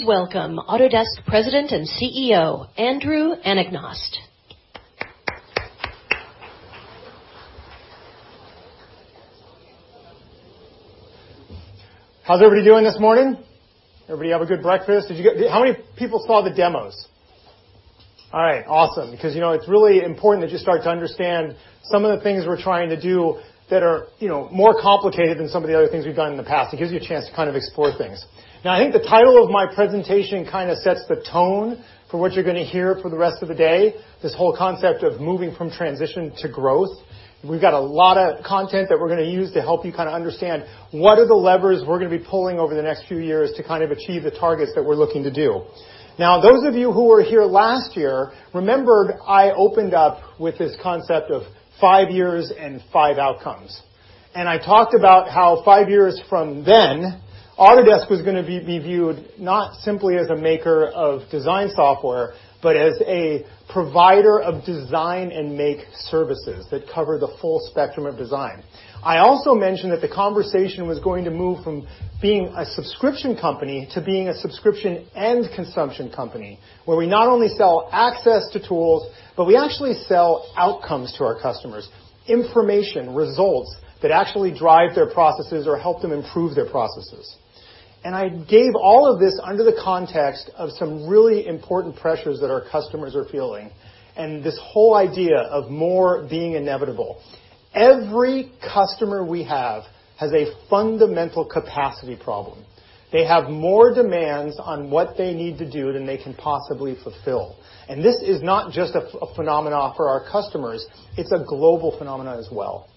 Please welcome Autodesk President and Chief Executive Officer, Andrew Anagnost. How's everybody doing this morning? Everybody have a good breakfast? How many people saw the demos? All right, awesome. It's really important that you start to understand some of the things we're trying to do that are more complicated than some of the other things we've done in the past. It gives you a chance to explore things. I think the title of my presentation sets the tone for what you're going to hear for the rest of the day, this whole concept of moving from transition to growth. We've got a lot of content that we're going to use to help you understand what are the levers we're going to be pulling over the next few years to achieve the targets that we're looking to do. Those of you who were here last year remembered I opened up with this concept of five years and five outcomes. I talked about how five years from then, Autodesk was going to be viewed not simply as a maker of design software, but as a provider of design and make services that cover the full spectrum of design. I also mentioned that the conversation was going to move from being a subscription company to being a subscription and consumption company, where we not only sell access to tools, but we actually sell outcomes to our customers. Information, results that actually drive their processes or help them improve their processes. I gave all of this under the context of some really important pressures that our customers are feeling, and this whole idea of more being inevitable. Every customer we have has a fundamental capacity problem. They have more demands on what they need to do than they can possibly fulfill. This is not just a phenomenon for our customers, it's a global phenomenon as well.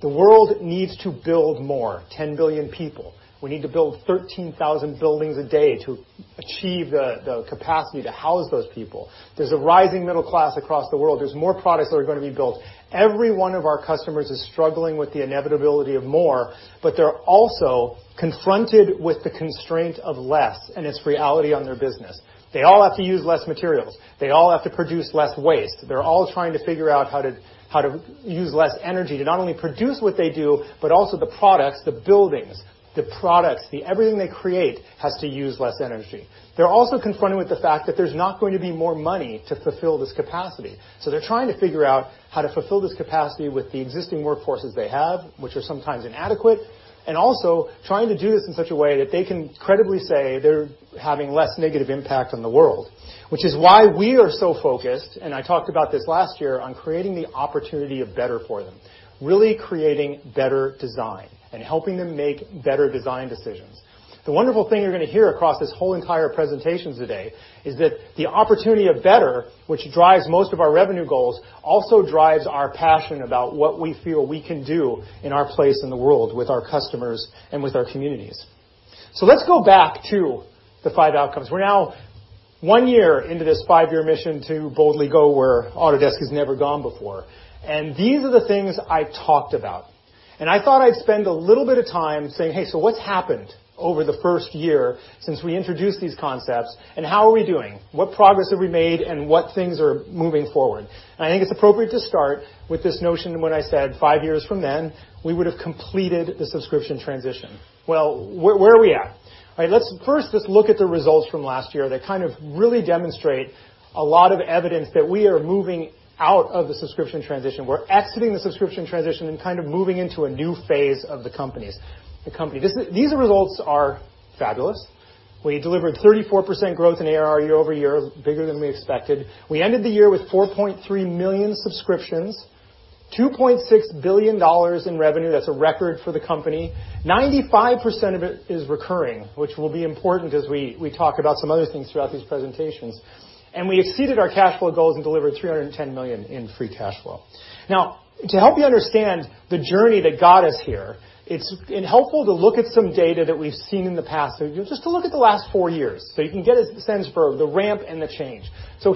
The world needs to build more, 10 billion people. We need to build 13,000 buildings a day to achieve the capacity to house those people. There's a rising middle class across the world. There's more products that are going to be built. Every one of our customers is struggling with the inevitability of more, but they're also confronted with the constraint of less and its reality on their business. They all have to use less materials. They all have to produce less waste. They're all trying to figure out how to use less energy to not only produce what they do, but also the products, the buildings, the products, everything they create has to use less energy. They're also confronted with the fact that there's not going to be more money to fulfill this capacity. They're trying to figure out how to fulfill this capacity with the existing workforces they have, which are sometimes inadequate, and also trying to do this in such a way that they can credibly say they're having less negative impact on the world. Which is why we are so focused, and I talked about this last year, on creating the opportunity of better for them. Really creating better design and helping them make better design decisions. The wonderful thing you're going to hear across this whole entire presentation today is that the opportunity of better, which drives most of our revenue goals, also drives our passion about what we feel we can do in our place in the world with our customers and with our communities. Let's go back to the five outcomes. We're now one year into this five-year mission to boldly go where Autodesk has never gone before. These are the things I talked about. I thought I'd spend a little bit of time saying, hey, what's happened over the first year since we introduced these concepts, and how are we doing? What progress have we made, and what things are moving forward? I think it's appropriate to start with this notion when I said five years from then, we would have completed the subscription transition. Where are we at? First, let's look at the results from last year that really demonstrate a lot of evidence that we are moving out of the subscription transition. We're exiting the subscription transition and moving into a new phase of the company. These results are fabulous. We delivered 34% growth in ARR year-over-year, bigger than we expected. We ended the year with 4.3 million subscriptions, $2.6 billion in revenue. That's a record for the company. 95% of it is recurring, which will be important as we talk about some other things throughout these presentations. We exceeded our cash flow goals and delivered $310 million in free cash flow. To help you understand the journey that got us here, it's helpful to look at some data that we've seen in the past. Just to look at the last four years, you can get a sense for the ramp and the change.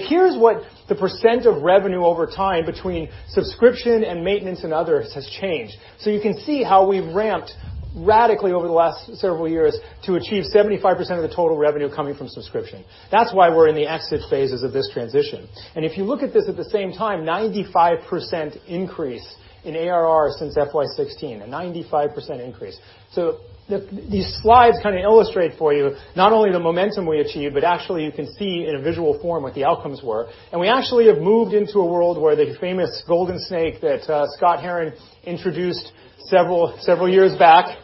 Here's what the percent of revenue over time between subscription and maintenance and others has changed. You can see how we've ramped radically over the last several years to achieve 75% of the total revenue coming from subscription. That's why we're in the exit phases of this transition. If you look at this at the same time, 95% increase in ARR since FY 2016. A 95% increase. These slides illustrate for you not only the momentum we achieved, but actually you can see in a visual form what the outcomes were. We actually have moved into a world where the famous golden snake that Scott Herren introduced several years back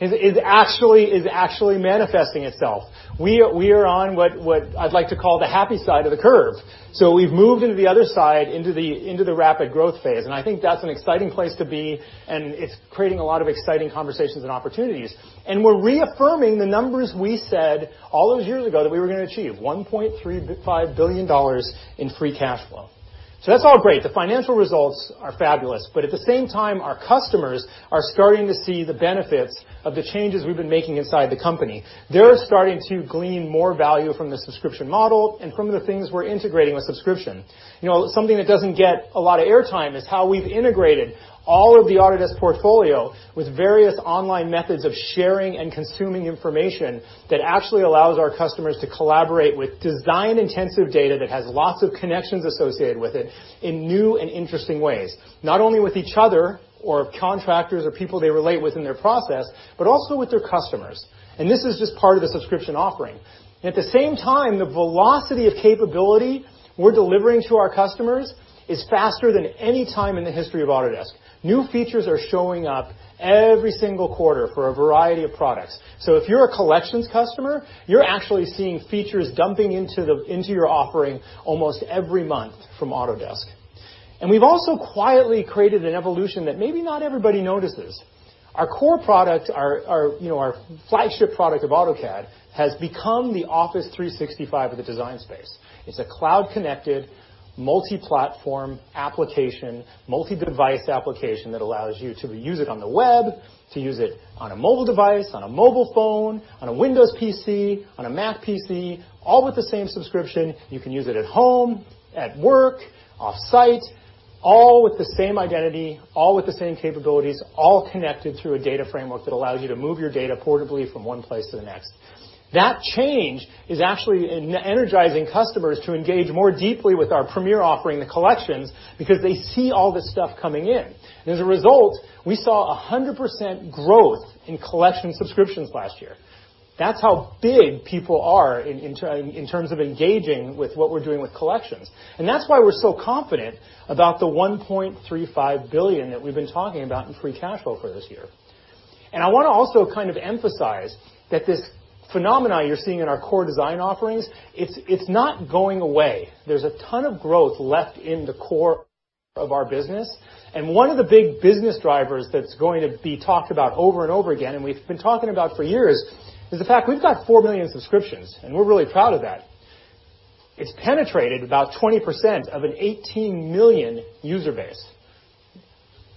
is actually manifesting itself. We are on what I'd like to call the happy side of the curve. We've moved into the other side, into the rapid growth phase, and I think that's an exciting place to be, and it's creating a lot of exciting conversations and opportunities. We're reaffirming the numbers we said all those years ago that we were going to achieve, $1.35 billion in free cash flow. That's all great. The financial results are fabulous. At the same time, our customers are starting to see the benefits of the changes we've been making inside the company. They're starting to glean more value from the subscription model and from the things we're integrating with subscription. Something that doesn't get a lot of air time is how we've integrated all of the Autodesk portfolio with various online methods of sharing and consuming information that actually allows our customers to collaborate with design-intensive data that has lots of connections associated with it in new and interesting ways. Not only with each other or contractors or people they relate with in their process, but also with their customers. This is just part of the subscription offering. At the same time, the velocity of capability we're delivering to our customers is faster than any time in the history of Autodesk. New features are showing up every single quarter for a variety of products. If you're a collections customer, you're actually seeing features dumping into your offering almost every month from Autodesk. We've also quietly created an evolution that maybe not everybody notices. Our core product, our flagship product of AutoCAD, has become the Office 365 of the design space. It's a cloud-connected, multi-platform application, multi-device application that allows you to use it on the web, to use it on a mobile device, on a mobile phone, on a Windows PC, on a Mac PC, all with the same subscription. You can use it at home, at work, off-site, all with the same identity, all with the same capabilities, all connected through a data framework that allows you to move your data portably from one place to the next. That change is actually energizing customers to engage more deeply with our premier offering, the collections, because they see all this stuff coming in. As a result, we saw 100% growth in collection subscriptions last year. That's how big people are in terms of engaging with what we're doing with collections. That's why we're so confident about the $1.35 billion that we've been talking about in free cash flow for this year. I want to also emphasize that this phenomenon you're seeing in our core design offerings, it's not going away. There's a ton of growth left in the core of our business. One of the big business drivers that's going to be talked about over and over again, and we've been talking about for years, is the fact we've got 4 million subscriptions, and we're really proud of that. It's penetrated about 20% of an 18 million user base.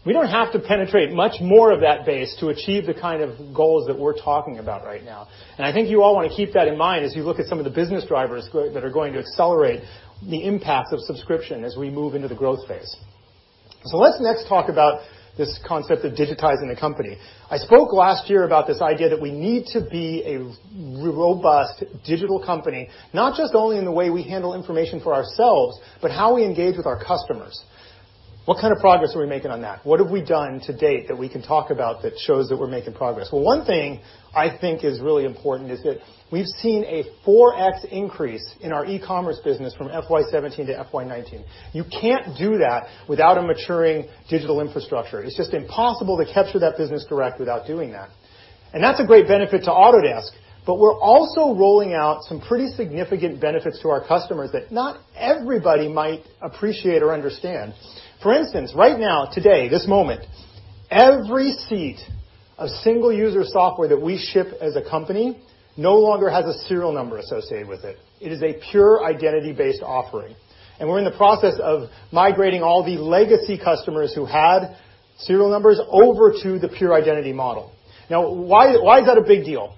We don't have to penetrate much more of that base to achieve the kind of goals that we're talking about right now. I think you all want to keep that in mind as you look at some of the business drivers that are going to accelerate the impact of subscription as we move into the growth phase. Let's next talk about this concept of digitizing the company. I spoke last year about this idea that we need to be a robust digital company, not just only in the way we handle information for ourselves, but how we engage with our customers. What kind of progress are we making on that? What have we done to date that we can talk about that shows that we're making progress? Well, one thing I think is really important is that we've seen a 4X increase in our e-commerce business from FY 2017 to FY 2019. You can't do that without a maturing digital infrastructure. It's just impossible to capture that business correct without doing that. That's a great benefit to Autodesk, but we're also rolling out some pretty significant benefits to our customers that not everybody might appreciate or understand. For instance, right now, today, this moment, every seat of single-user software that we ship as a company no longer has a serial number associated with it. It is a pure identity-based offering. We're in the process of migrating all the legacy customers who had serial numbers over to the pure identity model. Why is that a big deal?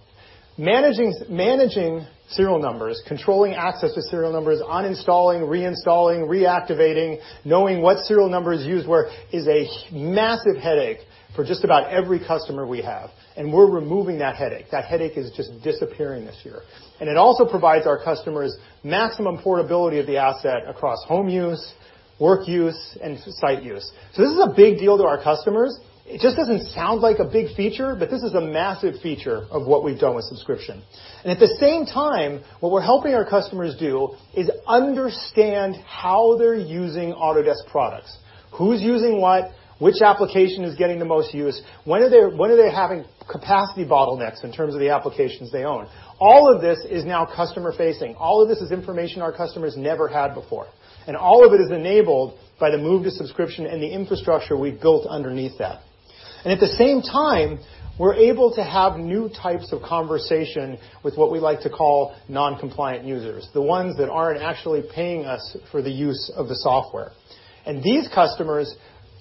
Managing serial numbers, controlling access to serial numbers, uninstalling, reinstalling, reactivating, knowing what serial number is used where is a massive headache for just about every customer we have, and we're removing that headache. That headache is just disappearing this year. It also provides our customers maximum portability of the asset across home use, work use, and site use. This is a big deal to our customers. It just doesn't sound like a big feature, but this is a massive feature of what we've done with subscription. At the same time, what we're helping our customers do is understand how they're using Autodesk products, who's using what, which application is getting the most use, when are they having capacity bottlenecks in terms of the applications they own. All of this is now customer-facing. All of this is information our customers never had before. All of it is enabled by the move to subscription and the infrastructure we've built underneath that. At the same time, we're able to have new types of conversation with what we like to call non-compliant users, the ones that aren't actually paying us for the use of the software. These customers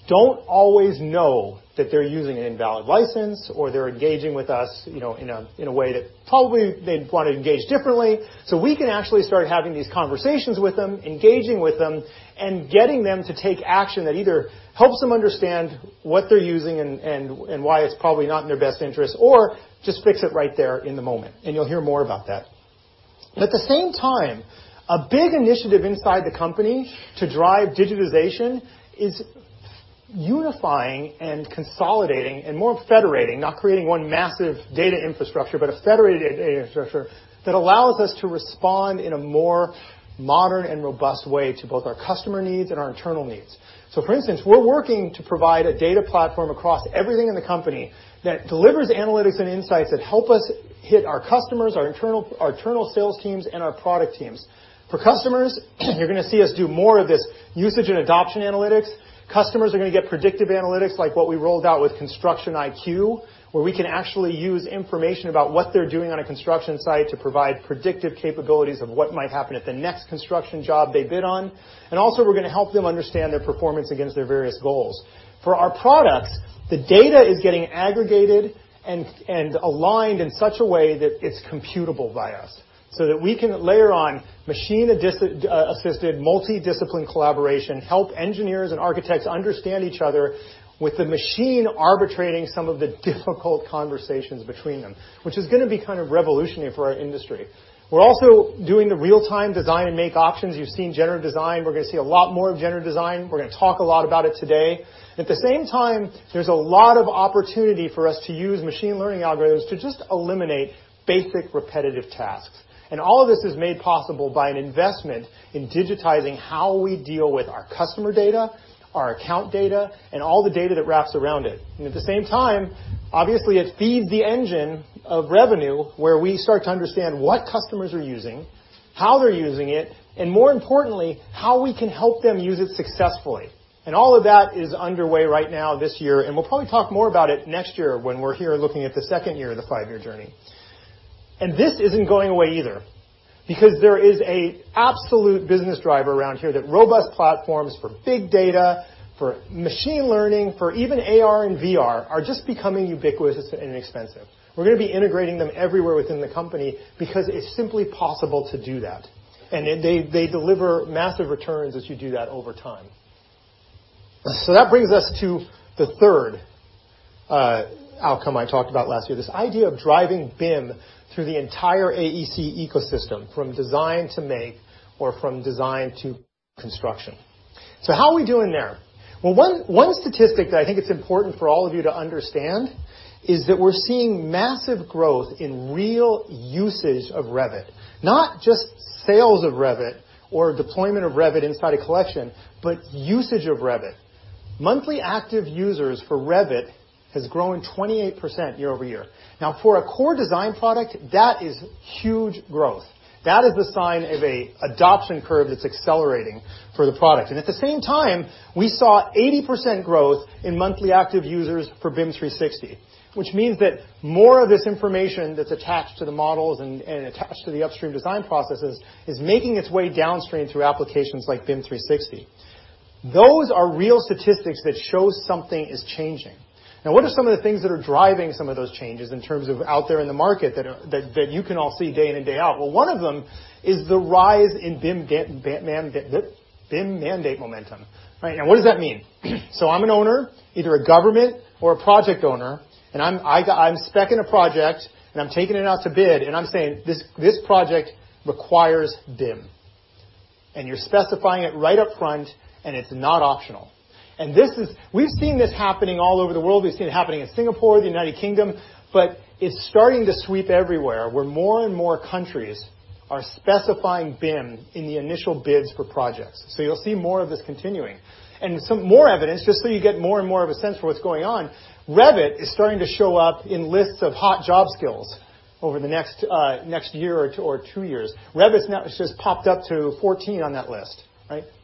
don't always know that they're using an invalid license or they're engaging with us in a way that probably they'd want to engage differently. We can actually start having these conversations with them, engaging with them, and getting them to take action that either helps them understand what they're using and why it's probably not in their best interest or just fix it right there in the moment. You'll hear more about that. At the same time, a big initiative inside the company to drive digitization is unifying and consolidating and more federating, not creating one massive data infrastructure, but a federated data infrastructure that allows us to respond in a more modern and robust way to both our customer needs and our internal needs. For instance, we're working to provide a data platform across everything in the company that delivers analytics and insights that help us hit our customers, our internal sales teams, and our product teams. For customers, you're going to see us do more of this usage and adoption analytics. Customers are going to get predictive analytics like what we rolled out with Construction IQ, where we can actually use information about what they're doing on a construction site to provide predictive capabilities of what might happen at the next construction job they bid on. Also, we're going to help them understand their performance against their various goals. For our products, the data is getting aggregated and aligned in such a way that it's computable by us so that we can layer on machine-assisted multi-discipline collaboration, help engineers and architects understand each other with the machine arbitrating some of the difficult conversations between them, which is going to be revolutionary for our industry. We're also doing the real-time design and make options. You've seen generative design. We're going to see a lot more of generative design. We're going to talk a lot about it today. At the same time, there's a lot of opportunity for us to use machine learning algorithms to just eliminate basic repetitive tasks. All of this is made possible by an investment in digitizing how we deal with our customer data, our account data, and all the data that wraps around it. At the same time, obviously, it feeds the engine of revenue where we start to understand what customers are using, how they're using it, and more importantly, how we can help them use it successfully. All of that is underway right now this year, and we'll probably talk more about it next year when we're here looking at the second year of the five-year journey. This isn't going away either because there is a absolute business driver around here that robust platforms for big data, for machine learning, for even AR and VR are just becoming ubiquitous and inexpensive. We're going to be integrating them everywhere within the company because it's simply possible to do that, and they deliver massive returns as you do that over time. That brings us to the third outcome I talked about last year, this idea of driving BIM through the entire AEC ecosystem, from design to make or from design to construction. How are we doing there? Well, one statistic that I think it's important for all of you to understand is that we're seeing massive growth in real usage of Revit, not just sales of Revit or deployment of Revit inside a collection, but usage of Revit. Monthly active users for Revit has grown 28% year-over-year. Now, for a core design product, that is huge growth. That is the sign of a adoption curve that's accelerating for the product. At the same time, we saw 80% growth in monthly active users for BIM 360, which means that more of this information that's attached to the models and attached to the upstream design processes is making its way downstream through applications like BIM 360. Those are real statistics that show something is changing. What are some of the things that are driving some of those changes in terms of out there in the market that you can all see day in and day out? Well, one of them is the rise in BIM mandate momentum. What does that mean? I'm an owner, either a government or a project owner, and I'm speccing a project and I'm taking it out to bid, and I'm saying, "This project requires BIM." You're specifying it right up front, and it's not optional. We've seen this happening all over the world. We've seen it happening in Singapore, the U.K., but it's starting to sweep everywhere, where more and more countries are specifying BIM in the initial bids for projects. You'll see more of this continuing. Some more evidence, just so you get more and more of a sense for what's going on, Revit is starting to show up in lists of hot job skills over the next year or two years. Revit's now just popped up to 14 on that list.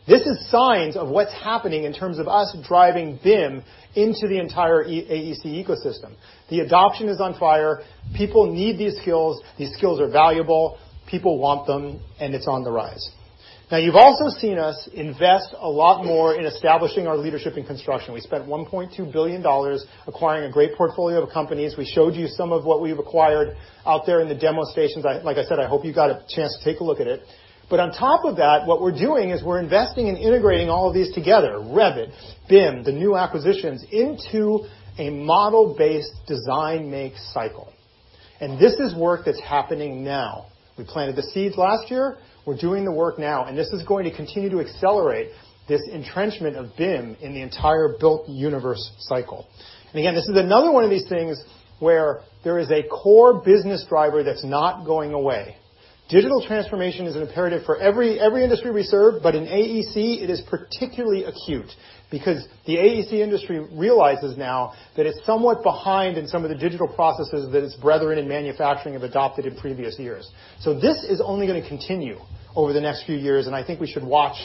This is signs of what's happening in terms of us driving BIM into the entire AEC ecosystem. The adoption is on fire. People need these skills. These skills are valuable. People want them, and it's on the rise. You've also seen us invest a lot more in establishing our leadership in construction. We spent $1.2 billion acquiring a great portfolio of companies. We showed you some of what we've acquired out there in the demo stations. Like I said, I hope you got a chance to take a look at it. On top of that, what we're doing is we're investing in integrating all of these together, Revit, BIM, the new acquisitions, into a model-based design make cycle. This is work that's happening now. We planted the seeds last year. We're doing the work now, and this is going to continue to accelerate this entrenchment of BIM in the entire built universe cycle. Again, this is another one of these things where there is a core business driver that's not going away. Digital transformation is an imperative for every industry we serve, but in AEC, it is particularly acute because the AEC industry realizes now that it's somewhat behind in some of the digital processes that its brethren in manufacturing have adopted in previous years. This is only going to continue over the next few years, and I think we should watch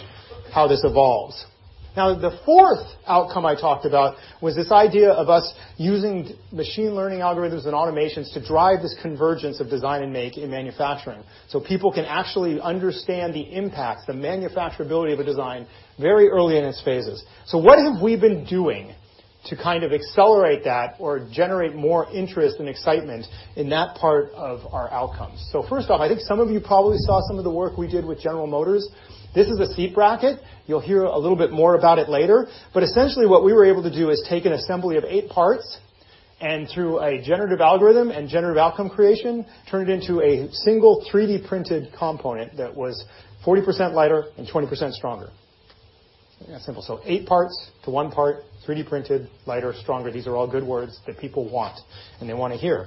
how this evolves. The fourth outcome I talked about was this idea of us using machine learning algorithms and automations to drive this convergence of design and make in manufacturing so people can actually understand the impact, the manufacturability of a design very early in its phases. What have we been doing to kind of accelerate that or generate more interest and excitement in that part of our outcomes? First off, I think some of you probably saw some of the work we did with General Motors. This is a seat bracket. You'll hear a little bit more about it later. Essentially, what we were able to do is take an assembly of eight parts and through a generative algorithm and generative outcome creation, turn it into a single 3D-printed component that was 40% lighter and 20% stronger. That simple. Eight parts to one part, 3D printed, lighter, stronger. These are all good words that people want and they want to hear.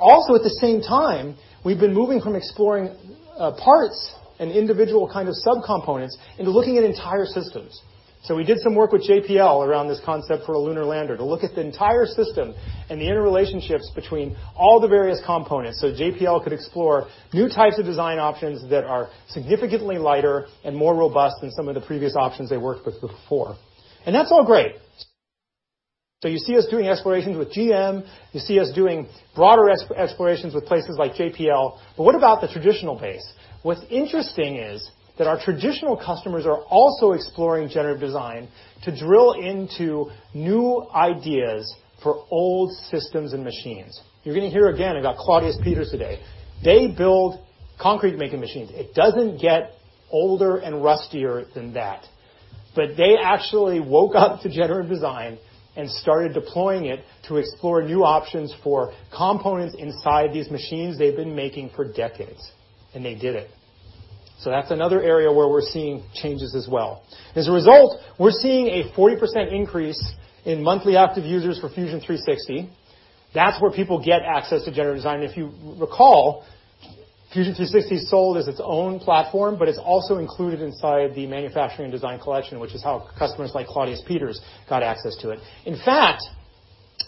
Also at the same time, we've been moving from exploring parts and individual kind of subcomponents into looking at entire systems. We did some work with JPL around this concept for a lunar lander to look at the entire system and the interrelationships between all the various components so JPL could explore new types of design options that are significantly lighter and more robust than some of the previous options they worked with before. That's all great. You see us doing explorations with GM. You see us doing broader explorations with places like JPL. What about the traditional base? What's interesting is that our traditional customers are also exploring generative design to drill into new ideas for old systems and machines. You're going to hear again about Claudius Peters today. They build concrete-making machines. It doesn't get older and rustier than that. They actually woke up to generative design and started deploying it to explore new options for components inside these machines they've been making for decades, and they did it. That's another area where we're seeing changes as well. As a result, we're seeing a 40% increase in monthly active users for Fusion 360. That's where people get access to generative design. If you recall, Fusion 360 is sold as its own platform, but it's also included inside the manufacturing and design collection, which is how customers like Claudius Peters got access to it. In fact,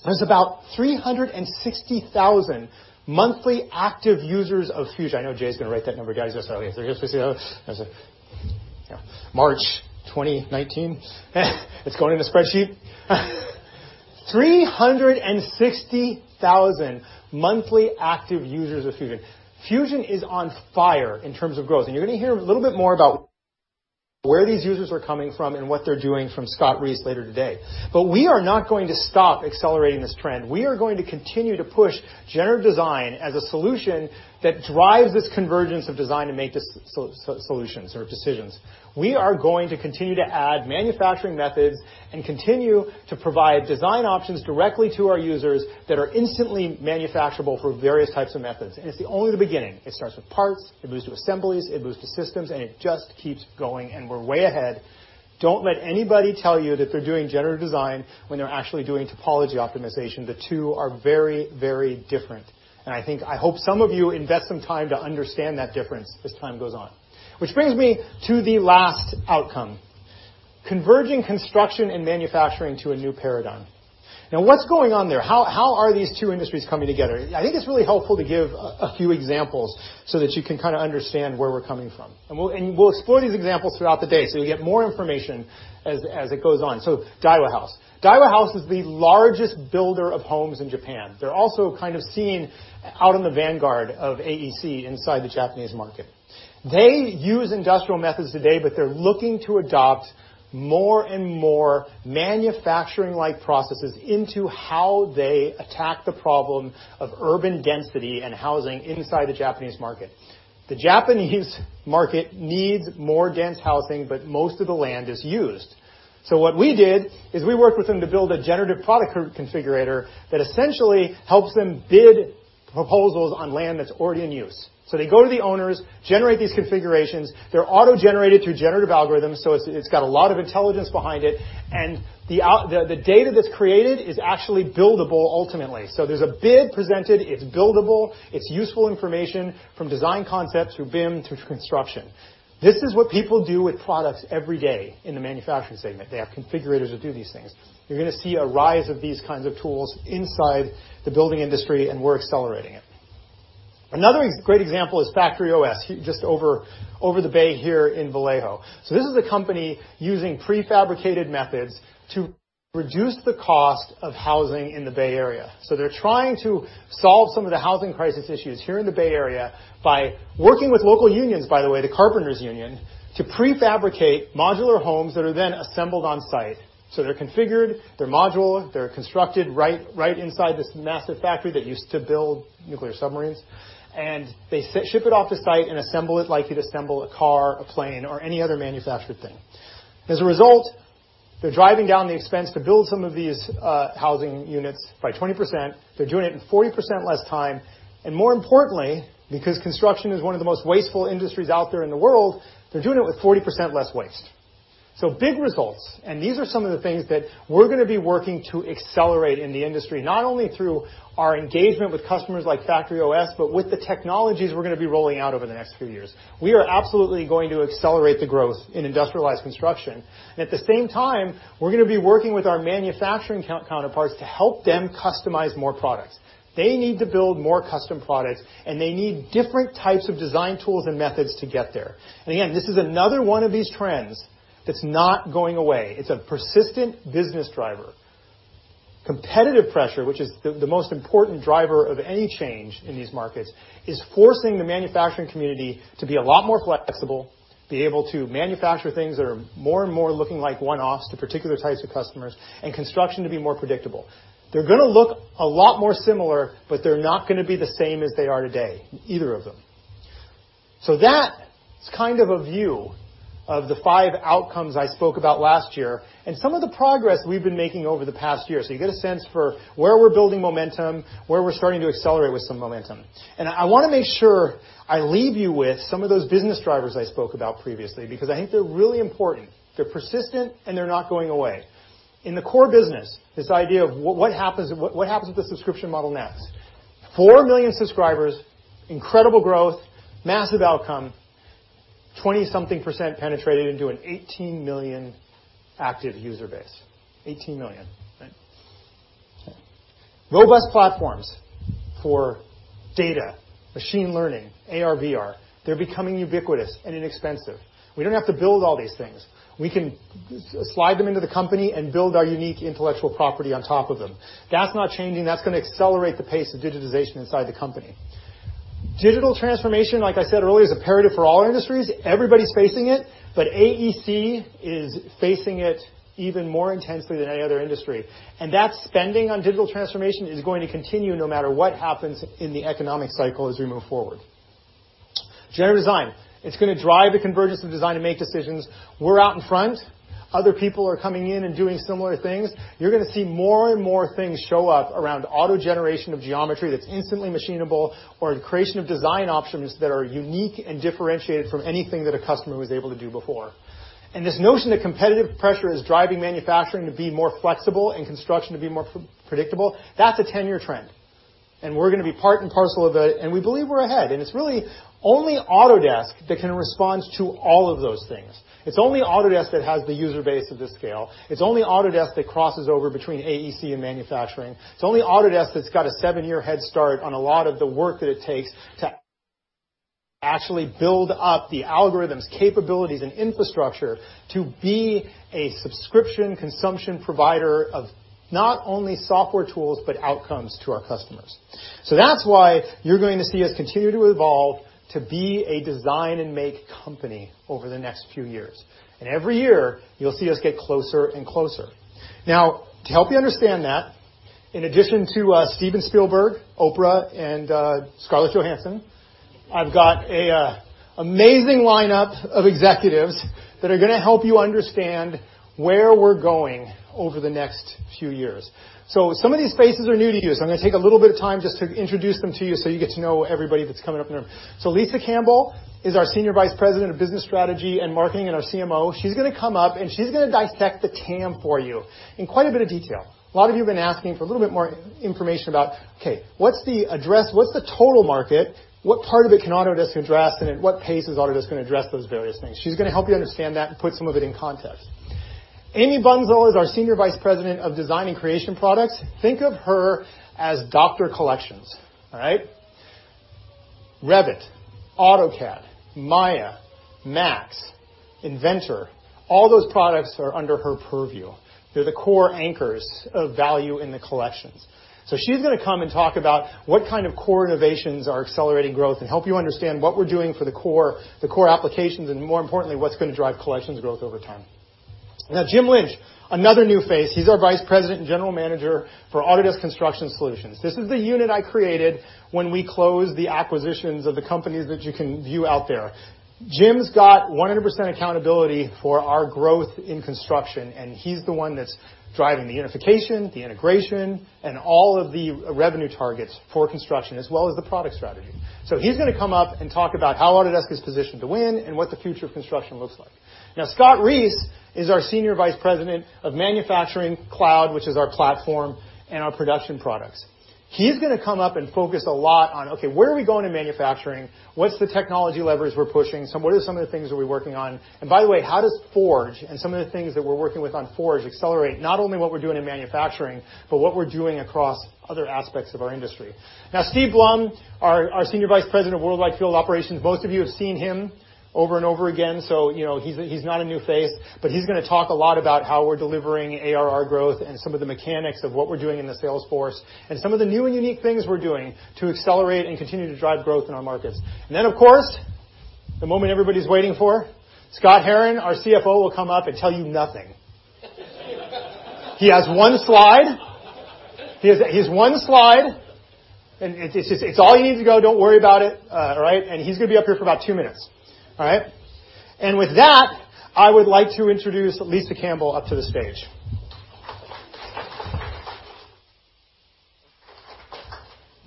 there's about 360,000 monthly active users of Fusion. I know Jay's going to write that number down, guys. March 2019. It's going in a spreadsheet. 360,000 monthly active users of Fusion. Fusion is on fire in terms of growth, and you're going to hear a little bit more about where these users are coming from and what they're doing from Scott Reese later today. We are not going to stop accelerating this trend. We are going to continue to push generative design as a solution that drives this convergence of design and make solutions or decisions. We are going to continue to add manufacturing methods and continue to provide design options directly to our users that are instantly manufacturable for various types of methods. It's only the beginning. It starts with parts, it moves to assemblies, it moves to systems, and it just keeps going, and we're way ahead. Don't let anybody tell you that they're doing generative design when they're actually doing topology optimization. The two are very different. And I hope some of you invest some time to understand that difference as time goes on. Which brings me to the last outcome, converging construction and manufacturing to a new paradigm. What's going on there? How are these two industries coming together? I think it's really helpful to give a few examples so that you can understand where we're coming from. We'll explore these examples throughout the day, so you'll get more information as it goes on. Daiwa House. Daiwa House is the largest builder of homes in Japan. They're also seen out in the vanguard of AEC inside the Japanese market. They use industrial methods today, but they're looking to adopt more and more manufacturing-like processes into how they attack the problem of urban density and housing inside the Japanese market. The Japanese market needs more dense housing, but most of the land is used. What we did is we worked with them to build a generative product configurator that essentially helps them bid proposals on land that's already in use. They go to the owners, generate these configurations. They're auto-generated through generative algorithms, so it's got a lot of intelligence behind it. The data that's created is actually buildable ultimately. There's a bid presented. It's buildable. It's useful information from design concept through BIM to construction. This is what people do with products every day in the manufacturing segment. They have configurators that do these things. You're going to see a rise of these kinds of tools inside the building industry, and we're accelerating it. Another great example is Factory OS, just over the bay here in Vallejo. This is the company using prefabricated methods to reduce the cost of housing in the Bay Area. They're trying to solve some of the housing crisis issues here in the Bay Area by working with local unions, by the way, the carpenters union, to prefabricate modular homes that are then assembled on-site. They're configured, they're modular, they're constructed right inside this massive factory that used to build nuclear submarines, and they ship it off the site and assemble it like you'd assemble a car, a plane, or any other manufactured thing. As a result, they're driving down the expense to build some of these housing units by 20%. They're doing it in 40% less time, and more importantly, because construction is one of the most wasteful industries out there in the world, they're doing it with 40% less waste. Big results, and these are some of the things that we're going to be working to accelerate in the industry, not only through our engagement with customers like Factory OS, but with the technologies we're going to be rolling out over the next few years. We are absolutely going to accelerate the growth in industrialized construction. At the same time, we're going to be working with our manufacturing counterparts to help them customize more products. They need to build more custom products, and they need different types of design tools and methods to get there. Again, this is another one of these trends that's not going away. It's a persistent business driver. Competitive pressure, which is the most important driver of any change in these markets, is forcing the manufacturing community to be a lot more flexible, be able to manufacture things that are more and more looking like one-offs to particular types of customers, and construction to be more predictable. They're going to look a lot more similar, but they're not going to be the same as they are today, either of them. That is kind of a view of the five outcomes I spoke about last year and some of the progress we've been making over the past year. You get a sense for where we're building momentum, where we're starting to accelerate with some momentum. I want to make sure I leave you with some of those business drivers I spoke about previously because I think they're really important. They're persistent, and they're not going away. In the core business, this idea of what happens with the subscription model next. 4 million subscribers, incredible growth, massive outcome, 20-something% penetrated into an 18 million active user base. 18 million, right? Robust platforms for data, machine learning, AR/VR. They're becoming ubiquitous and inexpensive. We don't have to build all these things. We can slide them into the company and build our unique intellectual property on top of them. That's not changing. That's going to accelerate the pace of digitization inside the company. Digital transformation, like I said earlier, is imperative for all our industries. Everybody's facing it, but AEC is facing it even more intensely than any other industry. That spending on digital transformation is going to continue no matter what happens in the economic cycle as we move forward. Generative design. It's going to drive the convergence of design to make decisions. We're out in front. Other people are coming in and doing similar things. You're going to see more and more things show up around auto-generation of geometry that's instantly machinable or the creation of design options that are unique and differentiated from anything that a customer was able to do before. This notion that competitive pressure is driving manufacturing to be more flexible and construction to be more predictable, that's a 10-year trend. We're going to be part and parcel of it, and we believe we're ahead. It's really only Autodesk that can respond to all of those things. It's only Autodesk that has the user base of this scale. It's only Autodesk that crosses over between AEC and manufacturing. It's only Autodesk that's got a seven-year head start on a lot of the work that it takes to actually build up the algorithms, capabilities, and infrastructure to be a subscription consumption provider of not only software tools, but outcomes to our customers. That's why you're going to see us continue to evolve to be a design and make company over the next few years. Every year, you'll see us get closer and closer. Now, to help you understand that, in addition to Steven Spielberg, Oprah, and Scarlett Johansson, I've got an amazing lineup of executives that are going to help you understand where we're going over the next few years. Some of these faces are new to you, so I'm going to take a little bit of time just to introduce them to you so you get to know everybody that's coming up. Lisa Campbell is our Senior Vice President of Business Strategy and Marketing and our CMO. She's going to come up, and she's going to dissect the TAM for you in quite a bit of detail. A lot of you have been asking for a little bit more information about, okay, what's the address? What's the total market? What part of it can Autodesk address, and at what pace is Autodesk going to address those various things? She's going to help you understand that and put some of it in context. Amy Bunszel is our Senior Vice President of Design and Creation Products. Think of her as Dr. Collections. All right? Revit, AutoCAD, Maya, Max, Inventor, all those products are under her purview. They're the core anchors of value in the collections. She's going to come and talk about what kind of core innovations are accelerating growth and help you understand what we're doing for the core applications, and more importantly, what's going to drive collections growth over time. Jim Lynch, another new face. He's our Vice President and General Manager for Autodesk Construction Solutions. This is the unit I created when we closed the acquisitions of the companies that you can view out there. Jim's got 100% accountability for our growth in construction, and he's the one that's driving the unification, the integration, and all of the revenue targets for construction, as well as the product strategy. He's going to come up and talk about how Autodesk is positioned to win and what the future of construction looks like. Scott Reese is our Senior Vice President of manufacturing cloud, which is our platform and our production products. He's going to come up and focus a lot on, okay, where are we going in manufacturing? What's the technology levers we're pushing? What are some of the things that we're working on? By the way, how does Forge and some of the things that we're working with on Forge accelerate not only what we're doing in manufacturing, but what we're doing across other aspects of our industry? Steve Blum, our Senior Vice President of Worldwide Field Operations, most of you have seen him over and over again, so he's not a new face, but he's going to talk a lot about how we're delivering ARR growth and some of the mechanics of what we're doing in the sales force and some of the new and unique things we're doing to accelerate and continue to drive growth in our markets. Then, of course, the moment everybody's waiting for, Scott Herren, our CFO, will come up and tell you nothing. He has one slide. He has one slide, it's all you need to go. Don't worry about it. All right? He's going to be up here for about two minutes. All right? With that, I would like to introduce Lisa Campbell up to the stage.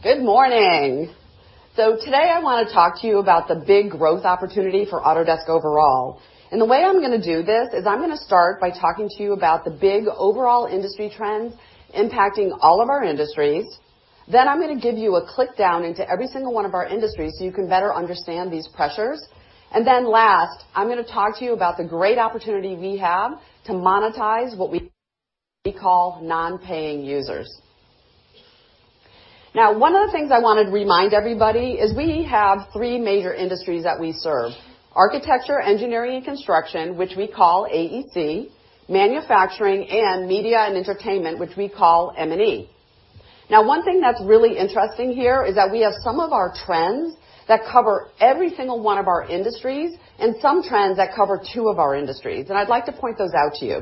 Good morning. Today, I want to talk to you about the big growth opportunity for Autodesk overall. The way I'm going to do this is I'm going to start by talking to you about the big overall industry trends impacting all of our industries. I'm going to give you a click down into every single one of our industries so you can better understand these pressures. Last, I'm going to talk to you about the great opportunity we have to monetize what we call non-paying users. One of the things I want to remind everybody is we have three major industries that we serve, architecture, engineering, and construction, which we call AEC, manufacturing, and media and entertainment, which we call M&E. One thing that's really interesting here is that we have some of our trends that cover every single one of our industries and some trends that cover two of our industries. I'd like to point those out to you.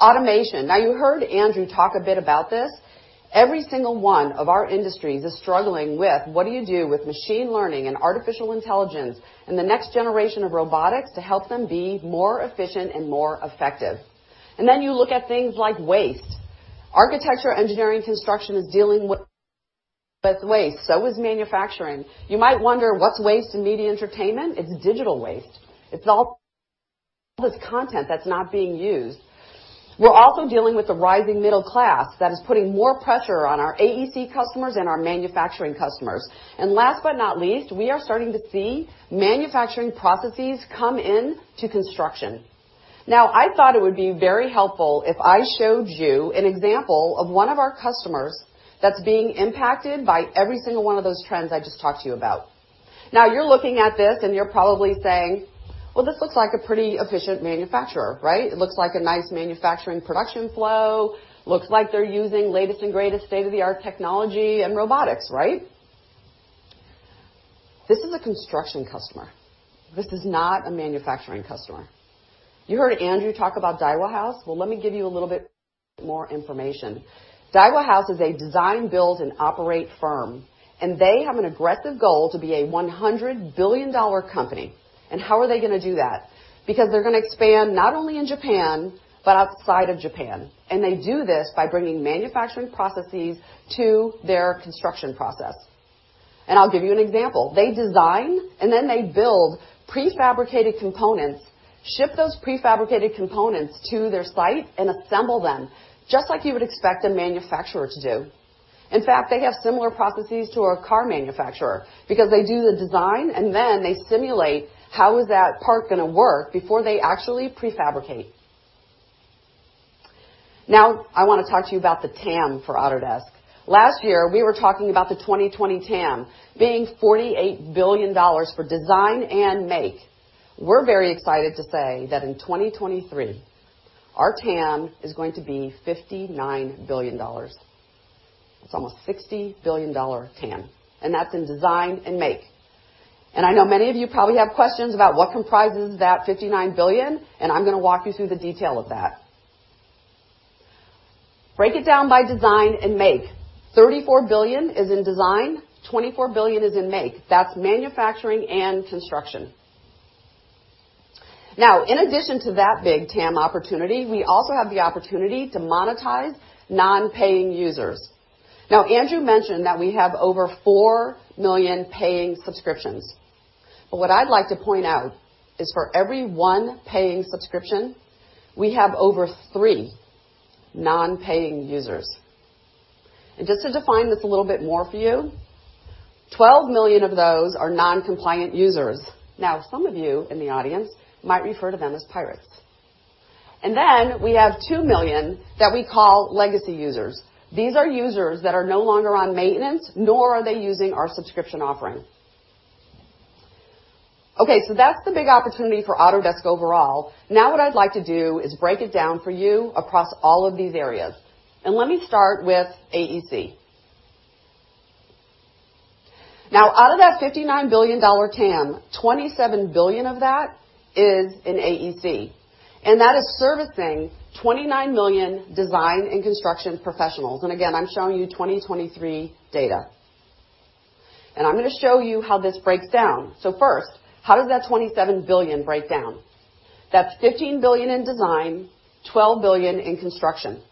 Automation. Now, you heard Andrew talk a bit about this. Every single one of our industries is struggling with what do you do with machine learning and artificial intelligence and the next generation of robotics to help them be more efficient and more effective. You look at things like waste. Architecture, engineering, construction is dealing with waste, so is manufacturing. You might wonder, what's waste in media and entertainment? It's digital waste. It's all this content that's not being used. We're also dealing with the rising middle class that is putting more pressure on our AEC customers and our manufacturing customers. Last but not least, we are starting to see manufacturing processes come in to construction. Now, I thought it would be very helpful if I showed you an example of one of our customers that's being impacted by every single one of those trends I just talked to you about. Now you're looking at this and you're probably saying, "Well, this looks like a pretty efficient manufacturer, right? It looks like a nice manufacturing production flow. Looks like they're using latest and greatest state-of-the-art technology and robotics, right?" This is a construction customer. This is not a manufacturing customer. You heard Andrew talk about Daiwa House. Well, let me give you a little bit more information. Daiwa House is a design, build, and operate firm, and they have an aggressive goal to be a $100 billion company. How are they going to do that? Because they're going to expand not only in Japan, but outside of Japan. They do this by bringing manufacturing processes to their construction process. I'll give you an example. They design and then they build prefabricated components, ship those prefabricated components to their site, and assemble them, just like you would expect a manufacturer to do. In fact, they have similar processes to a car manufacturer because they do the design and then they simulate how is that part going to work before they actually prefabricate. Now I want to talk to you about the TAM for Autodesk. Last year, we were talking about the 2020 TAM being $48 billion for design and make. We're very excited to say that in 2023, our TAM is going to be $59 billion. It's almost $60 billion TAM, and that's in design and make. I know many of you probably have questions about what comprises that $59 billion, and I'm going to walk you through the detail of that. Break it down by design and make. $34 billion is in design, $24 billion is in make. That's manufacturing and construction. Now, in addition to that big TAM opportunity, we also have the opportunity to monetize non-paying users. Now, Andrew mentioned that we have over four million paying subscriptions. What I'd like to point out is for every one paying subscription, we have over three non-paying users. Just to define this a little bit more for you, 12 million of those are non-compliant users. Now, some of you in the audience might refer to them as pirates. We have two million that we call legacy users. These are users that are no longer on maintenance, nor are they using our subscription offering. That's the big opportunity for Autodesk overall. What I'd like to do is break it down for you across all of these areas, let me start with AEC. Out of that $59 billion TAM, $27 billion of that is in AEC, and that is servicing 29 million design and construction professionals. Again, I'm showing you 2023 data. I'm going to show you how this breaks down. First, how does that $27 billion break down? That's $15 billion in design, $12 billion in construction.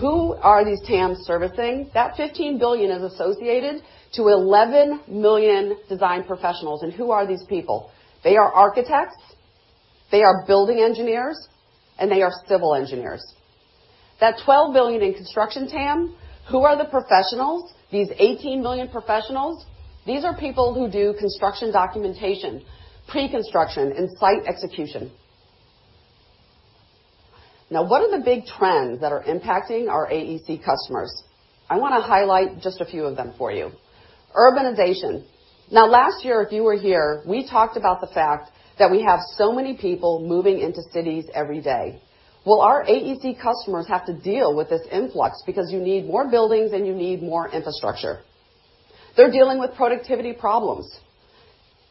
Who are these TAMs servicing? That $15 billion is associated to 11 million design professionals. Who are these people? They are architects, they are building engineers, and they are civil engineers. That $12 billion in construction TAM, who are the professionals, these 18 million professionals? These are people who do construction documentation, pre-construction, and site execution. What are the big trends that are impacting our AEC customers? I want to highlight just a few of them for you. Urbanization. Last year, if you were here, we talked about the fact that we have so many people moving into cities every day. Our AEC customers have to deal with this influx because you need more buildings, and you need more infrastructure. They're dealing with productivity problems.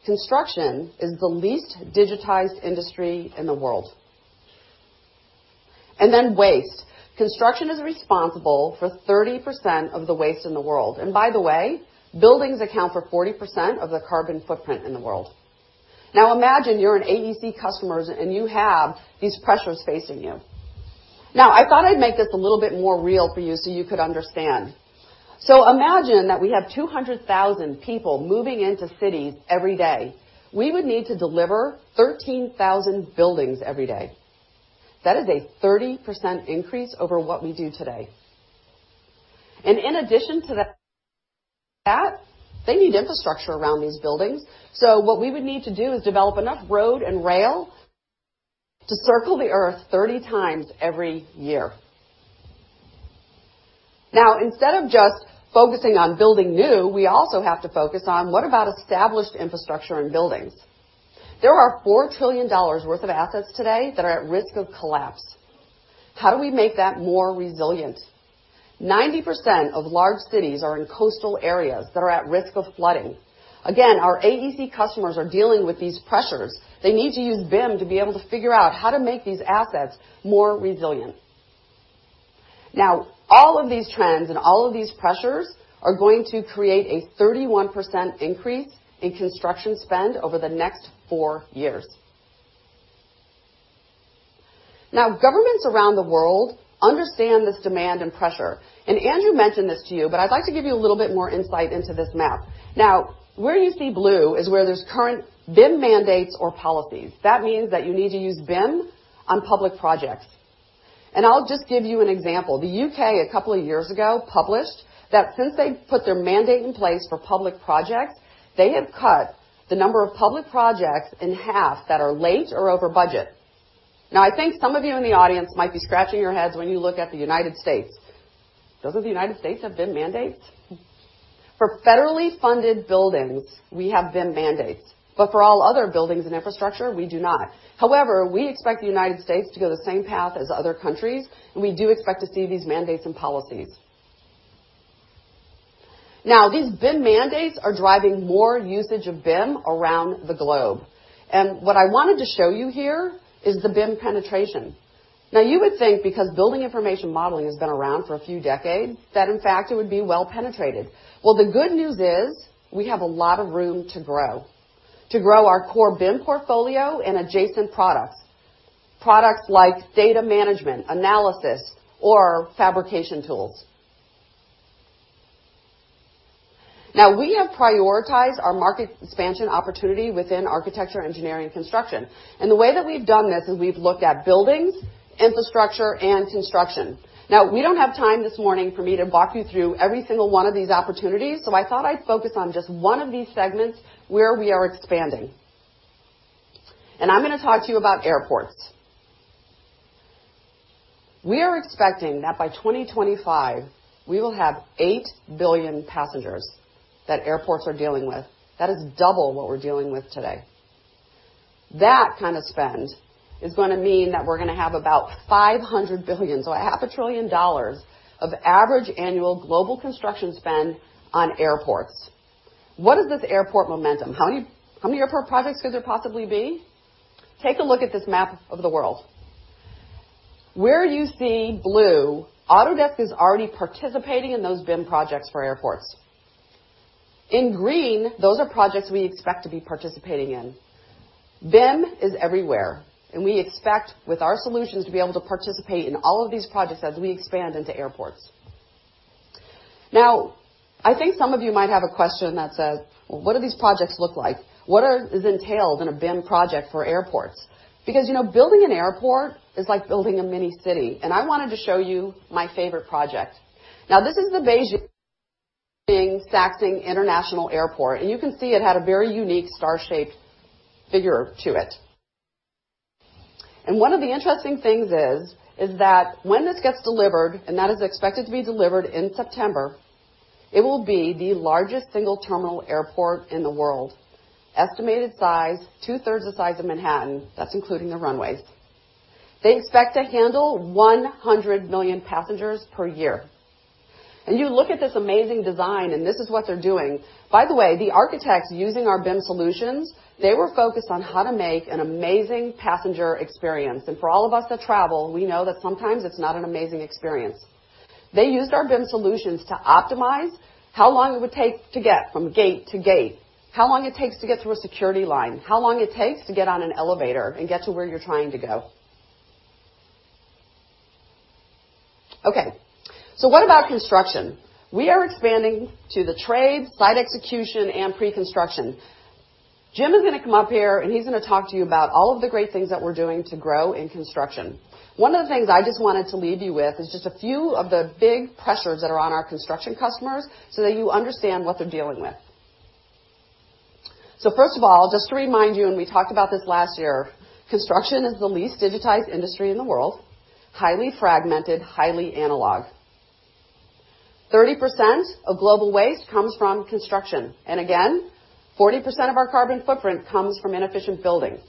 Construction is the least digitized industry in the world. Waste. Construction is responsible for 30% of the waste in the world. By the way, buildings account for 40% of the carbon footprint in the world. Imagine you're an AEC customer, and you have these pressures facing you. I thought I'd make this a little bit more real for you so you could understand. Imagine that we have 200,000 people moving into cities every day. We would need to deliver 13,000 buildings every day. That is a 30% increase over what we do today. In addition to that, they need infrastructure around these buildings. What we would need to do is develop enough road and rail to circle the Earth 30 times every year. Instead of just focusing on building new, we also have to focus on, what about established infrastructure and buildings? There are $4 trillion worth of assets today that are at risk of collapse. How do we make that more resilient? 90% of large cities are in coastal areas that are at risk of flooding. Again, our AEC customers are dealing with these pressures. They need to use BIM to be able to figure out how to make these assets more resilient. All of these trends and all of these pressures are going to create a 31% increase in construction spend over the next four years. Governments around the world understand this demand and pressure, Andrew mentioned this to you, but I'd like to give you a little bit more insight into this map. Where you see blue is where there's current BIM mandates or policies. That means that you need to use BIM on public projects. I'll just give you an example. The U.K., a couple of years ago, published that since they put their mandate in place for public projects, they have cut the number of public projects in half that are late or over budget. I think some of you in the audience might be scratching your heads when you look at the U.S. Doesn't the U.S. have BIM mandates? For federally funded buildings, we have BIM mandates, but for all other buildings and infrastructure, we do not. We expect the U.S. to go the same path as other countries, and we do expect to see these mandates and policies. These BIM mandates are driving more usage of BIM around the globe. What I wanted to show you here is the BIM penetration. You would think because building information modeling has been around for a few decades, that in fact, it would be well penetrated. Well, the good news is we have a lot of room to grow. To grow our core BIM portfolio and adjacent products. Products like data management, analysis, or fabrication tools. We have prioritized our market expansion opportunity within architecture, engineering, and construction. The way that we've done this is we've looked at buildings, infrastructure, and construction. We don't have time this morning for me to walk you through every single one of these opportunities, so I thought I'd focus on just one of these segments where we are expanding. I'm going to talk to you about airports. We are expecting that by 2025, we will have 8 billion passengers that airports are dealing with. That is double what we're dealing with today. That kind of spend is going to mean that we're going to have about $500 billion, so a half a trillion dollars, of average annual global construction spend on airports. What is this airport momentum? How many airport projects could there possibly be? Take a look at this map of the world. Where you see blue, Autodesk is already participating in those BIM projects for airports. In green, those are projects we expect to be participating in. BIM is everywhere, and we expect, with our solutions, to be able to participate in all of these projects as we expand into airports. I think some of you might have a question that says, well, what do these projects look like? What is entailed in a BIM project for airports? Because building an airport is like building a mini city, and I wanted to show you my favorite project. This is the Beijing Daxing International Airport. You can see it had a very unique star-shaped figure to it. One of the interesting things is that when this gets delivered, and that is expected to be delivered in September, it will be the largest single-terminal airport in the world. Estimated size, two-thirds the size of Manhattan. That's including the runways. They expect to handle 100 million passengers per year. You look at this amazing design, and this is what they're doing. By the way, the architects using our BIM solutions, they were focused on how to make an amazing passenger experience. For all of us that travel, we know that sometimes it's not an amazing experience. They used our BIM solutions to optimize how long it would take to get from gate to gate, how long it takes to get through a security line, how long it takes to get on an elevator and get to where you're trying to go. Okay. What about construction? We are expanding to the trade, site execution, and pre-construction. Jim is going to come up here, and he's going to talk to you about all of the great things that we're doing to grow in construction. One of the things I just wanted to leave you with is just a few of the big pressures that are on our construction customers so that you understand what they're dealing with. First of all, just to remind you, and we talked about this last year, construction is the least digitized industry in the world, highly fragmented, highly analog. 30% of global waste comes from construction, and again, 40% of our carbon footprint comes from inefficient buildings.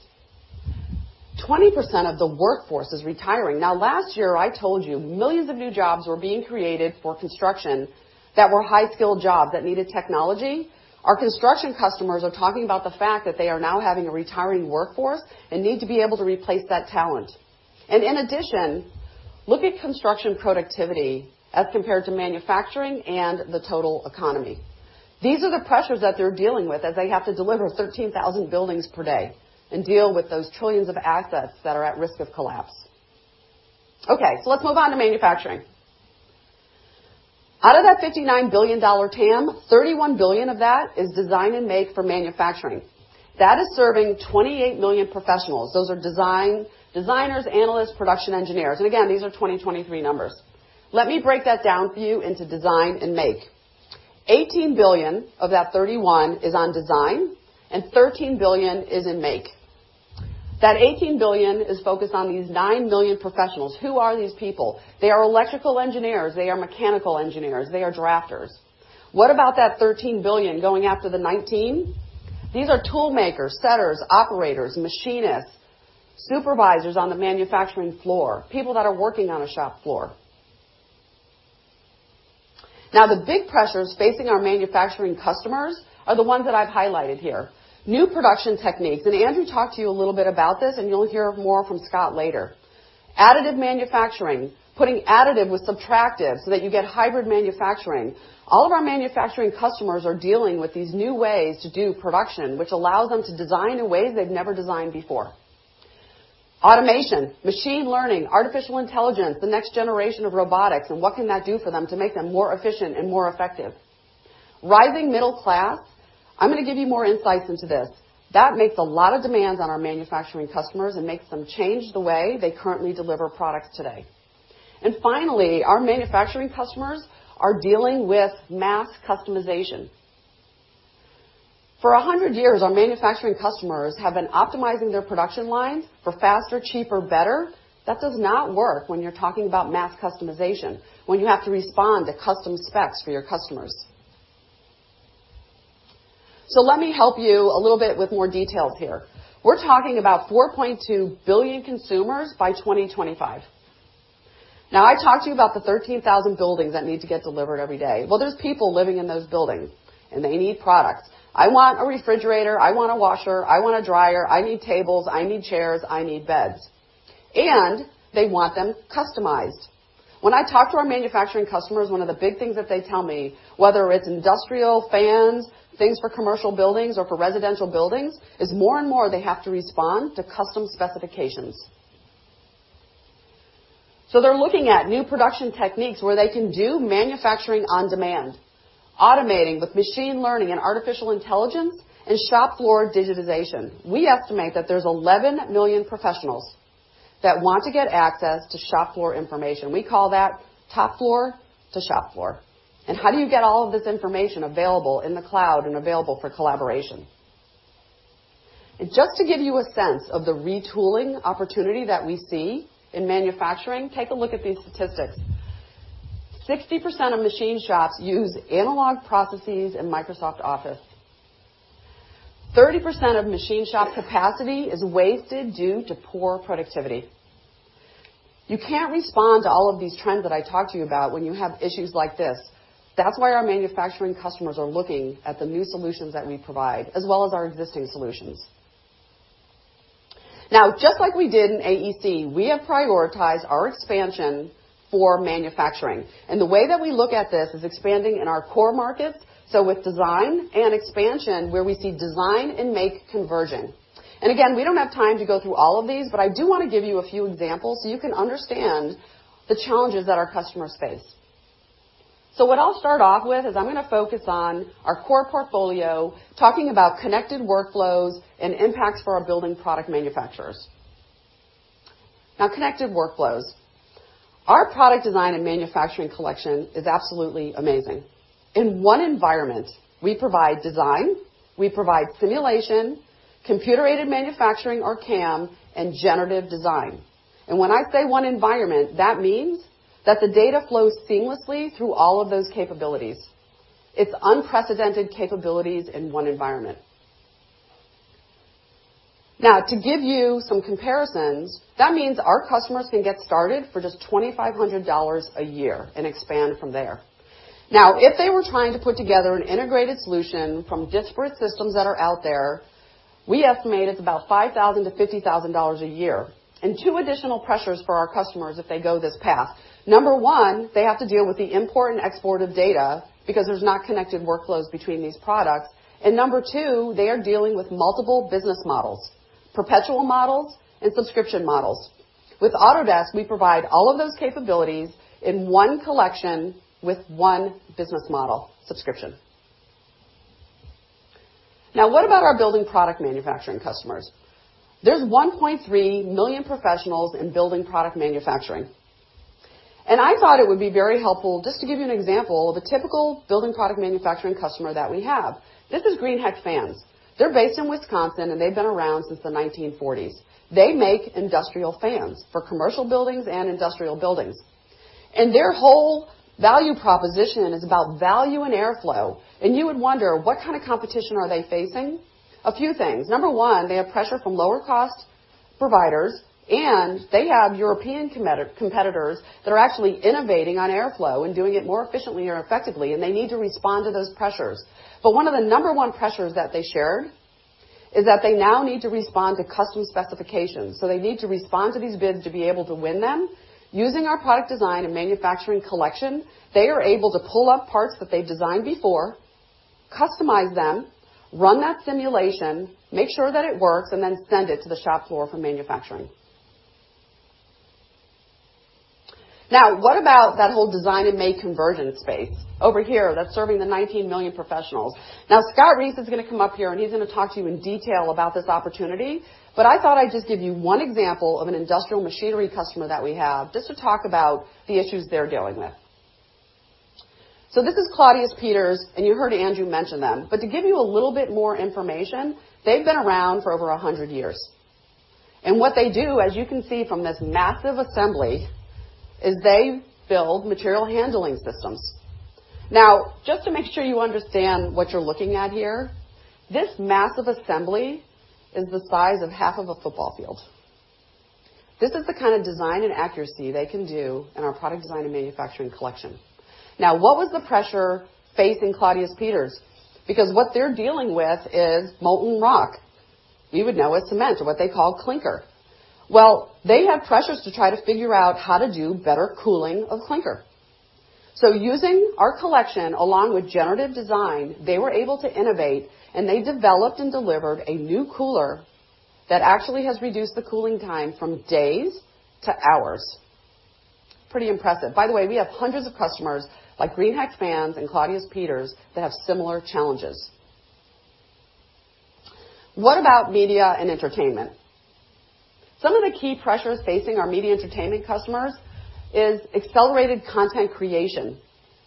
20% of the workforce is retiring. Last year, I told you millions of new jobs were being created for construction that were high-skill jobs that needed technology. Our construction customers are talking about the fact that they are now having a retiring workforce and need to be able to replace that talent. In addition, look at construction productivity as compared to manufacturing and the total economy. These are the pressures that they're dealing with as they have to deliver 13,000 buildings per day and deal with those trillions of assets that are at risk of collapse. Let's move on to manufacturing. Out of that $59 billion TAM, $31 billion of that is design and make for manufacturing. That is serving 28 million professionals. Those are designers, analysts, production engineers. Again, these are 2023 numbers. Let me break that down for you into design and make. $18 billion of that 31 is on design and $13 billion is in make. That $18 billion is focused on these 9 million professionals. Who are these people? They are electrical engineers. They are mechanical engineers. They are drafters. What about that $13 billion going after the 19? These are toolmakers, setters, operators, machinists, supervisors on the manufacturing floor, people that are working on a shop floor. The big pressures facing our manufacturing customers are the ones that I've highlighted here. New production techniques, Andrew talked to you a little bit about this, and you'll hear more from Scott later. Additive manufacturing, putting additive with subtractive so that you get hybrid manufacturing. All of our manufacturing customers are dealing with these new ways to do production, which allows them to design in ways they've never designed before. Automation, machine learning, artificial intelligence, the next generation of robotics, and what can that do for them to make them more efficient and more effective? Rising middle class, I'm going to give you more insights into this. That makes a lot of demands on our manufacturing customers and makes them change the way they currently deliver products today. Finally, our manufacturing customers are dealing with mass customization. For 100 years, our manufacturing customers have been optimizing their production lines for faster, cheaper, better. That does not work when you're talking about mass customization, when you have to respond to custom specs for your customers. Let me help you a little bit with more details here. We're talking about 4.2 billion consumers by 2025. I talked to you about the 13,000 buildings that need to get delivered every day. There's people living in those buildings, and they need products. I want a refrigerator. I want a washer. I want a dryer. I need tables. I need chairs. I need beds. They want them customized. When I talk to our manufacturing customers, one of the big things that they tell me, whether it's industrial fans, things for commercial buildings or for residential buildings, is more and more, they have to respond to custom specifications. They're looking at new production techniques where they can do manufacturing on demand, automating with machine learning and artificial intelligence and shop floor digitization. We estimate that there's 11 million professionals that want to get access to shop floor information. We call that top floor to shop floor. How do you get all of this information available in the cloud and available for collaboration? Just to give you a sense of the retooling opportunity that we see in manufacturing, take a look at these statistics. 60% of machine shops use analog processes in Microsoft Office. 30% of machine shop capacity is wasted due to poor productivity. You can't respond to all of these trends that I talked to you about when you have issues like this. That's why our manufacturing customers are looking at the new solutions that we provide, as well as our existing solutions. Just like we did in AEC, we have prioritized our expansion for manufacturing. The way that we look at this is expanding in our core markets, with design and expansion, where we see design and make conversion. Again, we don't have time to go through all of these, but I do want to give you a few examples so you can understand the challenges that our customers face. What I'll start off with is I'm going to focus on our core portfolio, talking about connected workflows and impacts for our building product manufacturers. Connected workflows. Our Product Design & Manufacturing Collection is absolutely amazing. In one environment, we provide design, we provide simulation, computer-aided manufacturing, or CAM, and generative design. When I say one environment, that means that the data flows seamlessly through all of those capabilities. It's unprecedented capabilities in one environment. To give you some comparisons, that means our customers can get started for just $2,500 a year and expand from there. If they were trying to put together an integrated solution from disparate systems that are out there, we estimate it's about $5,000-$50,000 a year. Two additional pressures for our customers if they go this path. Number 1, they have to deal with the import and export of data because there's not connected workflows between these products. Number 2, they are dealing with multiple business models, perpetual models and subscription models. With Autodesk, we provide all of those capabilities in one collection with one business model, subscription. What about our building product manufacturing customers? There's 1.3 million professionals in building product manufacturing. I thought it would be very helpful just to give you an example of a typical building product manufacturing customer that we have. This is Greenheck Fan. They're based in Wisconsin, and they've been around since the 1940s. They make industrial fans for commercial buildings and industrial buildings. Their whole value proposition is about value and airflow. You would wonder, what kind of competition are they facing? A few things. Number 1, they have pressure from lower-cost providers, and they have European competitors that are actually innovating on airflow and doing it more efficiently or effectively, and they need to respond to those pressures. One of the number 1 pressures that they shared is that they now need to respond to custom specifications. They need to respond to these bids to be able to win them. Using our Product Design & Manufacturing Collection, they are able to pull up parts that they've designed before, customize them, run that simulation, make sure that it works, and then send it to the shop floor for manufacturing. What about that whole design and make conversion space over here that's serving the 19 million professionals? Scott Reese is going to come up here, and he's going to talk to you in detail about this opportunity. I thought I'd just give you one example of an industrial machinery customer that we have, just to talk about the issues they're dealing with. This is Claudius Peters, and you heard Andrew mention them. To give you a little bit more information, they've been around for over 100 years. What they do, as you can see from this massive assembly, is they build material handling systems. Just to make sure you understand what you're looking at here, this massive assembly is the size of half of a football field. This is the kind of design and accuracy they can do in our Product Design & Manufacturing Collection. What was the pressure facing Claudius Peters? Because what they're dealing with is molten rock. You would know it's cement, or what they call clinker. They have pressures to try to figure out how to do better cooling of clinker. Using our collection, along with generative design, they were able to innovate, and they developed and delivered a new cooler that actually has reduced the cooling time from days to hours. Pretty impressive. By the way, we have hundreds of customers like Greenheck Fan and Claudius Peters that have similar challenges. What about media and entertainment? Some of the key pressures facing our media and entertainment customers is accelerated content creation.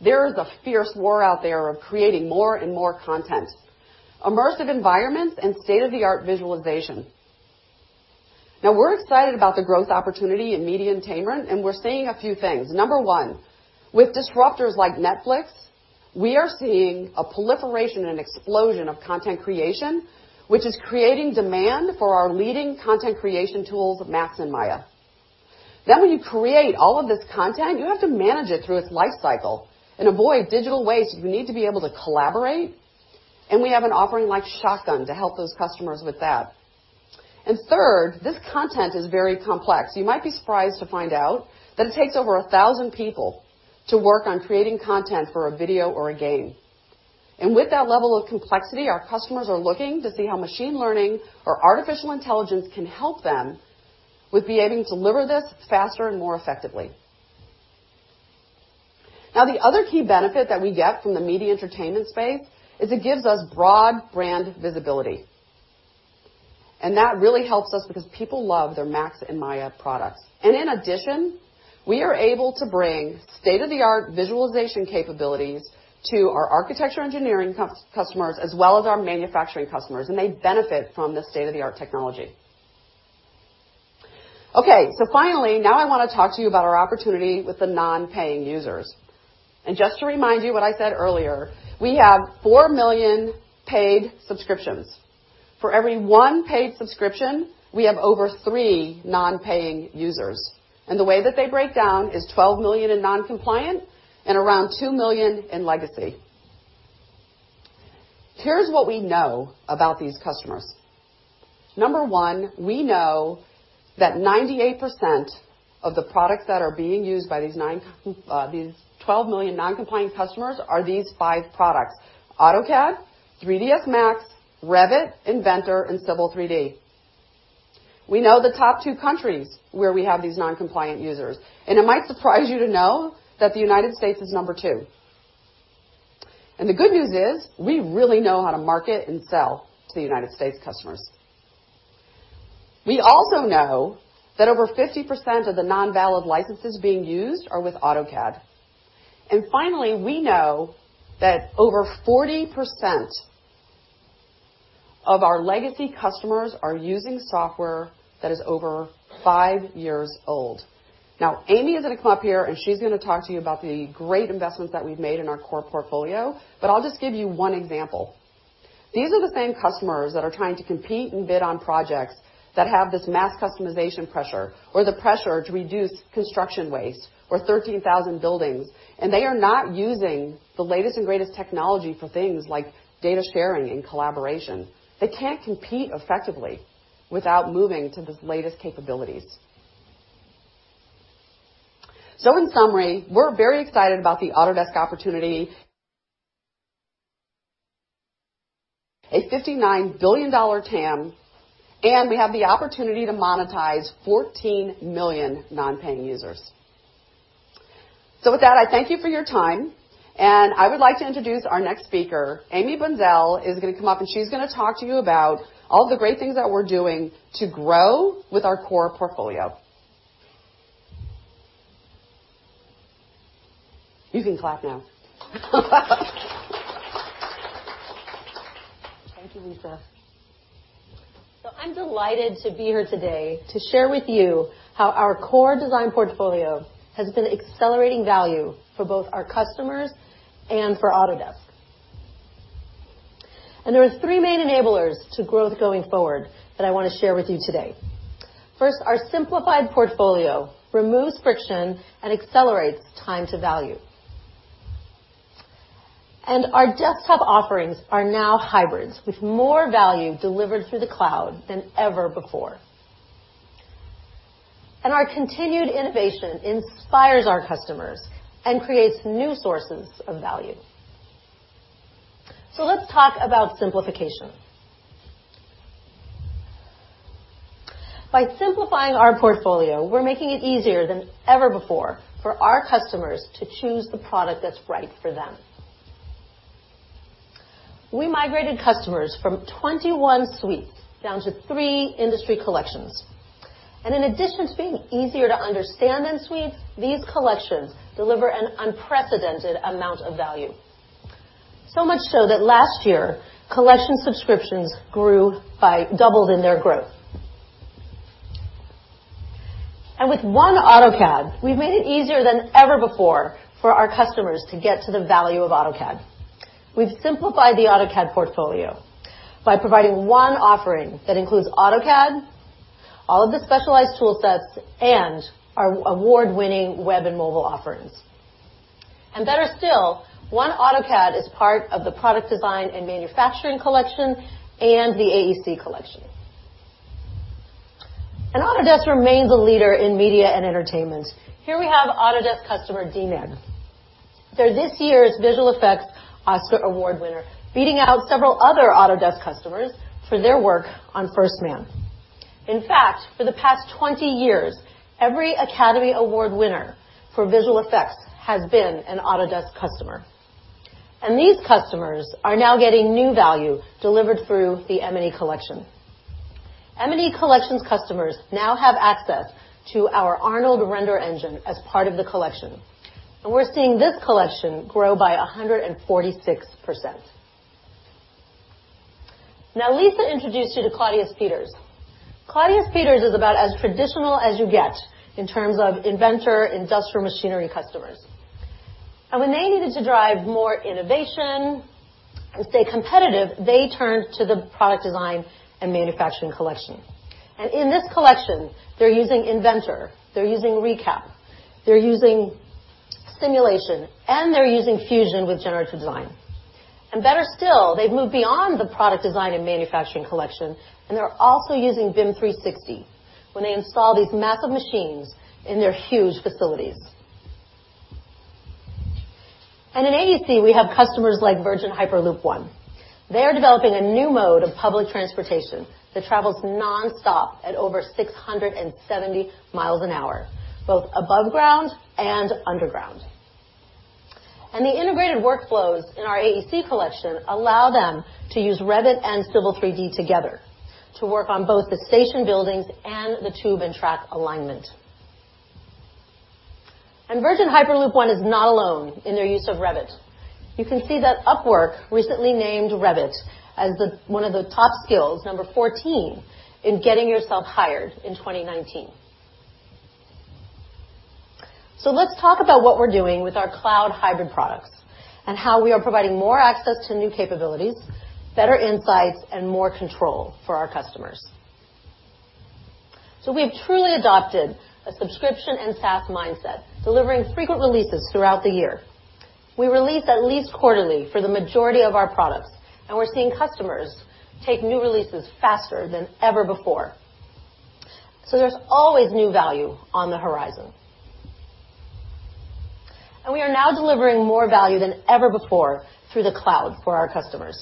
There is a fierce war out there of creating more and more content. Immersive environments and state-of-the-art visualization. We're excited about the growth opportunity in media and entertainment, and we're seeing a few things. Number 1, with disruptors like Netflix, we are seeing a proliferation and explosion of content creation, which is creating demand for our leading content creation tools, Max and Maya. When you create all of this content, you have to manage it through its lifecycle and avoid digital waste. You need to be able to collaborate, and we have an offering like Shotgun to help those customers with that. Third, this content is very complex. You might be surprised to find out that it takes over 1,000 people to work on creating content for a video or a game. With that level of complexity, our customers are looking to see how machine learning or artificial intelligence can help them with being able to deliver this faster and more effectively. The other key benefit that we get from the media entertainment space is it gives us broad brand visibility. That really helps us because people love their Max and Maya products. In addition, we are able to bring state-of-the-art visualization capabilities to our architecture engineering customers, as well as our manufacturing customers, and they benefit from the state-of-the-art technology. Okay. Finally, I want to talk to you about our opportunity with the non-paying users. Just to remind you what I said earlier, we have 4 million paid subscriptions. For every one paid subscription, we have over three non-paying users, and the way that they break down is 12 million in non-compliant and around 2 million in legacy. Here's what we know about these customers. Number one, we know that 98% of the products that are being used by these 12 million non-compliant customers are these five products: AutoCAD, 3ds Max, Revit, Inventor, and Civil 3D. We know the top two countries where we have these non-compliant users, and it might surprise you to know that the United States is number two. The good news is, we really know how to market and sell to the United States customers. We also know that over 50% of the non-valid licenses being used are with AutoCAD. Finally, we know that over 40% of our legacy customers are using software that is over five years old. Amy is going to come up here, she's going to talk to you about the great investments that we've made in our core portfolio, but I'll just give you one example. These are the same customers that are trying to compete and bid on projects that have this mass customization pressure or the pressure to reduce construction waste or 13,000 buildings, and they are not using the latest and greatest technology for things like data sharing and collaboration. They can't compete effectively without moving to the latest capabilities. In summary, we're very excited about the Autodesk opportunity. A $59 billion TAM, and we have the opportunity to monetize 14 million non-paying users. With that, I thank you for your time, I would like to introduce our next speaker. Amy Bunszel is going to come up, she's going to talk to you about all the great things that we're doing to grow with our core portfolio. You can clap now. Thank you, Lisa. I'm delighted to be here today to share with you how our core design portfolio has been accelerating value for both our customers and for Autodesk. There are three main enablers to growth going forward that I want to share with you today. First, our simplified portfolio removes friction and accelerates time to value. Our desktop offerings are now hybrids with more value delivered through the cloud than ever before. Our continued innovation inspires our customers and creates new sources of value. Let's talk about simplification. By simplifying our portfolio, we're making it easier than ever before for our customers to choose the product that's right for them. We migrated customers from 21 suites down to three industry collections. In addition to being easier to understand than suites, these collections deliver an unprecedented amount of value. Much so that last year, Collection subscriptions doubled in their growth. With one AutoCAD, we've made it easier than ever before for our customers to get to the value of AutoCAD. We've simplified the AutoCAD portfolio by providing one offering that includes AutoCAD, all of the specialized tool sets, and our award-winning web and mobile offerings. Better still, one AutoCAD is part of the Product Design & Manufacturing Collection and the AEC Collection. Autodesk remains a leader in media and entertainment. Here we have Autodesk customer, DNEG. They're this year's Visual Effects Oscar Award winner, beating out several other Autodesk customers for their work on "First Man." In fact, for the past 20 years, every Academy Award winner for visual effects has been an Autodesk customer. These customers are now getting new value delivered through the M&E Collection. M&E Collections customers now have access to our Arnold render engine as part of the Collection, and we're seeing this Collection grow by 146%. Lisa introduced you to Claudius Peters. Claudius Peters is about as traditional as you get in terms of Inventor, industrial machinery customers. When they needed to drive more innovation and stay competitive, they turned to the Product Design & Manufacturing Collection. In this Collection, they're using Inventor, they're using ReCap, they're using Simulation, and they're using Fusion with generative design. Better still, they've moved beyond the Product Design & Manufacturing Collection, they're also using BIM 360 when they install these massive machines in their huge facilities. In AEC, we have customers like Virgin Hyperloop One. They are developing a new mode of public transportation that travels nonstop at over 670 miles an hour, both above ground and underground. The integrated workflows in our AEC Collection allow them to use Revit and Civil 3D together to work on both the station buildings and the tube and track alignment. Virgin Hyperloop One is not alone in their use of Revit. You can see that Upwork recently named Revit as one of the top skills, number 14, in getting yourself hired in 2019. Let's talk about what we're doing with our cloud hybrid products and how we are providing more access to new capabilities, better insights, and more control for our customers. We've truly adopted a subscription and SaaS mindset, delivering frequent releases throughout the year. We release at least quarterly for the majority of our products, and we're seeing customers take new releases faster than ever before. There's always new value on the horizon. We are now delivering more value than ever before through the cloud for our customers.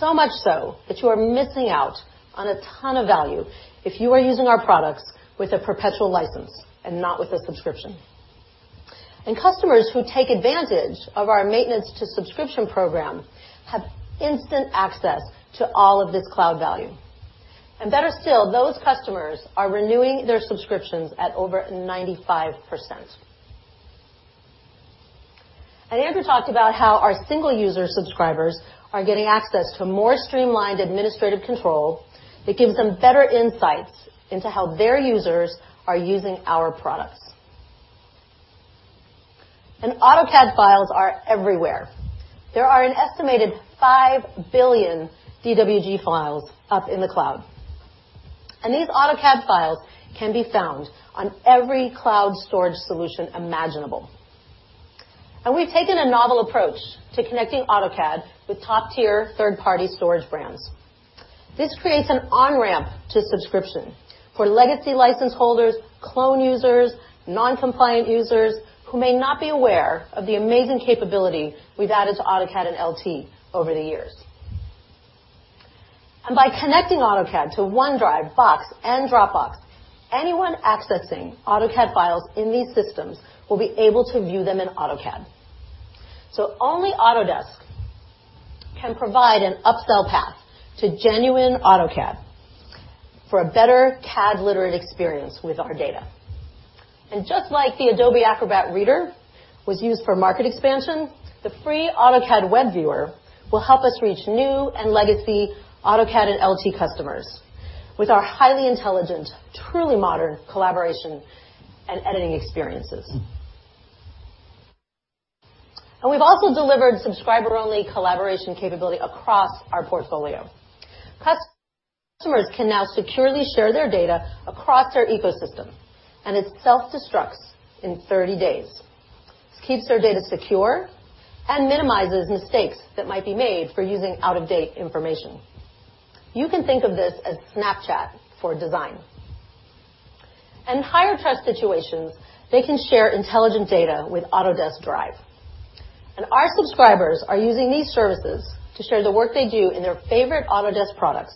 Much so that you are missing out on a ton of value if you are using our products with a perpetual license and not with a subscription. Customers who take advantage of our maintenance to subscription program have instant access to all of this cloud value. Better still, those customers are renewing their subscriptions at over 95%. Andrew talked about how our single-user subscribers are getting access to more streamlined administrative control that gives them better insights into how their users are using our products. AutoCAD files are everywhere. There are an estimated 5 billion DWG files up in the cloud, and these AutoCAD files can be found on every cloud storage solution imaginable. We've taken a novel approach to connecting AutoCAD with top-tier third-party storage brands. This creates an on-ramp to subscription for legacy license holders, clone users, non-compliant users who may not be aware of the amazing capability we've added to AutoCAD and LT over the years. By connecting AutoCAD to OneDrive, Box, and Dropbox, anyone accessing AutoCAD files in these systems will be able to view them in AutoCAD. Only Autodesk can provide an upsell path to genuine AutoCAD for a better CAD-literate experience with our data. Just like the Adobe Acrobat Reader was used for market expansion, the free AutoCAD Web Viewer will help us reach new and legacy AutoCAD and LT customers with our highly intelligent, truly modern collaboration and editing experiences. We've also delivered subscriber-only collaboration capability across our portfolio. Customers can now securely share their data across their ecosystem, and it self-destructs in 30 days. This keeps their data secure and minimizes mistakes that might be made for using out-of-date information. You can think of this as Snapchat for design. In higher trust situations, they can share intelligent data with Autodesk Drive. Our subscribers are using these services to share the work they do in their favorite Autodesk products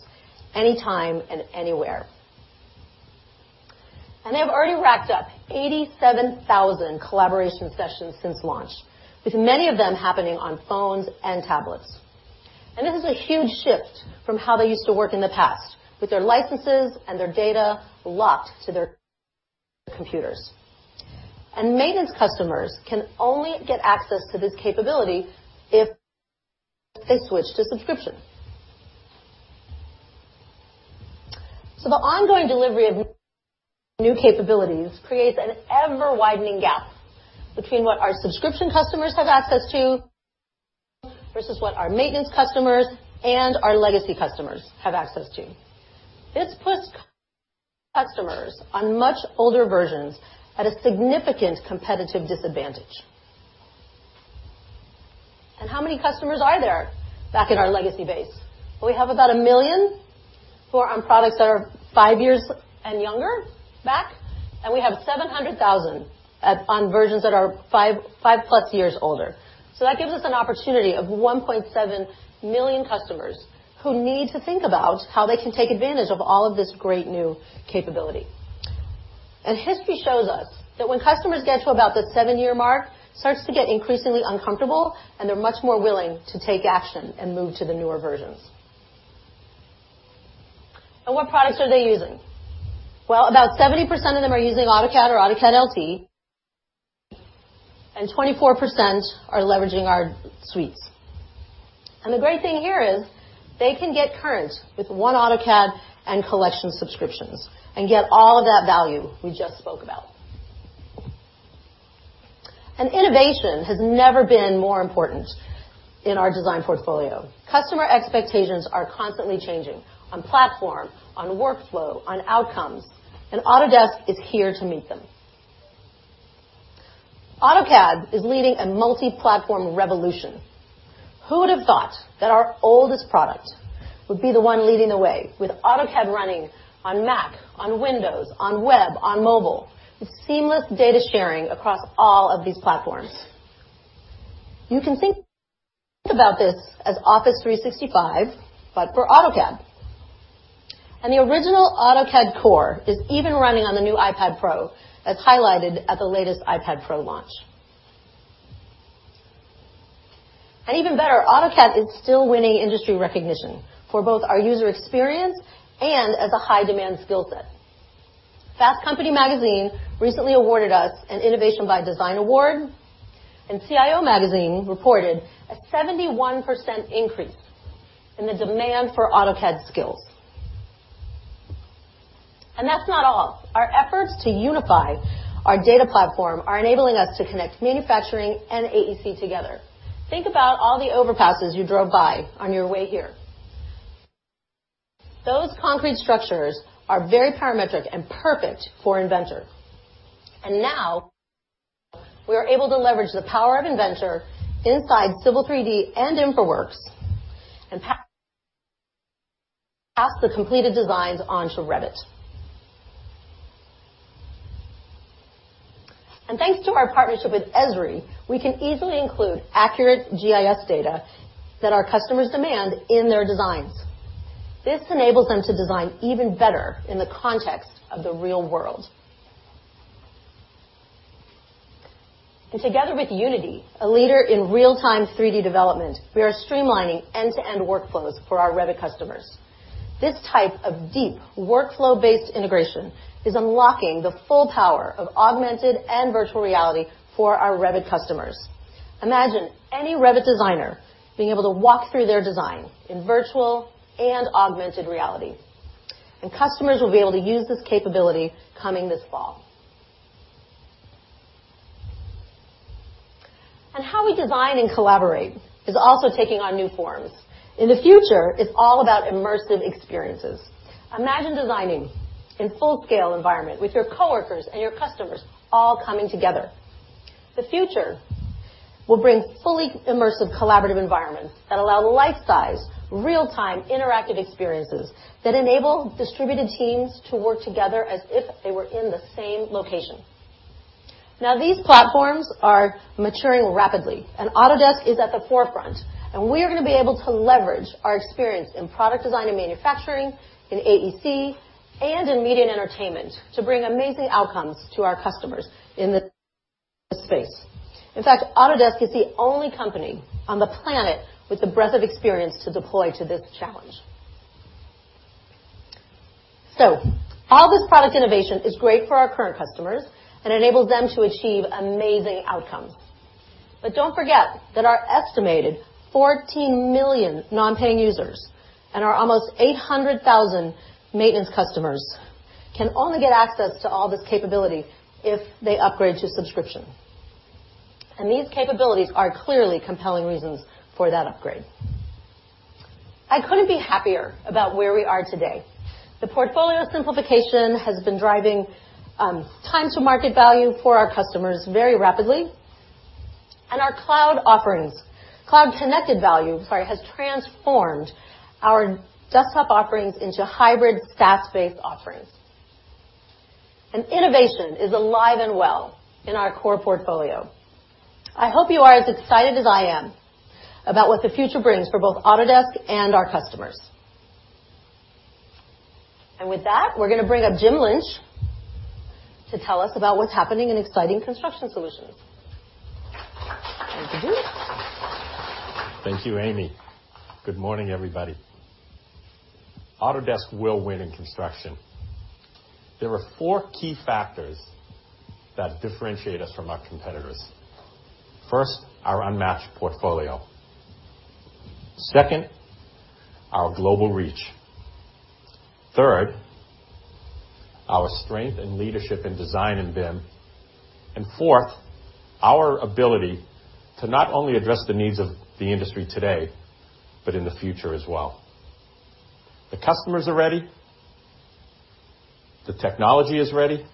anytime and anywhere. They have already racked up 87,000 collaboration sessions since launch, with many of them happening on phones and tablets. This is a huge shift from how they used to work in the past with their licenses and their data locked to their computers. Maintenance customers can only get access to this capability if they switch to subscription. The ongoing delivery of new capabilities creates an ever-widening gap between what our subscription customers have access to versus what our maintenance customers and our legacy customers have access to. This puts customers on much older versions at a significant competitive disadvantage. How many customers are there back in our legacy base? We have about 1 million who are on products that are five years and younger back, and we have 700,000 on versions that are five-plus years older. That gives us an opportunity of 1.7 million customers who need to think about how they can take advantage of all of this great new capability. History shows us that when customers get to about the seven-year mark, it starts to get increasingly uncomfortable, and they're much more willing to take action and move to the newer versions. What products are they using? Well, about 70% of them are using AutoCAD or AutoCAD LT, and 24% are leveraging our suites. The great thing here is they can get current with one AutoCAD and collection subscriptions and get all of that value we just spoke about. Innovation has never been more important in our design portfolio. Customer expectations are constantly changing on platform, on workflow, on outcomes, and Autodesk is here to meet them. AutoCAD is leading a multi-platform revolution. Who would have thought that our oldest product would be the one leading the way with AutoCAD running on Mac, on Windows, on web, on mobile, with seamless data sharing across all of these platforms. You can think about this as Office 365, but for AutoCAD. The original AutoCAD core is even running on the new iPad Pro, as highlighted at the latest iPad Pro launch. Even better, AutoCAD is still winning industry recognition for both our user experience and as a high-demand skill set. Fast Company recently awarded us an Innovation by Design award, CIO reported a 71% increase in the demand for AutoCAD skills. That's not all. Our efforts to unify our data platform are enabling us to connect manufacturing and AEC together. Think about all the overpasses you drove by on your way here. Those concrete structures are very parametric and perfect for Inventor. Now we are able to leverage the power of Inventor inside Civil 3D and InfraWorks and pass the completed designs onto Revit. Thanks to our partnership with Esri, we can easily include accurate GIS data that our customers demand in their designs. This enables them to design even better in the context of the real world. Together with Unity, a leader in real-time 3D development, we are streamlining end-to-end workflows for our Revit customers. This type of deep workflow-based integration is unlocking the full power of augmented and virtual reality for our Revit customers. Imagine any Revit designer being able to walk through their design in virtual and augmented reality. Customers will be able to use this capability coming this fall. How we design and collaborate is also taking on new forms. In the future, it's all about immersive experiences. Imagine designing in full scale environment with your coworkers and your customers all coming together. The future will bring fully immersive collaborative environments that allow life-size, real-time interactive experiences that enable distributed teams to work together as if they were in the same location. Now, these platforms are maturing rapidly, Autodesk is at the forefront. We are going to be able to leverage our experience in product design and manufacturing, in AEC, and in media and entertainment to bring amazing outcomes to our customers in this space. In fact, Autodesk is the only company on the planet with the breadth of experience to deploy to this challenge. All this product innovation is great for our current customers and enables them to achieve amazing outcomes. Don't forget that our estimated 14 million non-paying users and our almost 800,000 maintenance customers can only get access to all this capability if they upgrade to subscription. These capabilities are clearly compelling reasons for that upgrade. I couldn't be happier about where we are today. The portfolio simplification has been driving time to market value for our customers very rapidly. Our cloud offerings, cloud-connected value, sorry, has transformed our desktop offerings into hybrid SaaS-based offerings. Innovation is alive and well in our core portfolio. I hope you are as excited as I am about what the future brings for both Autodesk and our customers. With that, we're going to bring up Jim Lynch to tell us about what's happening in exciting construction solutions. Thank you, Jim. Thank you, Amy. Good morning, everybody. Autodesk will win in construction. There are four key factors that differentiate us from our competitors. First, our unmatched portfolio. Second, our global reach. Third, our strength in leadership in design and BIM. Fourth, our ability to not only address the needs of the industry today, but in the future as well. The customers are ready, the technology is ready,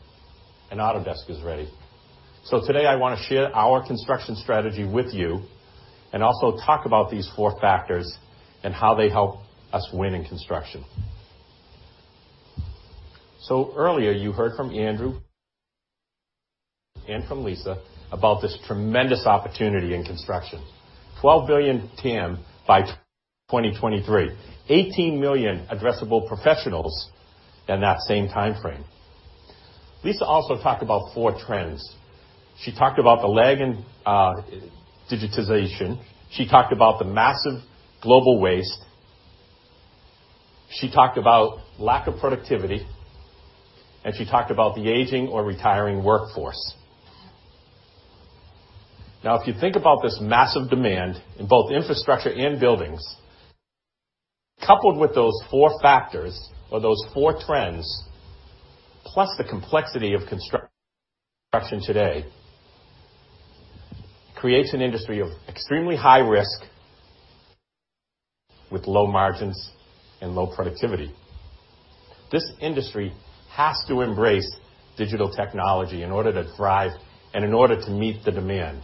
and Autodesk is ready. Today, I want to share our construction strategy with you and also talk about these four factors and how they help us win in construction. Earlier you heard from Andrew and from Lisa about this tremendous opportunity in construction. $12 billion TAM by 2023. $18 million addressable professionals in that same timeframe. Lisa also talked about four trends. She talked about the lag in digitization. She talked about the massive global waste. She talked about lack of productivity. She talked about the aging or retiring workforce. If you think about this massive demand in both infrastructure and buildings, coupled with those four factors or those four trends, plus the complexity of construction today, creates an industry of extremely high risk with low margins and low productivity. This industry has to embrace digital technology in order to thrive and in order to meet the demand.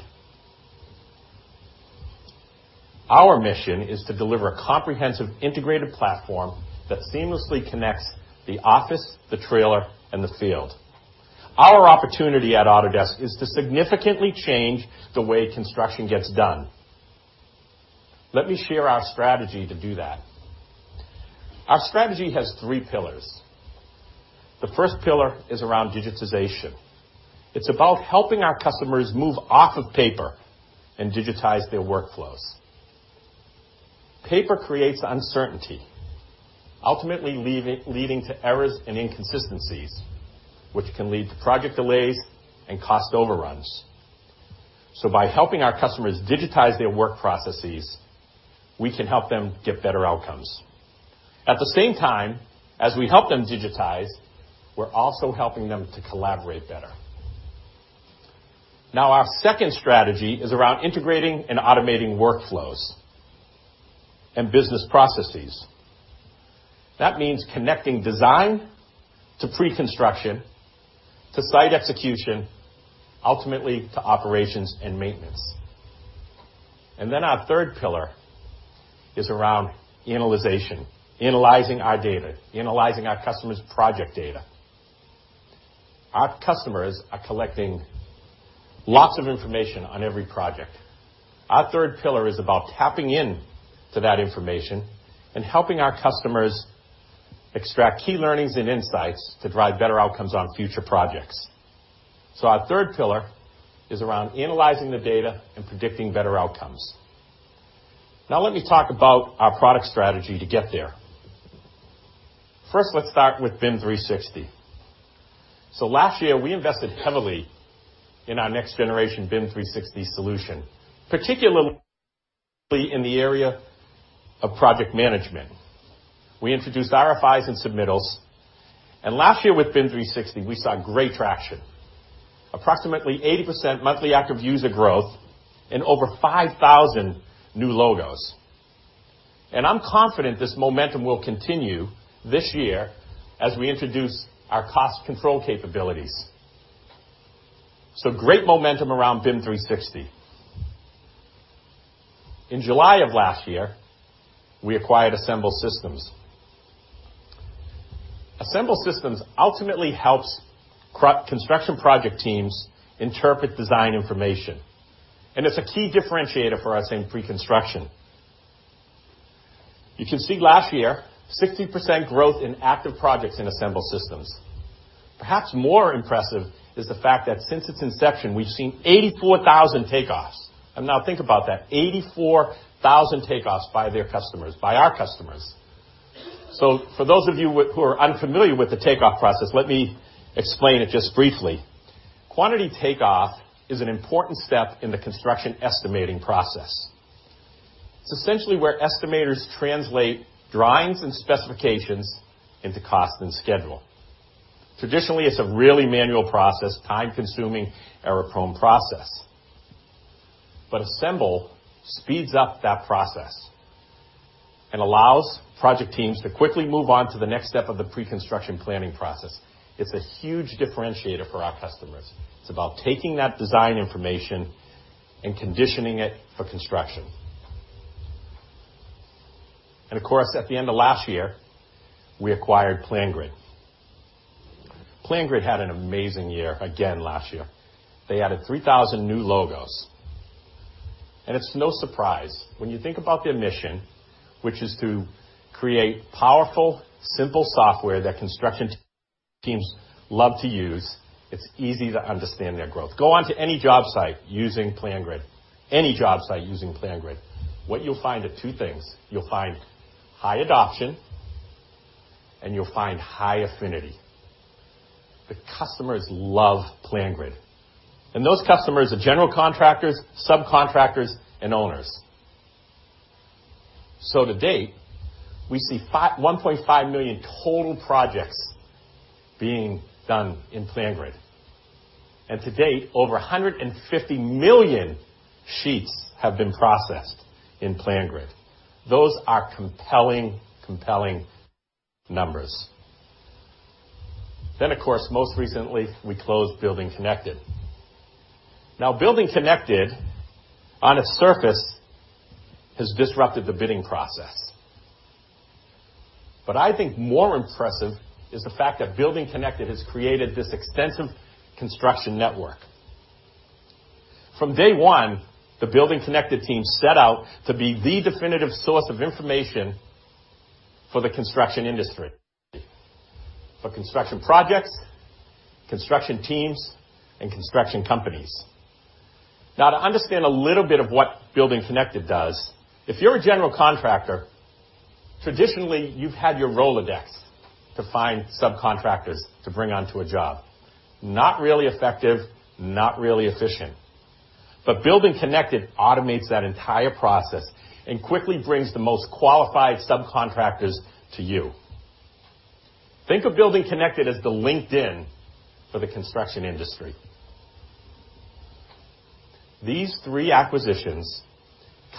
Our mission is to deliver a comprehensive, integrated platform that seamlessly connects the office, the trailer, and the field. Our opportunity at Autodesk is to significantly change the way construction gets done. Let me share our strategy to do that. Our strategy has three pillars. The first pillar is around digitization. It's about helping our customers move off of paper and digitize their workflows. Paper creates uncertainty, ultimately leading to errors and inconsistencies, which can lead to project delays and cost overruns. By helping our customers digitize their work processes, we can help them get better outcomes. At the same time, as we help them digitize, we're also helping them to collaborate better. Our second strategy is around integrating and automating workflows and business processes. That means connecting design to pre-construction, to site execution, ultimately to operations and maintenance. Our third pillar is around analyzation, analyzing our data, analyzing our customers' project data. Our customers are collecting lots of information on every project. Our third pillar is about tapping into that information and helping our customers extract key learnings and insights to drive better outcomes on future projects. Our third pillar is around analyzing the data and predicting better outcomes. Let me talk about our product strategy to get there. First, let's start with BIM 360. Last year, we invested heavily in our next-generation BIM 360 solution, particularly in the area of project management. We introduced RFIs and submittals. Last year with BIM 360, we saw great traction. Approximately 80% monthly active user growth and over 5,000 new logos. I'm confident this momentum will continue this year as we introduce our cost control capabilities. Great momentum around BIM 360. In July of last year, we acquired Assemble Systems. Assemble Systems ultimately helps construction project teams interpret design information, and it's a key differentiator for us in pre-construction. You can see last year, 60% growth in active projects in Assemble Systems. Perhaps more impressive is the fact that since its inception, we've seen 84,000 takeoffs. Now think about that, 84,000 takeoffs by their customers, by our customers. For those of you who are unfamiliar with the takeoff process, let me explain it just briefly. Quantity takeoff is an important step in the construction estimating process. It's essentially where estimators translate drawings and specifications into cost and schedule. Traditionally, it's a really manual process, time-consuming, error-prone process. Assemble speeds up that process and allows project teams to quickly move on to the next step of the pre-construction planning process. It's a huge differentiator for our customers. It's about taking that design information and conditioning it for construction. Of course, at the end of last year, we acquired PlanGrid. PlanGrid had an amazing year again last year. They added 3,000 new logos. It's no surprise. When you think about their mission, which is to create powerful, simple software that construction teams love to use, it's easy to understand their growth. Go on to any job site using PlanGrid. What you'll find are two things. You'll find high adoption, and you'll find high affinity. The customers love PlanGrid. Those customers are general contractors, subcontractors, and owners. To date, we see 1.5 million total projects being done in PlanGrid. To date, over 150 million sheets have been processed in PlanGrid. Those are compelling numbers. Of course, most recently, we closed BuildingConnected. BuildingConnected, on its surface, has disrupted the bidding process. I think more impressive is the fact that BuildingConnected has created this extensive construction network. From day one, the BuildingConnected team set out to be the definitive source of information for the construction industry. For construction projects, construction teams, and construction companies. To understand a little bit of what BuildingConnected does, if you're a general contractor, traditionally, you've had your Rolodex to find subcontractors to bring onto a job. Not really effective, not really efficient. BuildingConnected automates that entire process and quickly brings the most qualified subcontractors to you. Think of BuildingConnected as the LinkedIn for the construction industry. These three acquisitions,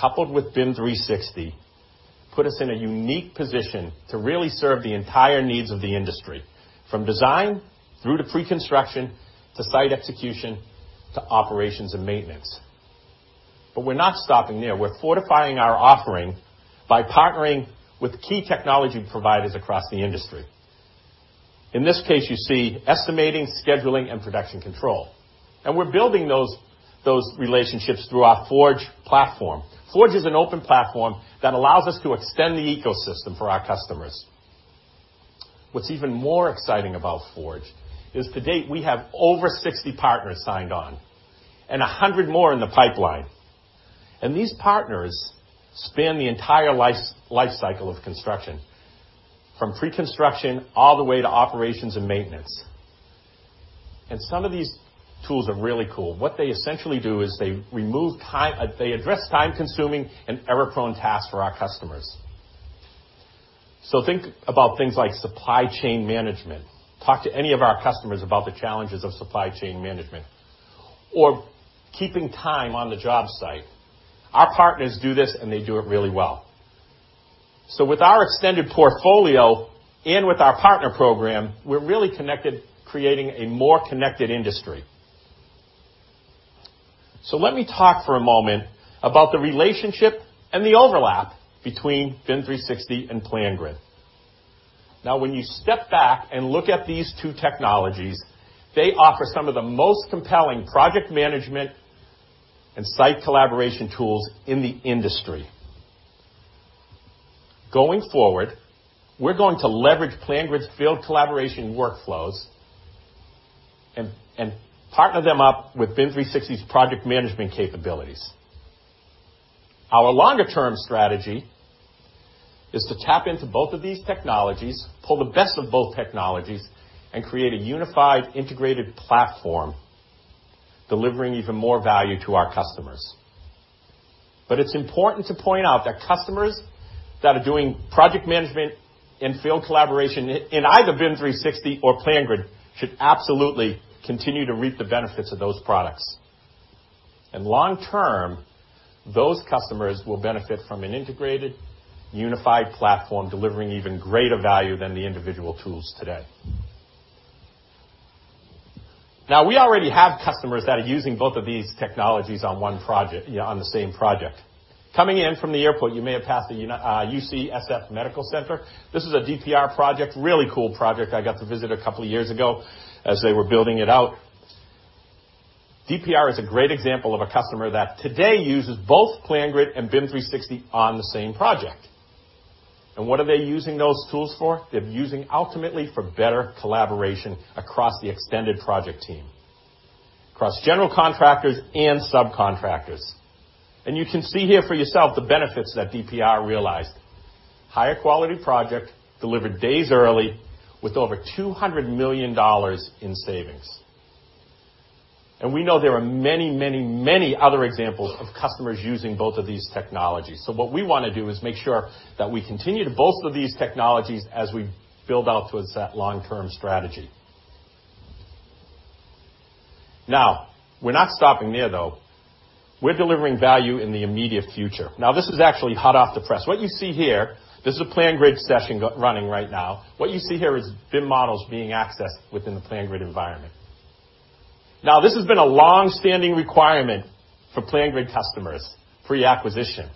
coupled with BIM 360, put us in a unique position to really serve the entire needs of the industry, from design through to pre-construction, to site execution, to operations and maintenance. We're not stopping there. We're fortifying our offering by partnering with key technology providers across the industry. In this case, you see estimating, scheduling, and production control. We're building those relationships through our Forge platform. Forge is an open platform that allows us to extend the ecosystem for our customers. What's even more exciting about Forge is to date, we have over 60 partners signed on and 100 more in the pipeline. These partners span the entire life cycle of construction, from pre-construction all the way to operations and maintenance. Some of these tools are really cool. What they essentially do is they address time-consuming and error-prone tasks for our customers. Think about things like supply chain management. Talk to any of our customers about the challenges of supply chain management. Keeping time on the job site. Our partners do this, and they do it really well. With our extended portfolio and with our partner program, we're really creating a more connected industry. Let me talk for a moment about the relationship and the overlap between BIM 360 and PlanGrid. When you step back and look at these two technologies, they offer some of the most compelling project management and site collaboration tools in the industry. Going forward, we're going to leverage PlanGrid's field collaboration workflows and partner them up with BIM 360's project management capabilities. Our longer-term strategy is to tap into both of these technologies, pull the best of both technologies, and create a unified, integrated platform, delivering even more value to our customers. It's important to point out that customers that are doing project management and field collaboration in either BIM 360 or PlanGrid should absolutely continue to reap the benefits of those products. Long term, those customers will benefit from an integrated, unified platform delivering even greater value than the individual tools today. We already have customers that are using both of these technologies on the same project. Coming in from the airport, you may have passed the UCSF Medical Center. This is a DPR project, really cool project I got to visit a couple of years ago as they were building it out. DPR is a great example of a customer that today uses both PlanGrid and BIM 360 on the same project. What are they using those tools for? They're using ultimately for better collaboration across the extended project team, across general contractors and subcontractors. You can see here for yourself the benefits that DPR realized. Higher quality project delivered days early with over $200 million in savings. We know there are many other examples of customers using both of these technologies. What we want to do is make sure that we continue to bolster these technologies as we build out towards that long-term strategy. We're not stopping there, though. We're delivering value in the immediate future. This is actually hot off the press. What you see here, this is a PlanGrid session running right now. What you see here is BIM models being accessed within the PlanGrid environment. This has been a long-standing requirement for PlanGrid customers pre-acquisition.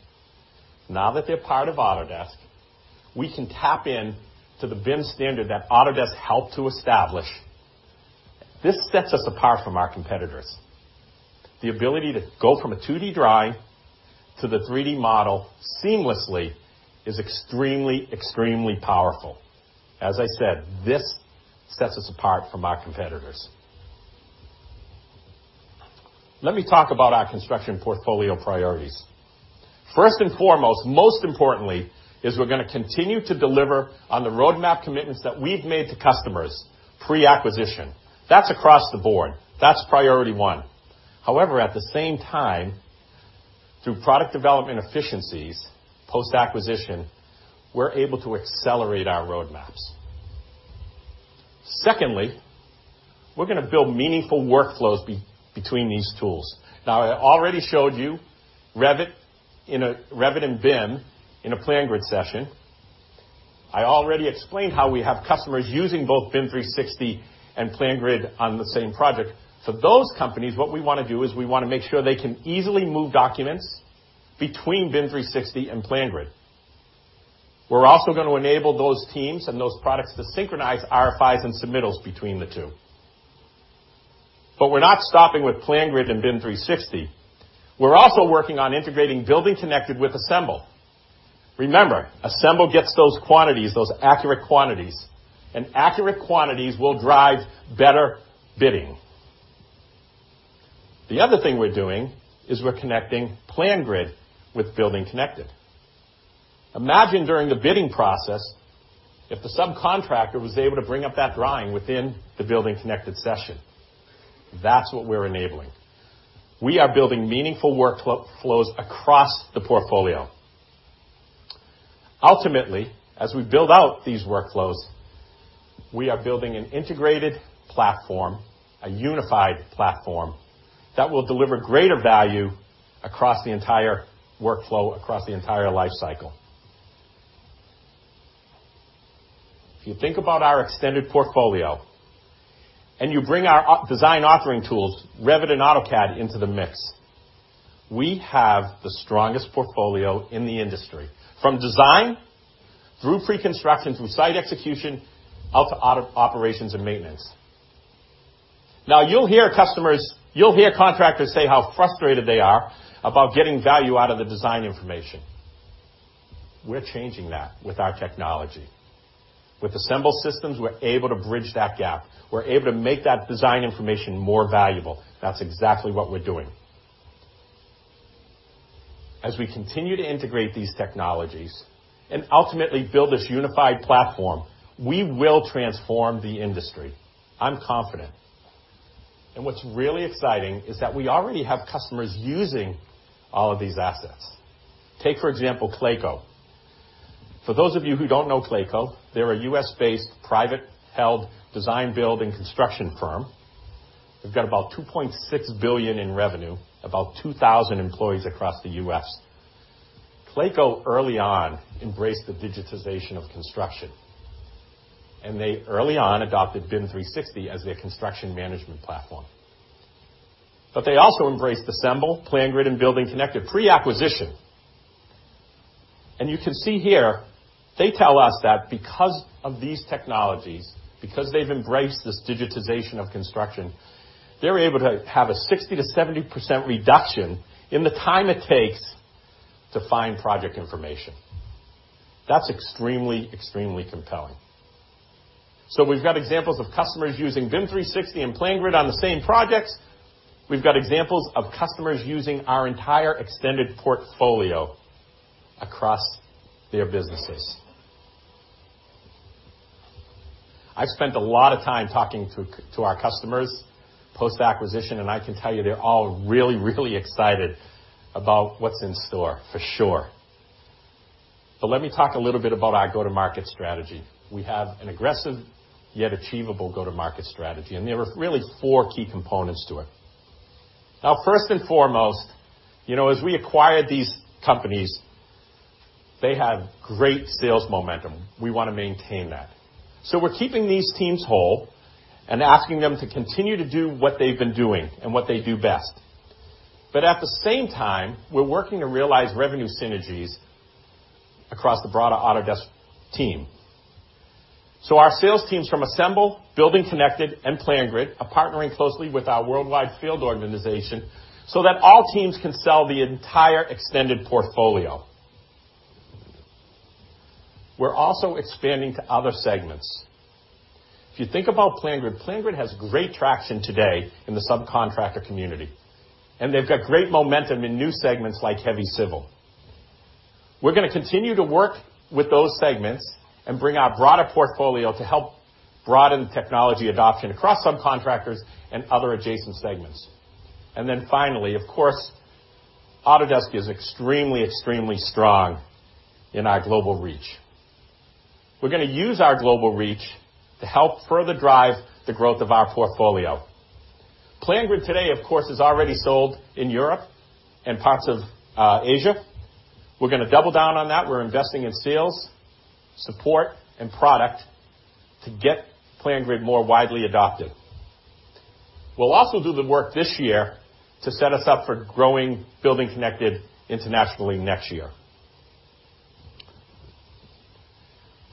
That they're part of Autodesk, we can tap in to the BIM standard that Autodesk helped to establish. This sets us apart from our competitors. The ability to go from a 2D drawing to the 3D model seamlessly is extremely powerful. As I said, this sets us apart from our competitors. Let me talk about our construction portfolio priorities. First and foremost, most importantly, is we're going to continue to deliver on the roadmap commitments that we've made to customers pre-acquisition. That's across the board. That's priority one. However, at the same time, through product development efficiencies post-acquisition, we're able to accelerate our roadmaps. Secondly, we're going to build meaningful workflows between these tools. I already showed you Revit and BIM in a PlanGrid session. I already explained how we have customers using both BIM 360 and PlanGrid on the same project. For those companies, what we want to do is we want to make sure they can easily move documents between BIM 360 and PlanGrid. We're also going to enable those teams and those products to synchronize RFIs and submittals between the two. We're not stopping with PlanGrid and BIM 360. We're also working on integrating BuildingConnected with Assemble. Remember, Assemble gets those quantities, those accurate quantities, and accurate quantities will drive better bidding. The other thing we're doing is we're connecting PlanGrid with BuildingConnected. Imagine during the bidding process, if the subcontractor was able to bring up that drawing within the BuildingConnected session. That's what we're enabling. We are building meaningful workflows across the portfolio. Ultimately, as we build out these workflows, we are building an integrated platform, a unified platform that will deliver greater value across the entire workflow, across the entire life cycle. If you think about our extended portfolio and you bring our design authoring tools, Revit and AutoCAD, into the mix, we have the strongest portfolio in the industry, from design through pre-construction, through site execution, out to operations and maintenance. You'll hear contractors say how frustrated they are about getting value out of the design information. We're changing that with our technology. With Assemble Systems, we're able to bridge that gap. We're able to make that design information more valuable. That's exactly what we're doing. As we continue to integrate these technologies and ultimately build this unified platform, we will transform the industry. I'm confident. What's really exciting is that we already have customers using all of these assets. Take, for example, Clayco. For those of you who don't know Clayco, they're a U.S.-based, privately held design, build, and construction firm. They've got about $2.6 billion in revenue, about 2,000 employees across the U.S. Clayco early on embraced the digitization of construction, they early on adopted BIM 360 as their construction management platform. They also embraced Assemble, PlanGrid, and BuildingConnected pre-acquisition. You can see here, they tell us that because of these technologies, because they've embraced this digitization of construction, they're able to have a 60%-70% reduction in the time it takes to find project information. That's extremely compelling. We've got examples of customers using BIM 360 and PlanGrid on the same projects. We've got examples of customers using our entire extended portfolio across their businesses. I've spent a lot of time talking to our customers post-acquisition, and I can tell you they're all really excited about what's in store, for sure. Let me talk a little bit about our go-to-market strategy. We have an aggressive, yet achievable go-to-market strategy, there are really four key components to it. First and foremost, as we acquired these companies, they had great sales momentum. We want to maintain that. We're keeping these teams whole and asking them to continue to do what they've been doing and what they do best. At the same time, we're working to realize revenue synergies across the broader Autodesk team. Our sales teams from Assemble, BuildingConnected, and PlanGrid are partnering closely with our worldwide field organization so that all teams can sell the entire extended portfolio. We're also expanding to other segments. If you think about PlanGrid has great traction today in the subcontractor community, they've got great momentum in new segments like heavy civil. We're going to continue to work with those segments and bring our broader portfolio to help broaden technology adoption across subcontractors and other adjacent segments. Finally, of course, Autodesk is extremely strong in our global reach. We're going to use our global reach to help further drive the growth of our portfolio. PlanGrid today, of course, is already sold in Europe and parts of Asia. We're going to double down on that. We're investing in sales, support, and product to get PlanGrid more widely adopted. We'll also do the work this year to set us up for growing BuildingConnected internationally next year.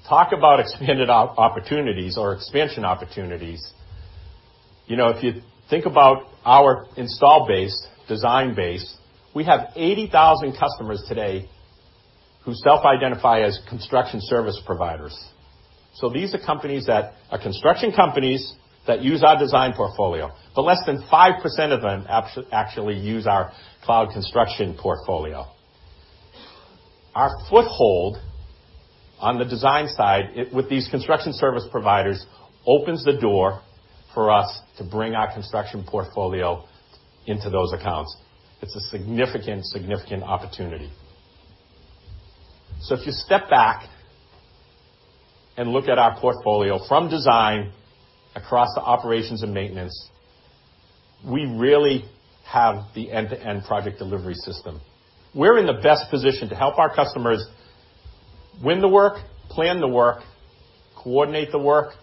Talk about expanded opportunities or expansion opportunities. If you think about our install base, design base, we have 80,000 customers today who self-identify as construction service providers. These are construction companies that use our design portfolio, but less than 5% of them actually use our cloud construction portfolio. Our foothold on the design side with these construction service providers opens the door for us to bring our construction portfolio into those accounts. It's a significant opportunity. If you step back and look at our portfolio from design across the operations and maintenance, we really have the end-to-end project delivery system. We're in the best position to help our customers win the work, plan the work, coordinate the work,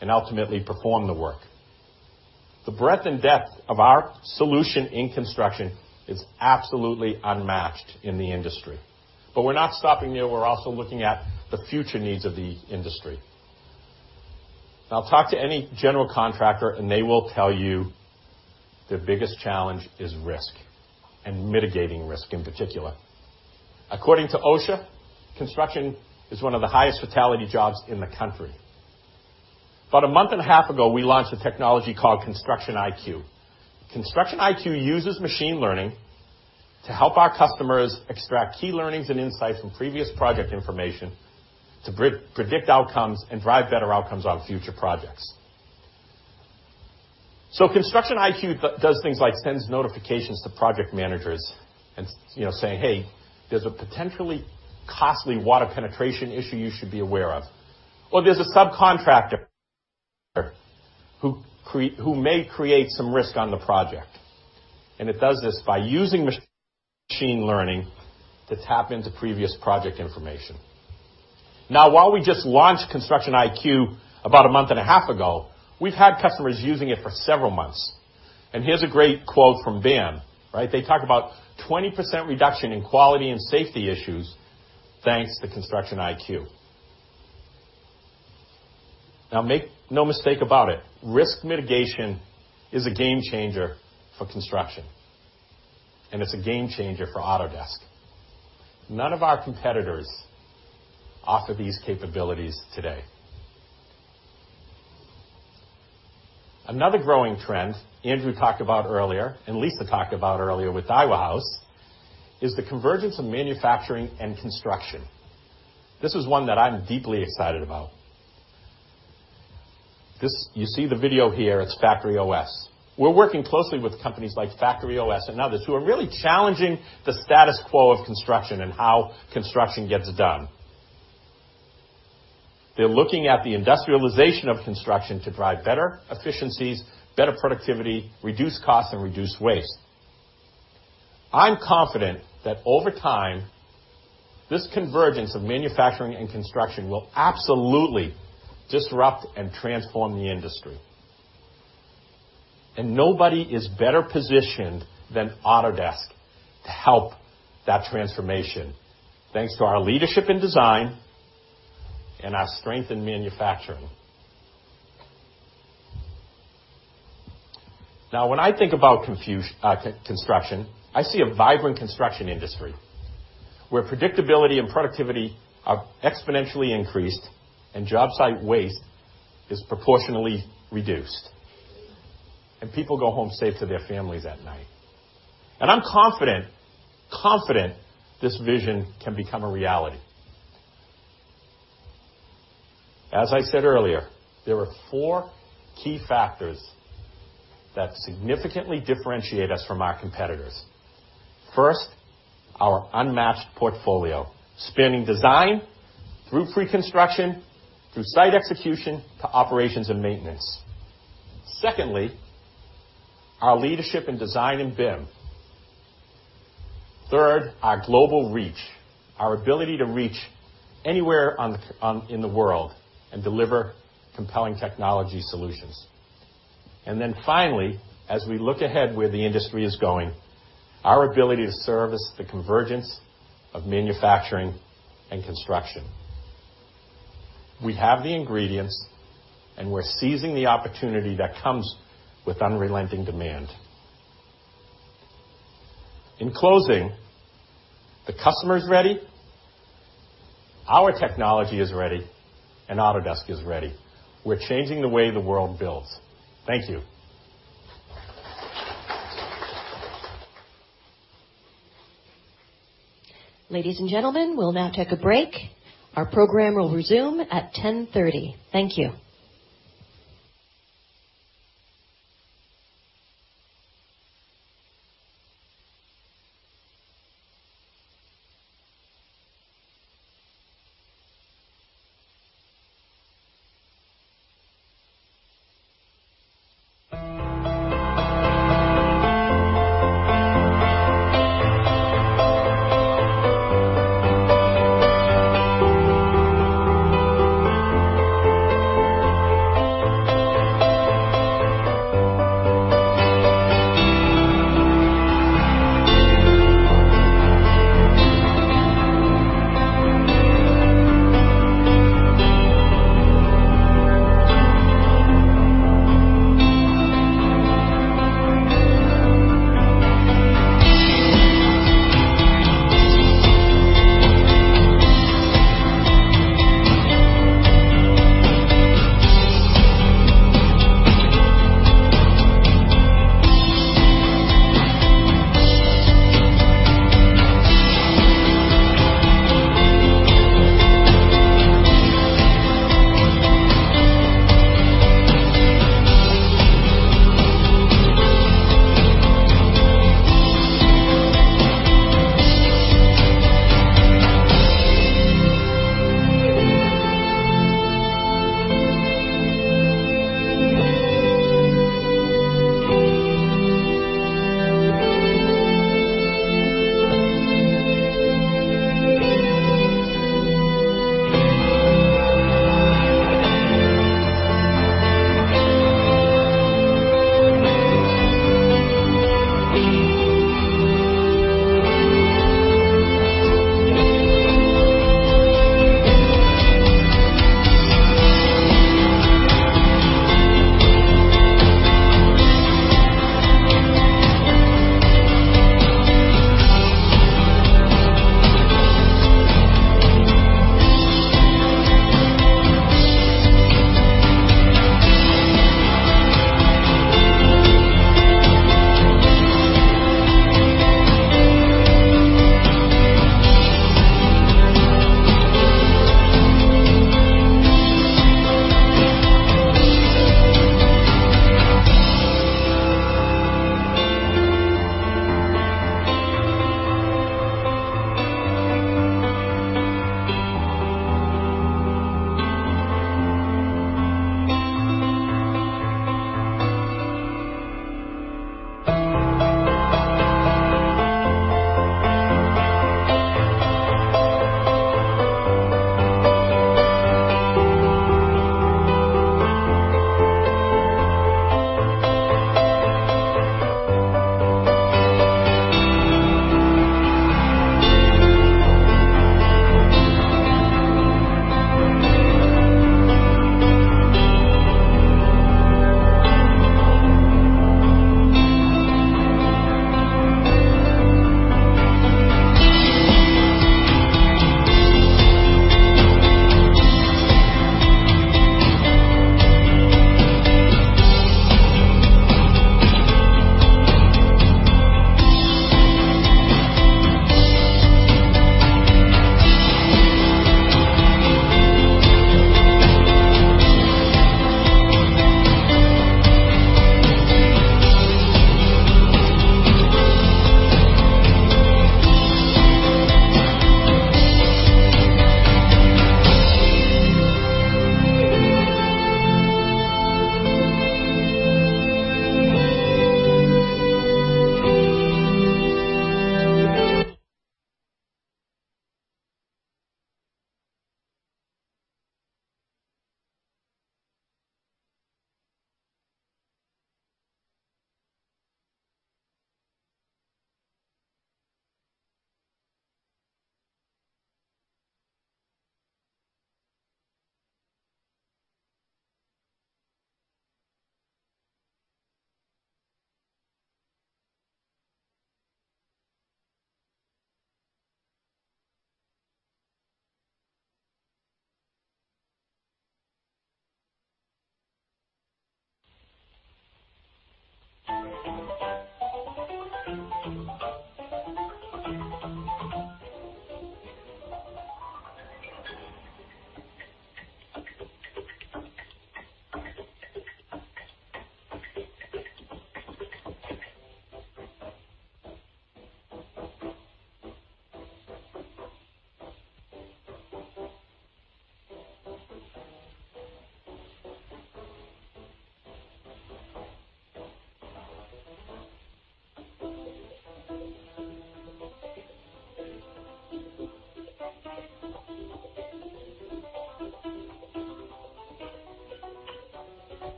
and ultimately perform the work. The breadth and depth of our solution in construction is absolutely unmatched in the industry. We're not stopping there. We're also looking at the future needs of the industry. Now talk to any general contractor and they will tell you their biggest challenge is risk and mitigating risk in particular. According to OSHA, construction is one of the highest fatality jobs in the country. About a month and a half ago, we launched a technology called Construction IQ. Construction IQ uses machine learning to help our customers extract key learnings and insights from previous project information to predict outcomes and drive better outcomes on future projects. Construction IQ does things like sends notifications to project managers saying, "Hey, there's a potentially costly water penetration issue you should be aware of," or, "There's a subcontractor who may create some risk on the project." It does this by using machine learning to tap into previous project information. While we just launched Construction IQ about a month and a half ago, we've had customers using it for several months. Here's a great quote from BIM. They talk about 20% reduction in quality and safety issues, thanks to Construction IQ. Make no mistake about it, risk mitigation is a game changer for construction, and it's a game changer for Autodesk. None of our competitors offer these capabilities today. Another growing trend Andrew talked about earlier, and Lisa talked about earlier with Daiwa House, is the convergence of manufacturing and construction. This is one that I'm deeply excited about. You see the video here, it's FactoryOS. We're working closely with companies like FactoryOS and others who are really challenging the status quo of construction and how construction gets done. They're looking at the industrialization of construction to drive better efficiencies, better productivity, reduce costs, and reduce waste. I'm confident that over time, this convergence of manufacturing and construction will absolutely disrupt and transform the industry. Nobody is better positioned than Autodesk to help that transformation, thanks to our leadership in design and our strength in manufacturing. When I think about construction, I see a vibrant construction industry where predictability and productivity are exponentially increased and job site waste is proportionally reduced, and people go home safe to their families at night. I'm confident this vision can become a reality. As I said earlier, there are four key factors that significantly differentiate us from our competitors. First, our unmatched portfolio, spanning design through pre-construction, through site execution, to operations and maintenance. Secondly, our leadership in design and BIM. Third, our global reach, our ability to reach anywhere in the world and deliver compelling technology solutions. Finally, as we look ahead where the industry is going, our ability to service the convergence of manufacturing and construction. We have the ingredients, and we're seizing the opportunity that comes with unrelenting demand. In closing, the customer is ready, our technology is ready, and Autodesk is ready. We're changing the way the world builds. Thank you. Ladies and gentlemen, we'll now take a break. Our program will resume at 10:30 A.M. Thank you.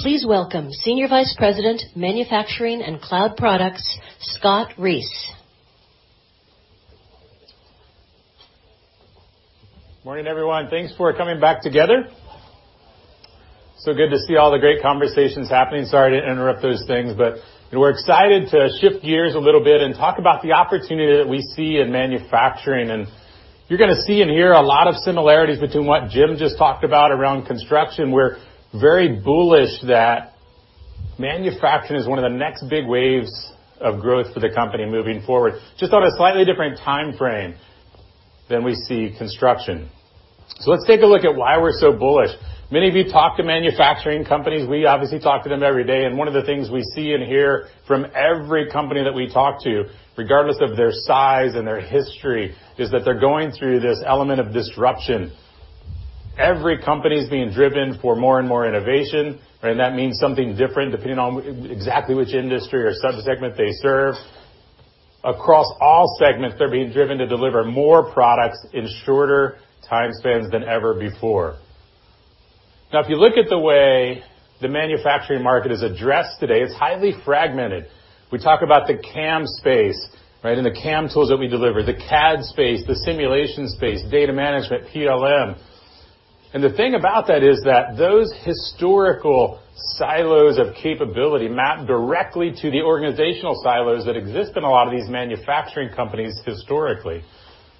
Please welcome Senior Vice President, Manufacturing and Cloud Products, Scott Reese. Morning, everyone. Thanks for coming back together. Good to see all the great conversations happening. Sorry to interrupt those things, we're excited to shift gears a little bit and talk about the opportunity that we see in manufacturing. You're going to see and hear a lot of similarities between what Jim just talked about around construction. We're very bullish that manufacturing is one of the next big waves of growth for the company moving forward, just on a slightly different time frame than we see construction. Let's take a look at why we're so bullish. Many of you talk to manufacturing companies. We obviously talk to them every day. One of the things we see and hear from every company that we talk to, regardless of their size and their history, is that they're going through this element of disruption. Every company is being driven for more and more innovation, that means something different depending on exactly which industry or sub-segment they serve. Across all segments, they're being driven to deliver more products in shorter time spans than ever before. If you look at the way the manufacturing market is addressed today, it's highly fragmented. We talk about the CAM space, the CAM tools that we deliver, the CAD space, the simulation space, data management, PLM. The thing about that is that those historical silos of capability map directly to the organizational silos that exist in a lot of these manufacturing companies historically.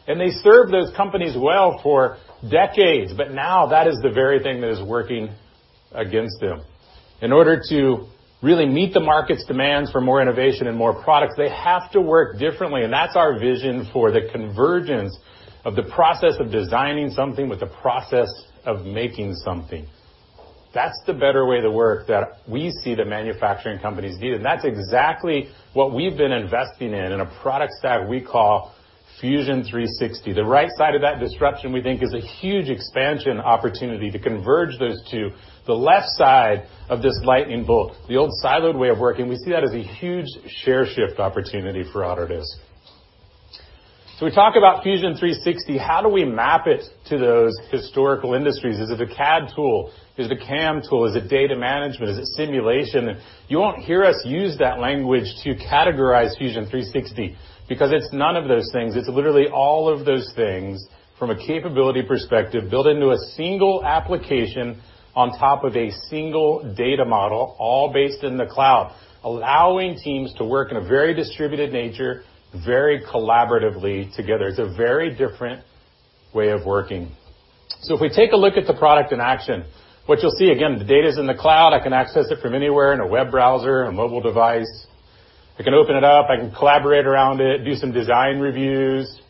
They served those companies well for decades. Now that is the very thing that is working against them. In order to really meet the market's demands for more innovation and more products, they have to work differently. That's our vision for the convergence of the process of designing something with the process of making something. That's the better way to work that we see the manufacturing companies need. That's exactly what we've been investing in a product stack we call Fusion 360. The right side of that disruption, we think, is a huge expansion opportunity to converge those two. The left side of this lightning bolt, the old siloed way of working, we see that as a huge share shift opportunity for Autodesk. We talk about Fusion 360. How do we map it to those historical industries? Is it a CAD tool? Is it a CAM tool? Is it data management? Is it simulation? You won't hear us use that language to categorize Fusion 360 because it's none of those things. It's literally all of those things from a capability perspective built into a single application on top of a single data model, all based in the cloud, allowing teams to work in a very distributed nature, very collaboratively together. It's a very different way of working. If we take a look at the product in action, what you'll see, again, the data's in the cloud. I can access it from anywhere in a web browser, a mobile device. I can open it up, I can collaborate around it, do some design reviews.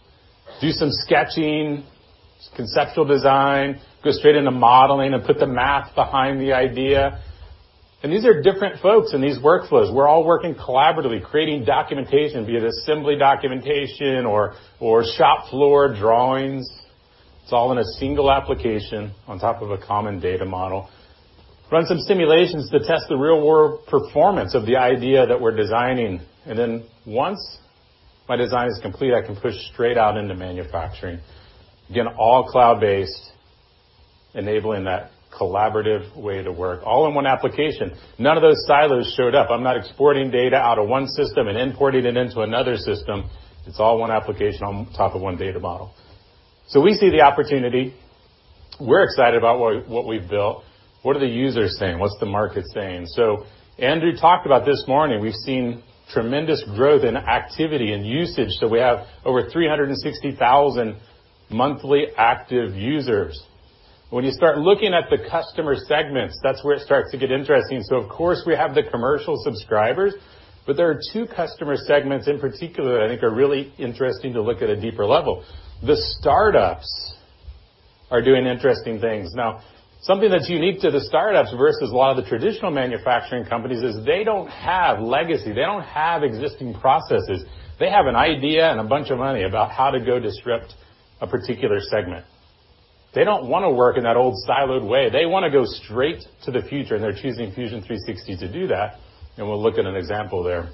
Do some sketching, some conceptual design, go straight into modeling and put the math behind the idea. These are different folks in these workflows. We're all working collaboratively, creating documentation, be it assembly documentation or shop floor drawings. It's all in a single application on top of a common data model. Run some simulations to test the real-world performance of the idea that we're designing. Once my design is complete, I can push straight out into manufacturing. Again, all cloud-based, enabling that collaborative way to work all in one application. None of those silos showed up. I'm not exporting data out of one system and importing it into another system. It's all one application on top of one data model. We see the opportunity. We're excited about what we've built. What are the users saying? What's the market saying? Andrew talked about this morning, we've seen tremendous growth in activity and usage. We have over 360,000 monthly active users. When you start looking at the customer segments, that's where it starts to get interesting. Of course, we have the commercial subscribers, but there are two customer segments in particular that I think are really interesting to look at a deeper level. The startups are doing interesting things. Now, something that's unique to the startups versus a lot of the traditional manufacturing companies is they don't have legacy. They don't have existing processes. They have an idea and a bunch of money about how to go disrupt a particular segment. They don't want to work in that old siloed way. They want to go straight to the future, and they're choosing Fusion 360 to do that, and we'll look at an example there.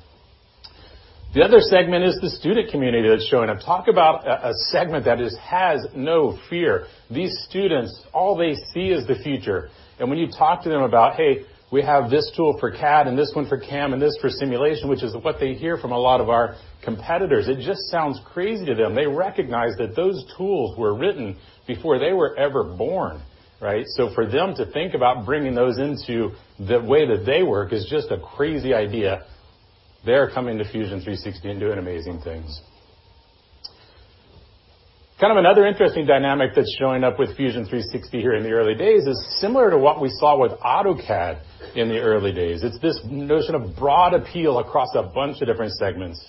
The other segment is the student community that's showing up. Talk about a segment that just has no fear. These students, all they see is the future. When you talk to them about, "Hey, we have this tool for CAD and this one for CAM and this for Simulation," which is what they hear from a lot of our competitors, it just sounds crazy to them. They recognize that those tools were written before they were ever born, right? For them to think about bringing those into the way that they work is just a crazy idea. They're coming to Fusion 360 and doing amazing things. Kind of another interesting dynamic that's showing up with Fusion 360 here in the early days is similar to what we saw with AutoCAD in the early days. It's this notion of broad appeal across a bunch of different segments.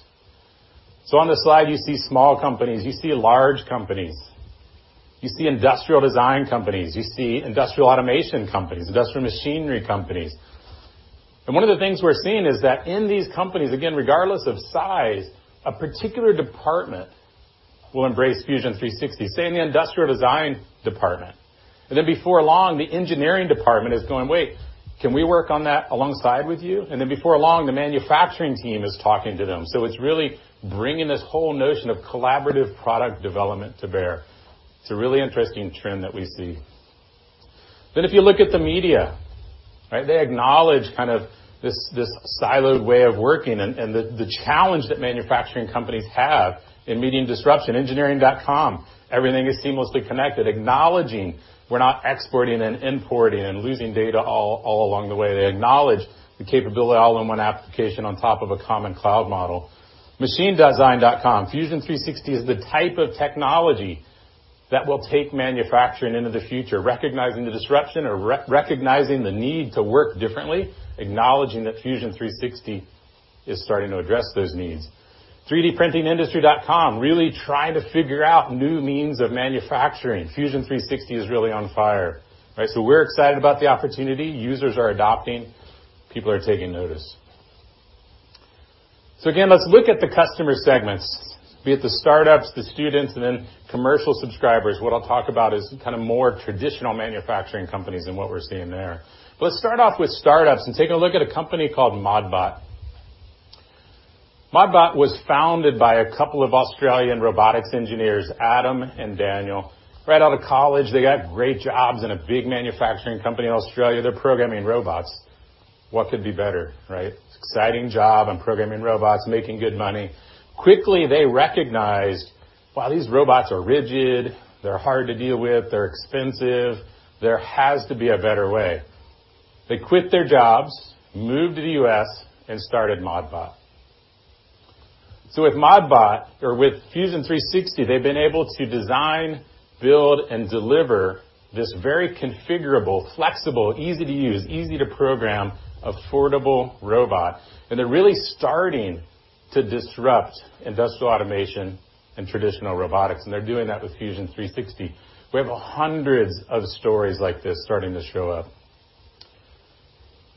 On the slide, you see small companies, you see large companies. You see industrial design companies, you see industrial automation companies, industrial machinery companies. One of the things we're seeing is that in these companies, again, regardless of size, a particular department will embrace Fusion 360. Say in the industrial design department. Before long, the engineering department is going, "Wait, can we work on that alongside with you?" Before long, the manufacturing team is talking to them. It's really bringing this whole notion of collaborative product development to bear. It's a really interesting trend that we see. If you look at the media, they acknowledge kind of this siloed way of working and the challenge that manufacturing companies have in meeting disruption. engineering.com, everything is seamlessly connected, acknowledging we're not exporting and importing and losing data all along the way. They acknowledge the capability all in one application on top of a common cloud model. machinedesign.com, Fusion 360 is the type of technology that will take manufacturing into the future, recognizing the disruption or recognizing the need to work differently, acknowledging that Fusion 360 is starting to address those needs. 3dprintingindustry.com really trying to figure out new means of manufacturing. Fusion 360 is really on fire, right? We're excited about the opportunity. Users are adopting. People are taking notice. Again, let's look at the customer segments, be it the startups, the students, and then commercial subscribers. What I'll talk about is kind of more traditional manufacturing companies and what we're seeing there. Let's start off with startups and take a look at a company called Modbot. Modbot was founded by a couple of Australian robotics engineers, Adam and Daniel. Right out of college, they got great jobs in a big manufacturing company in Australia. They're programming robots. What could be better, right? Exciting job. I'm programming robots, making good money. Quickly they recognized, wow, these robots are rigid, they're hard to deal with, they're expensive. There has to be a better way. They quit their jobs, moved to the U.S., and started Modbot. With Modbot or with Fusion 360, they've been able to design, build, and deliver this very configurable, flexible, easy-to-use, easy-to-program, affordable robot. They're really starting to disrupt industrial automation and traditional robotics, and they're doing that with Fusion 360. We have hundreds of stories like this starting to show up.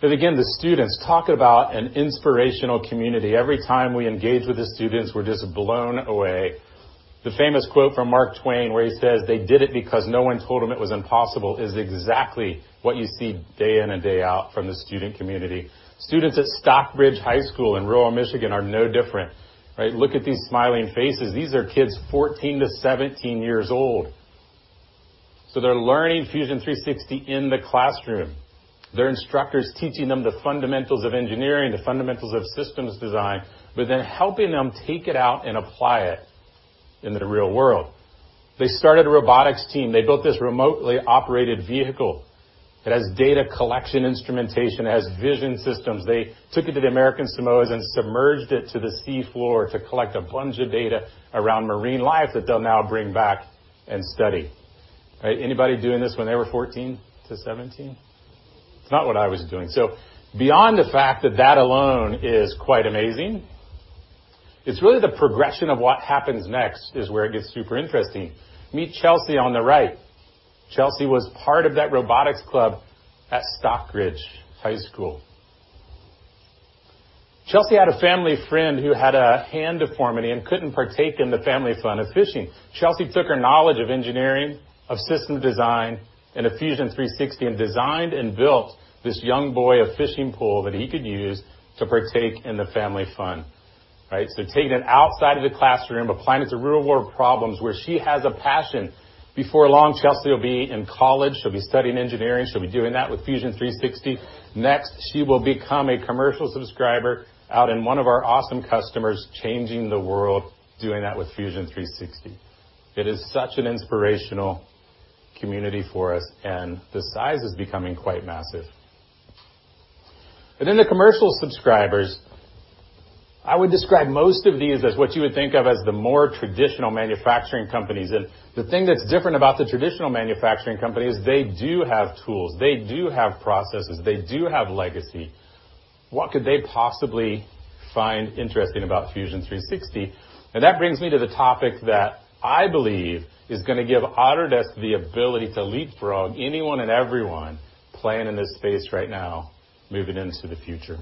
Again, the students talk about an inspirational community. Every time we engage with the students, we're just blown away. The famous quote from Mark Twain where he says, "They did it because no one told them it was impossible," is exactly what you see day in and day out from the student community. Students at Stockbridge High School in rural Michigan are no different, right? Look at these smiling faces. These are kids 14 to 17 years old. They're learning Fusion 360 in the classroom. Their instructor's teaching them the fundamentals of engineering, the fundamentals of systems design, helping them take it out and apply it in the real world. They started a robotics team. They built this remotely operated vehicle. It has data collection instrumentation, it has vision systems. They took it to the American Samoa and submerged it to the sea floor to collect a bunch of data around marine life that they'll now bring back and study, right? Anybody doing this when they were 14 to 17? It's not what I was doing. Beyond the fact that that alone is quite amazing, it's really the progression of what happens next is where it gets super interesting. Meet Chelsea on the right. Chelsea was part of that robotics club at Stockbridge High School. Chelsea had a family friend who had a hand deformity and couldn't partake in the family fun of fishing. Chelsea took her knowledge of engineering, of system design, and of Fusion 360 and designed and built this young boy a fishing pole that he could use to partake in the family fun, right? Taking it outside of the classroom, applying it to real-world problems where she has a passion. Before long, Chelsea will be in college. She'll be studying engineering. She'll be doing that with Fusion 360. She will become a commercial subscriber out in one of our awesome customers, changing the world, doing that with Fusion 360. It is such an inspirational community for us, and the size is becoming quite massive. In the commercial subscribers, I would describe most of these as what you would think of as the more traditional manufacturing companies. The thing that's different about the traditional manufacturing companies, they do have tools. They do have processes. They do have legacy. What could they possibly find interesting about Fusion 360? That brings me to the topic that I believe is going to give Autodesk the ability to leapfrog anyone and everyone playing in this space right now, moving into the future.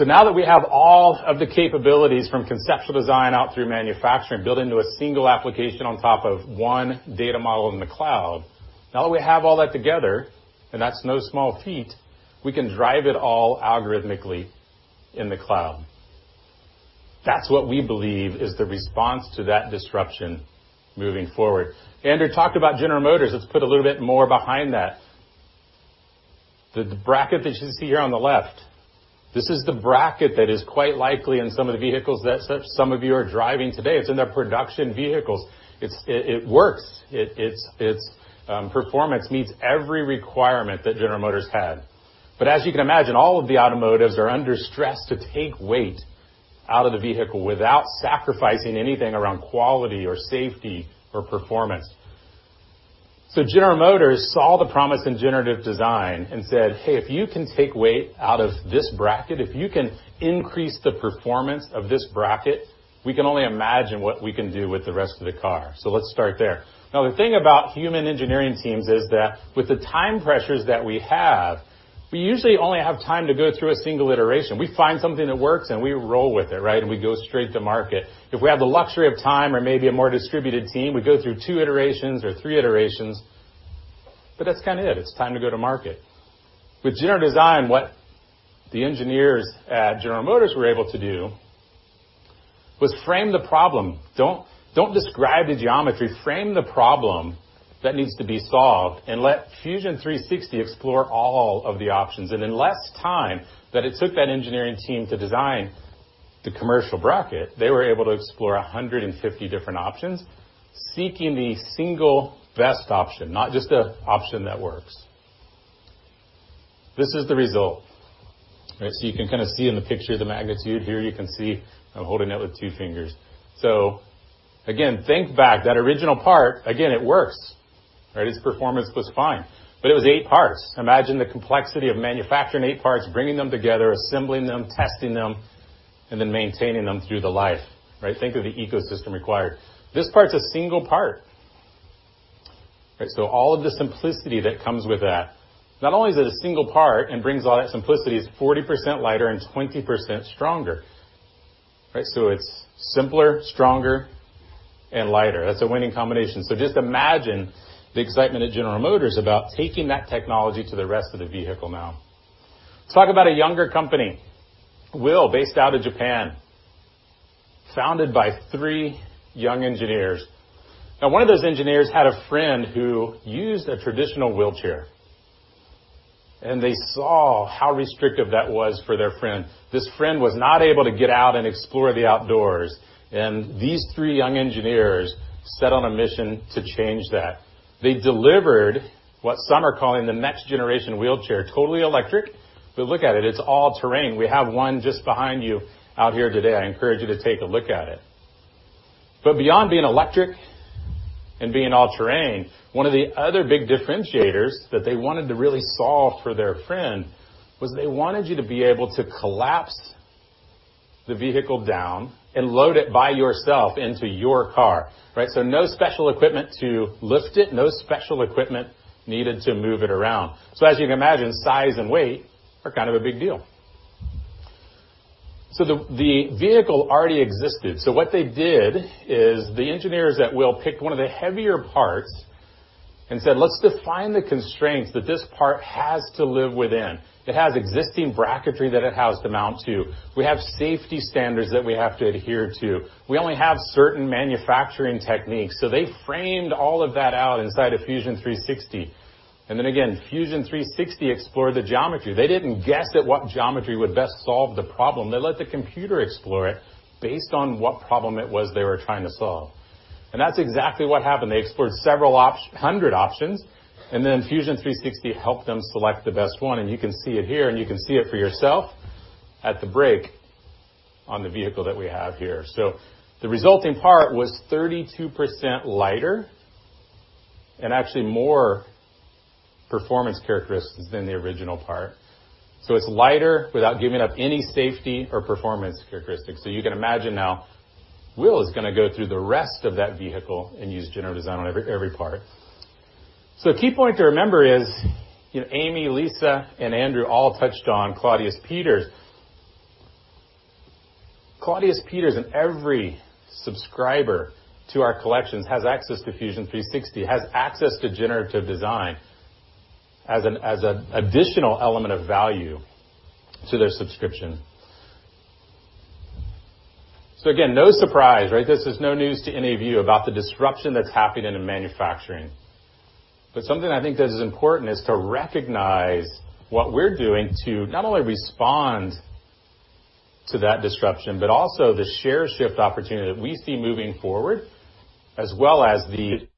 Now that we have all of the capabilities from conceptual design out through manufacturing built into a single application on top of one data model in the cloud. Now that we have all that together, and that's no small feat, we can drive it all algorithmically in the cloud. That's what we believe is the response to that disruption moving forward. Andrew talked about General Motors. Let's put a little bit more behind that. The bracket that you see here on the left, this is the bracket that is quite likely in some of the vehicles that some of you are driving today. It's in their production vehicles. It works. Its performance meets every requirement that General Motors had. As you can imagine, all of the automotives are under stress to take weight out of the vehicle without sacrificing anything around quality or safety or performance. General Motors saw the promise in generative design and said, "Hey, if you can take weight out of this bracket, if you can increase the performance of this bracket, we can only imagine what we can do with the rest of the car. Let's start there." The thing about human engineering teams is that with the time pressures that we have, we usually only have time to go through a single iteration. We find something that works, and we roll with it, right? We go straight to market. If we have the luxury of time or maybe a more distributed team, we go through two iterations or three iterations, but that's kind of it. It's time to go to market. With generative design, what the engineers at General Motors were able to do was frame the problem. Don't describe the geometry, frame the problem that needs to be solved, and let Fusion 360 explore all of the options. In less time than it took that engineering team to design the commercial bracket, they were able to explore 150 different options, seeking the single best option, not just a option that works. This is the result. You can kind of see in the picture, the magnitude. Here, you can see I'm holding it with two fingers. Again, think back. That original part, again, it works. Its performance was fine, but it was eight parts. Imagine the complexity of manufacturing eight parts, bringing them together, assembling them, testing them, and then maintaining them through the life. Think of the ecosystem required. This part's a single part. All of the simplicity that comes with that. Not only is it a single part and brings a lot of simplicity, it's 40% lighter and 20% stronger. It's simpler, stronger, and lighter. That's a winning combination. Just imagine the excitement at General Motors about taking that technology to the rest of the vehicle now. Let's talk about a younger company, WHILL, based out of Japan, founded by three young engineers. Now, one of those engineers had a friend who used a traditional wheelchair. They saw how restrictive that was for their friend. This friend was not able to get out and explore the outdoors. These three young engineers set on a mission to change that. They delivered what some are calling the next generation wheelchair. Totally electric, look at it. It's all-terrain. We have one just behind you out here today. I encourage you to take a look at it. Beyond being electric and being all-terrain, one of the other big differentiators that they wanted to really solve for their friend was they wanted you to be able to collapse the vehicle down and load it by yourself into your car. No special equipment to lift it, no special equipment needed to move it around. As you can imagine, size and weight are kind of a big deal. The vehicle already existed. What they did is the engineers at WHILL picked one of the heavier parts and said, "Let's define the constraints that this part has to live within." It has existing bracketry that it has to mount to. We have safety standards that we have to adhere to. We only have certain manufacturing techniques. They framed all of that out inside of Fusion 360. Then again, Fusion 360 explored the geometry. They didn't guess at what geometry would best solve the problem. They let the computer explore it based on what problem it was they were trying to solve. That's exactly what happened. They explored several hundred options, then Fusion 360 helped them select the best one. You can see it here, you can see it for yourself at the break on the vehicle that we have here. The resulting part was 32% lighter and actually more performance characteristics than the original part. It's lighter without giving up any safety or performance characteristics. You can imagine now WHILL is going to go through the rest of that vehicle and use generative design on every part. A key point to remember is Amy, Lisa, and Andrew all touched on Claudius Peters. Claudius Peters and every subscriber to our collections has access to Fusion 360, has access to generative design as an additional element of value to their subscription. Again, no surprise. This is no news to any of you about the disruption that's happening in manufacturing. Something I think that is important is to recognize what we're doing to not only respond to that disruption, but also the share shift opportunity that we see moving forward, as well as the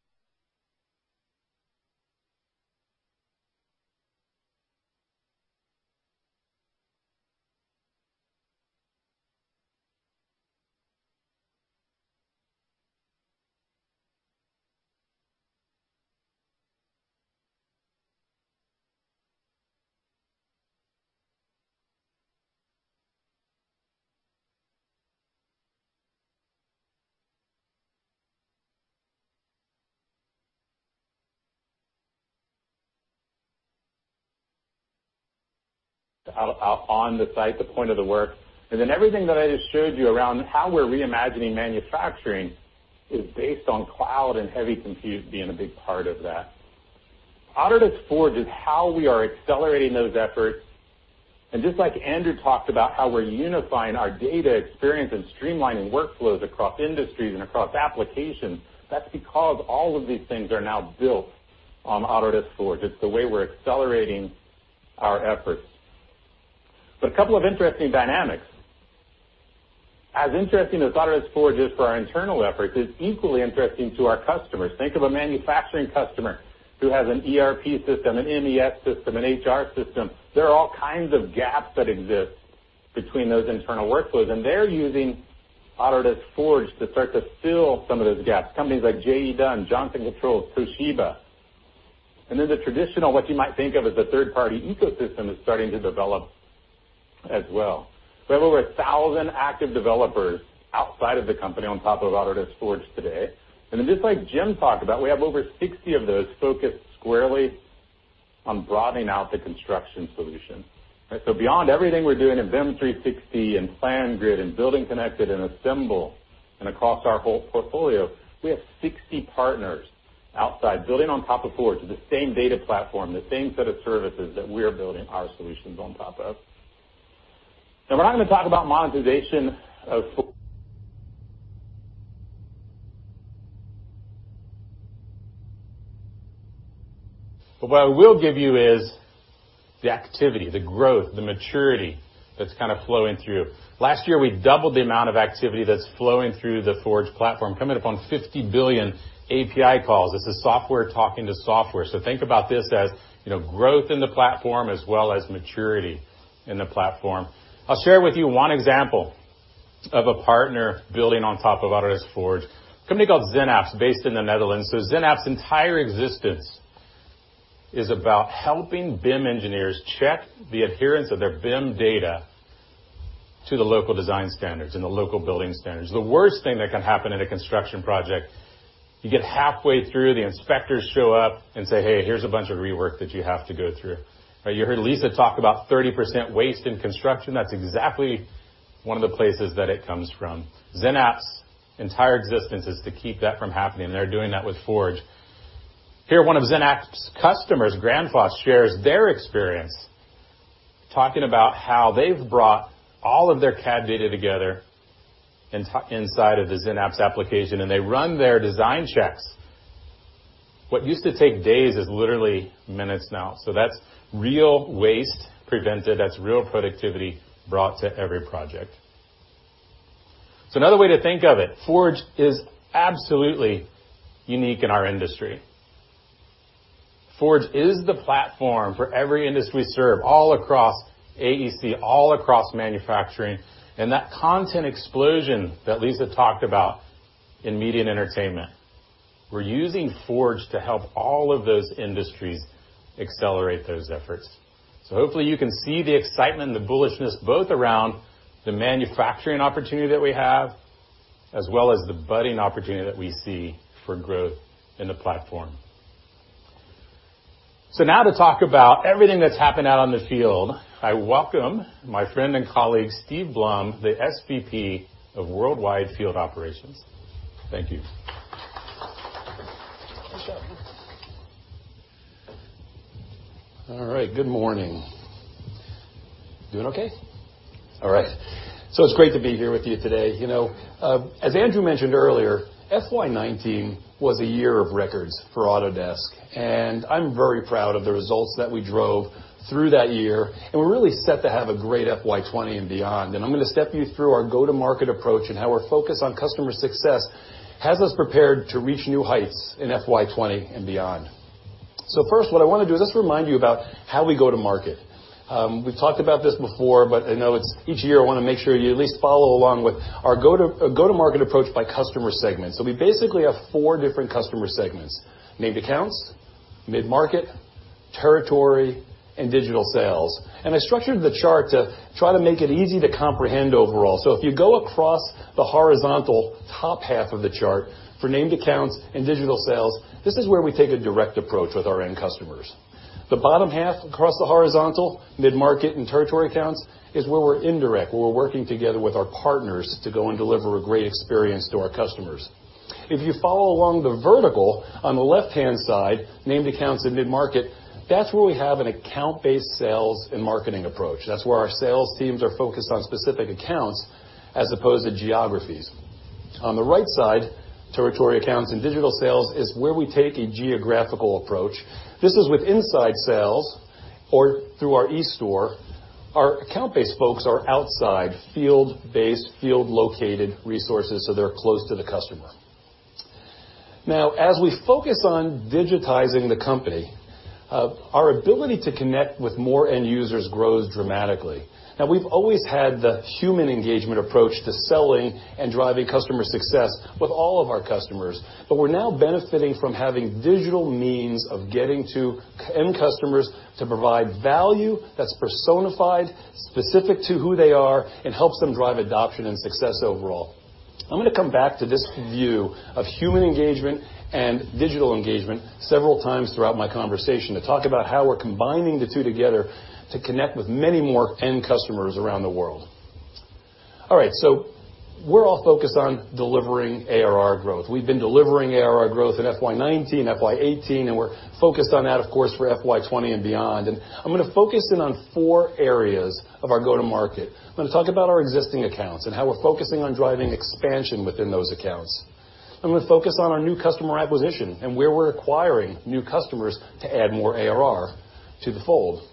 out on the site, the point of the work. Then everything that I just showed you around how we're reimagining manufacturing is based on cloud and heavy compute being a big part of that. Autodesk Forge is how we are accelerating those efforts. Just like Andrew talked about how we're unifying our data experience and streamlining workflows across industries and across applications, that's because all of these things are now built on Autodesk Forge. It's the way we're accelerating our efforts. A couple of interesting dynamics. As interesting as Autodesk Forge is for our internal efforts, it's equally interesting to our customers. Think of a manufacturing customer who has an ERP system, an MES system, an HR system. There are all kinds of gaps that exist between those internal workflows, and they're using Autodesk Forge to start to fill some of those gaps. Companies like JE Dunn, Johnson Controls, Toshiba. The traditional, what you might think of as a third-party ecosystem, is starting to develop as well. We have over 1,000 active developers outside of the company on top of Autodesk Forge today. Just like Jim talked about, we have over 60 of those focused squarely on broadening out the construction solution, right? Beyond everything we're doing in BIM 360 and PlanGrid and BuildingConnected and Assemble, and across our whole portfolio, we have 60 partners outside building on top of Forge, the same data platform, the same set of services that we're building our solutions on top of. Now we're not going to talk about monetization of. What I will give you is the activity, the growth, the maturity that's kind of flowing through. Last year, we doubled the amount of activity that's flowing through the Forge platform, coming up on 50 billion API calls. This is software talking to software. Think about this as growth in the platform, as well as maturity in the platform. I'll share with you one example of a partner building on top of Autodesk Forge, a company called XenApps, based in the Netherlands. XenApps' entire existence is about helping BIM engineers check the adherence of their BIM data to the local design standards and the local building standards. The worst thing that can happen in a construction project, you get halfway through, the inspectors show up and say, "Hey, here's a bunch of rework that you have to go through." Right? You heard Lisa talk about 30% waste in construction. That's exactly one of the places that it comes from. XenApps' entire existence is to keep that from happening, and they're doing that with Forge. Here, one of XenApps' customers, Grundfos, shares their experience, talking about how they've brought all of their CAD data together inside of the XenApps application, and they run their design checks. What used to take days is literally minutes now. That's real waste prevented. That's real productivity brought to every project. Another way to think of it, Forge is absolutely unique in our industry. Forge is the platform for every industry we serve, all across AEC, all across manufacturing, and that content explosion that Lisa talked about in media and entertainment. We're using Forge to help all of those industries accelerate those efforts. Hopefully you can see the excitement and the bullishness both around the manufacturing opportunity that we have, as well as the budding opportunity that we see for growth in the platform. Now to talk about everything that's happened out on the field, I welcome my friend and colleague, Steve Blum, the SVP of Worldwide Field Operations. Thank you. All right. Good morning. Doing okay? All right. It is great to be here with you today. As Andrew mentioned earlier, FY 2019 was a year of records for Autodesk, and I am very proud of the results that we drove through that year, and we are really set to have a great FY 2020 and beyond. I am going to step you through our go-to-market approach and how our focus on customer success has us prepared to reach new heights in FY 2020 and beyond. First, what I want to do is just remind you about how we go to market. We have talked about this before, but I know each year, I want to make sure you at least follow along with our go-to-market approach by customer segment. We basically have four different customer segments: named accounts, mid-market, territory, and digital sales. I structured the chart to try to make it easy to comprehend overall. If you go across the horizontal top half of the chart for named accounts and digital sales, this is where we take a direct approach with our end customers. The bottom half across the horizontal, mid-market and territory accounts, is where we are indirect, where we are working together with our partners to go and deliver a great experience to our customers. If you follow along the vertical, on the left-hand side, named accounts and mid-market, that is where we have an account-based sales and marketing approach. That is where our sales teams are focused on specific accounts as opposed to geographies. On the right side, territory accounts and digital sales is where we take a geographical approach. This is with inside sales or through our e-store. Our account-based folks are outside field-based, field-located resources, so they are close to the customer. Now, as we focus on digitizing the company, our ability to connect with more end users grows dramatically. Now, we have always had the human engagement approach to selling and driving customer success with all of our customers. We are now benefiting from having digital means of getting to end customers to provide value that is personified, specific to who they are, and helps them drive adoption and success overall. I am going to come back to this view of human engagement and digital engagement several times throughout my conversation to talk about how we are combining the two together to connect with many more end customers around the world. All right, we are all focused on delivering ARR growth. We have been delivering ARR growth in FY 2019, FY 2018, and we are focused on that, of course, for FY 2020 and beyond. I am going to focus in on four areas of our go-to-market. I am going to talk about our existing accounts and how we are focusing on driving expansion within those accounts. I am going to focus on our new customer acquisition and where we are acquiring new customers to add more ARR to the fold.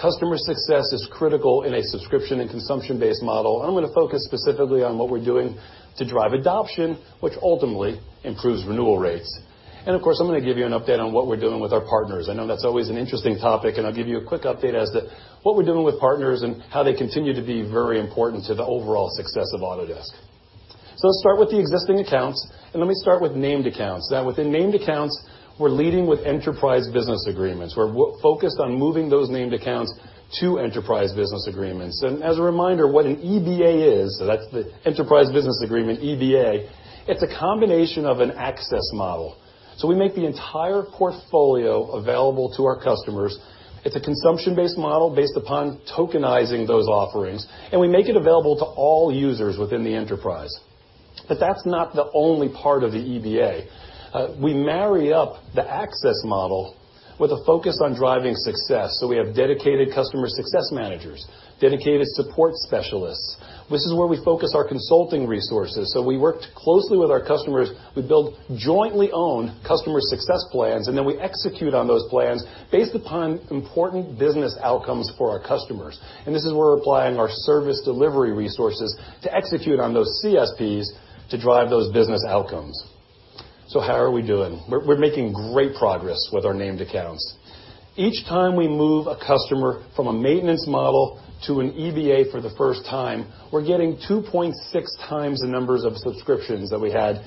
Customer success is critical in a subscription and consumption-based model. I am going to focus specifically on what we are doing to drive adoption, which ultimately improves renewal rates. Of course, I am going to give you an update on what we are doing with our partners. I know that is always an interesting topic, and I will give you a quick update as to what we are doing with partners and how they continue to be very important to the overall success of Autodesk. Let us start with the existing accounts, and let me start with named accounts. Within named accounts, we're leading with enterprise business agreements. We're focused on moving those named accounts to enterprise business agreements. As a reminder, what an EBA is, that's the enterprise business agreement, EBA, it's a combination of an access model. We make the entire portfolio available to our customers. It's a consumption-based model based upon tokenizing those offerings, and we make it available to all users within the enterprise. That's not the only part of the EBA. We marry up the access model with a focus on driving success. We have dedicated customer success managers, dedicated support specialists. This is where we focus our consulting resources. We worked closely with our customers. We build jointly owned customer success plans, then we execute on those plans based upon important business outcomes for our customers. This is where we're applying our service delivery resources to execute on those CSPs to drive those business outcomes. How are we doing? We're making great progress with our named accounts. Each time we move a customer from a maintenance model to an EBA for the first time, we're getting 2.6 times the numbers of subscriptions that we had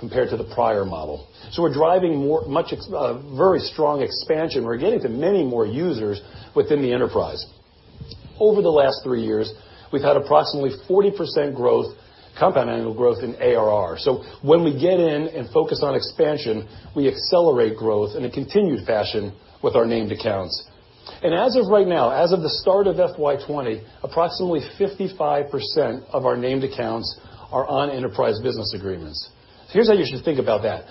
compared to the prior model. We're driving very strong expansion. We're getting to many more users within the enterprise. Over the last three years, we've had approximately 40% growth, compound annual growth in ARR. When we get in and focus on expansion, we accelerate growth in a continued fashion with our named accounts. As of right now, as of the start of FY 2020, approximately 55% of our named accounts are on enterprise business agreements. Here's how you should think about that.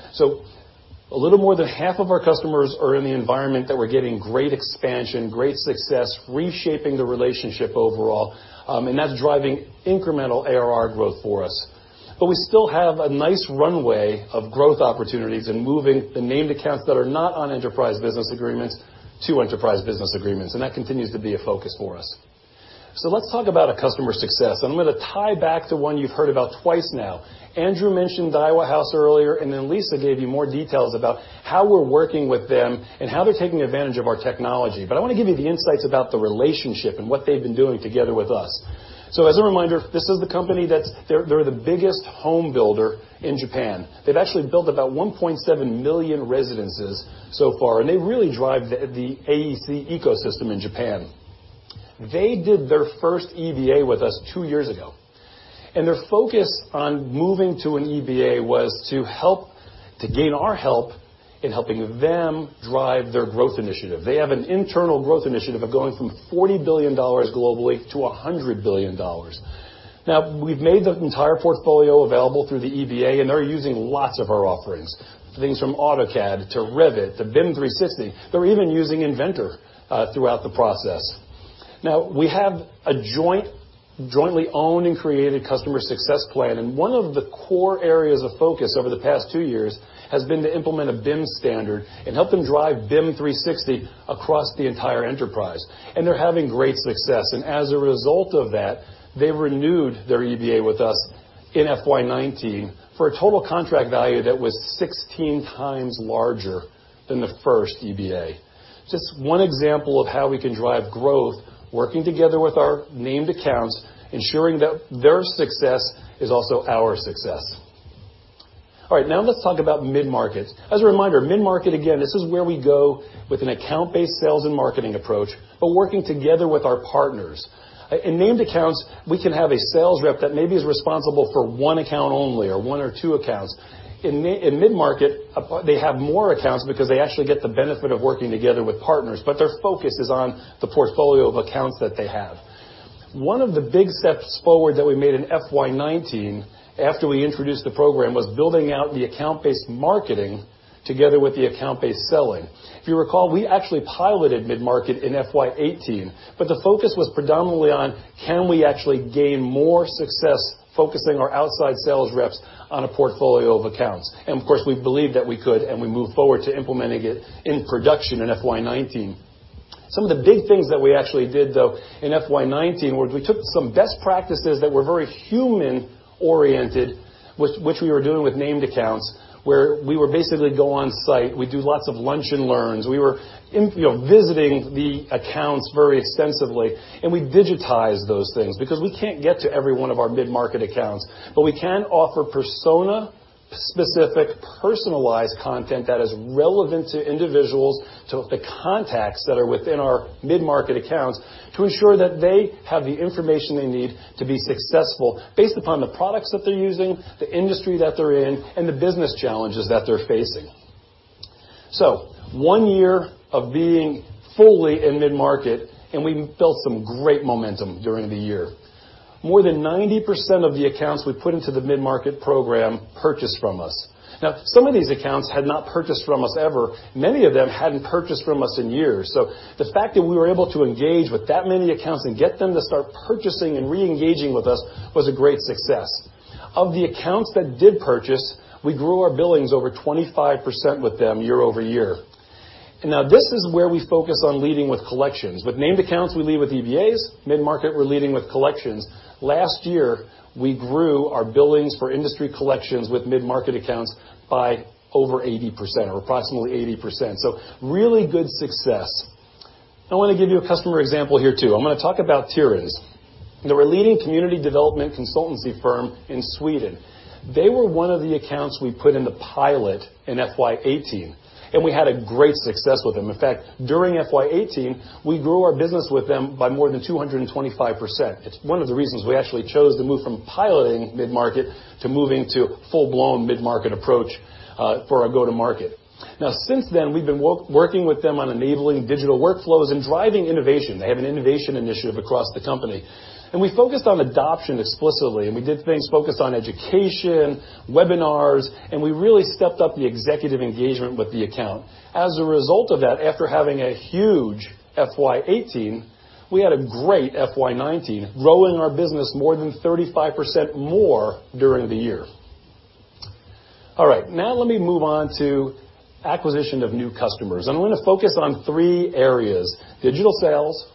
A little more than half of our customers are in the environment that we're getting great expansion, great success, reshaping the relationship overall, that's driving incremental ARR growth for us. We still have a nice runway of growth opportunities in moving the named accounts that are not on enterprise business agreements to enterprise business agreements, that continues to be a focus for us. Let's talk about a customer success, I'm going to tie back to one you've heard about twice now. Andrew mentioned Daiwa House earlier, then Lisa gave you more details about how we're working with them and how they're taking advantage of our technology. I want to give you the insights about the relationship and what they've been doing together with us. As a reminder, this is the company, they're the biggest home builder in Japan. They've actually built about 1.7 million residences so far, they really drive the AEC ecosystem in Japan. They did their first EBA with us two years ago, their focus on moving to an EBA was to gain our help in helping them drive their growth initiative. They have an internal growth initiative of going from $40 billion globally to $100 billion. We've made the entire portfolio available through the EBA, they're using lots of our offerings, things from AutoCAD to Revit to BIM 360. They're even using Inventor throughout the process. We have a jointly owned and created customer success plan, one of the core areas of focus over the past two years has been to implement a BIM standard and help them drive BIM 360 across the entire enterprise. They're having great success. As a result of that, they renewed their EBA with us in FY 2019 for a total contract value that was 16 times larger than the first EBA. Just one example of how we can drive growth, working together with our named accounts, ensuring that their success is also our success. Let's talk about mid-markets. As a reminder, mid-market, again, this is where we go with an account-based sales and marketing approach, but working together with our partners. In named accounts, we can have a sales rep that maybe is responsible for one account only or one or two accounts. In mid-market, they have more accounts because they actually get the benefit of working together with partners, but their focus is on the portfolio of accounts that they have. One of the big steps forward that we made in FY 2019 after we introduced the program was building out the account-based marketing together with the account-based selling. If you recall, we actually piloted mid-market in FY 2018, but the focus was predominantly on can we actually gain more success focusing our outside sales reps on a portfolio of accounts? Of course, we believed that we could, and we moved forward to implementing it in production in FY 2019. Some of the big things that we actually did, though, in FY 2019, was we took some best practices that were very human-oriented, which we were doing with named accounts, where we would basically go on site. We'd do lots of lunch and learns. We were visiting the accounts very extensively, and we'd digitize those things. Because we can't get to every one of our mid-market accounts, but we can offer persona-specific, personalized content that is relevant to individuals, to the contacts that are within our mid-market accounts to ensure that they have the information they need to be successful based upon the products that they're using, the industry that they're in, and the business challenges that they're facing. One year of being fully in mid-market, and we built some great momentum during the year. More than 90% of the accounts we put into the mid-market program purchased from us. Now, some of these accounts had not purchased from us ever. Many of them hadn't purchased from us in years. The fact that we were able to engage with that many accounts and get them to start purchasing and re-engaging with us was a great success. Of the accounts that did purchase, we grew our billings over 25% with them year-over-year. Now this is where we focus on leading with collections. With named accounts, we lead with EBAs, mid-market, we're leading with collections. Last year, we grew our billings for industry collections with mid-market accounts by over 80%, or approximately 80%. Really good success. I want to give you a customer example here, too. I'm going to talk about Tyréns. They're a leading community development consultancy firm in Sweden. They were one of the accounts we put in the pilot in FY 2018, and we had a great success with them. In fact, during FY 2018, we grew our business with them by more than 225%. It's one of the reasons we actually chose to move from piloting mid-market to moving to full-blown mid-market approach for our go-to market. Since then, we've been working with them on enabling digital workflows and driving innovation. They have an innovation initiative across the company. We focused on adoption explicitly, and we did things focused on education, webinars, and we really stepped up the executive engagement with the account. As a result of that, after having a huge FY 2018, we had a great FY 2019, growing our business more than 35% more during the year. All right. Let me move on to acquisition of new customers. I'm going to focus on three areas, digital sales,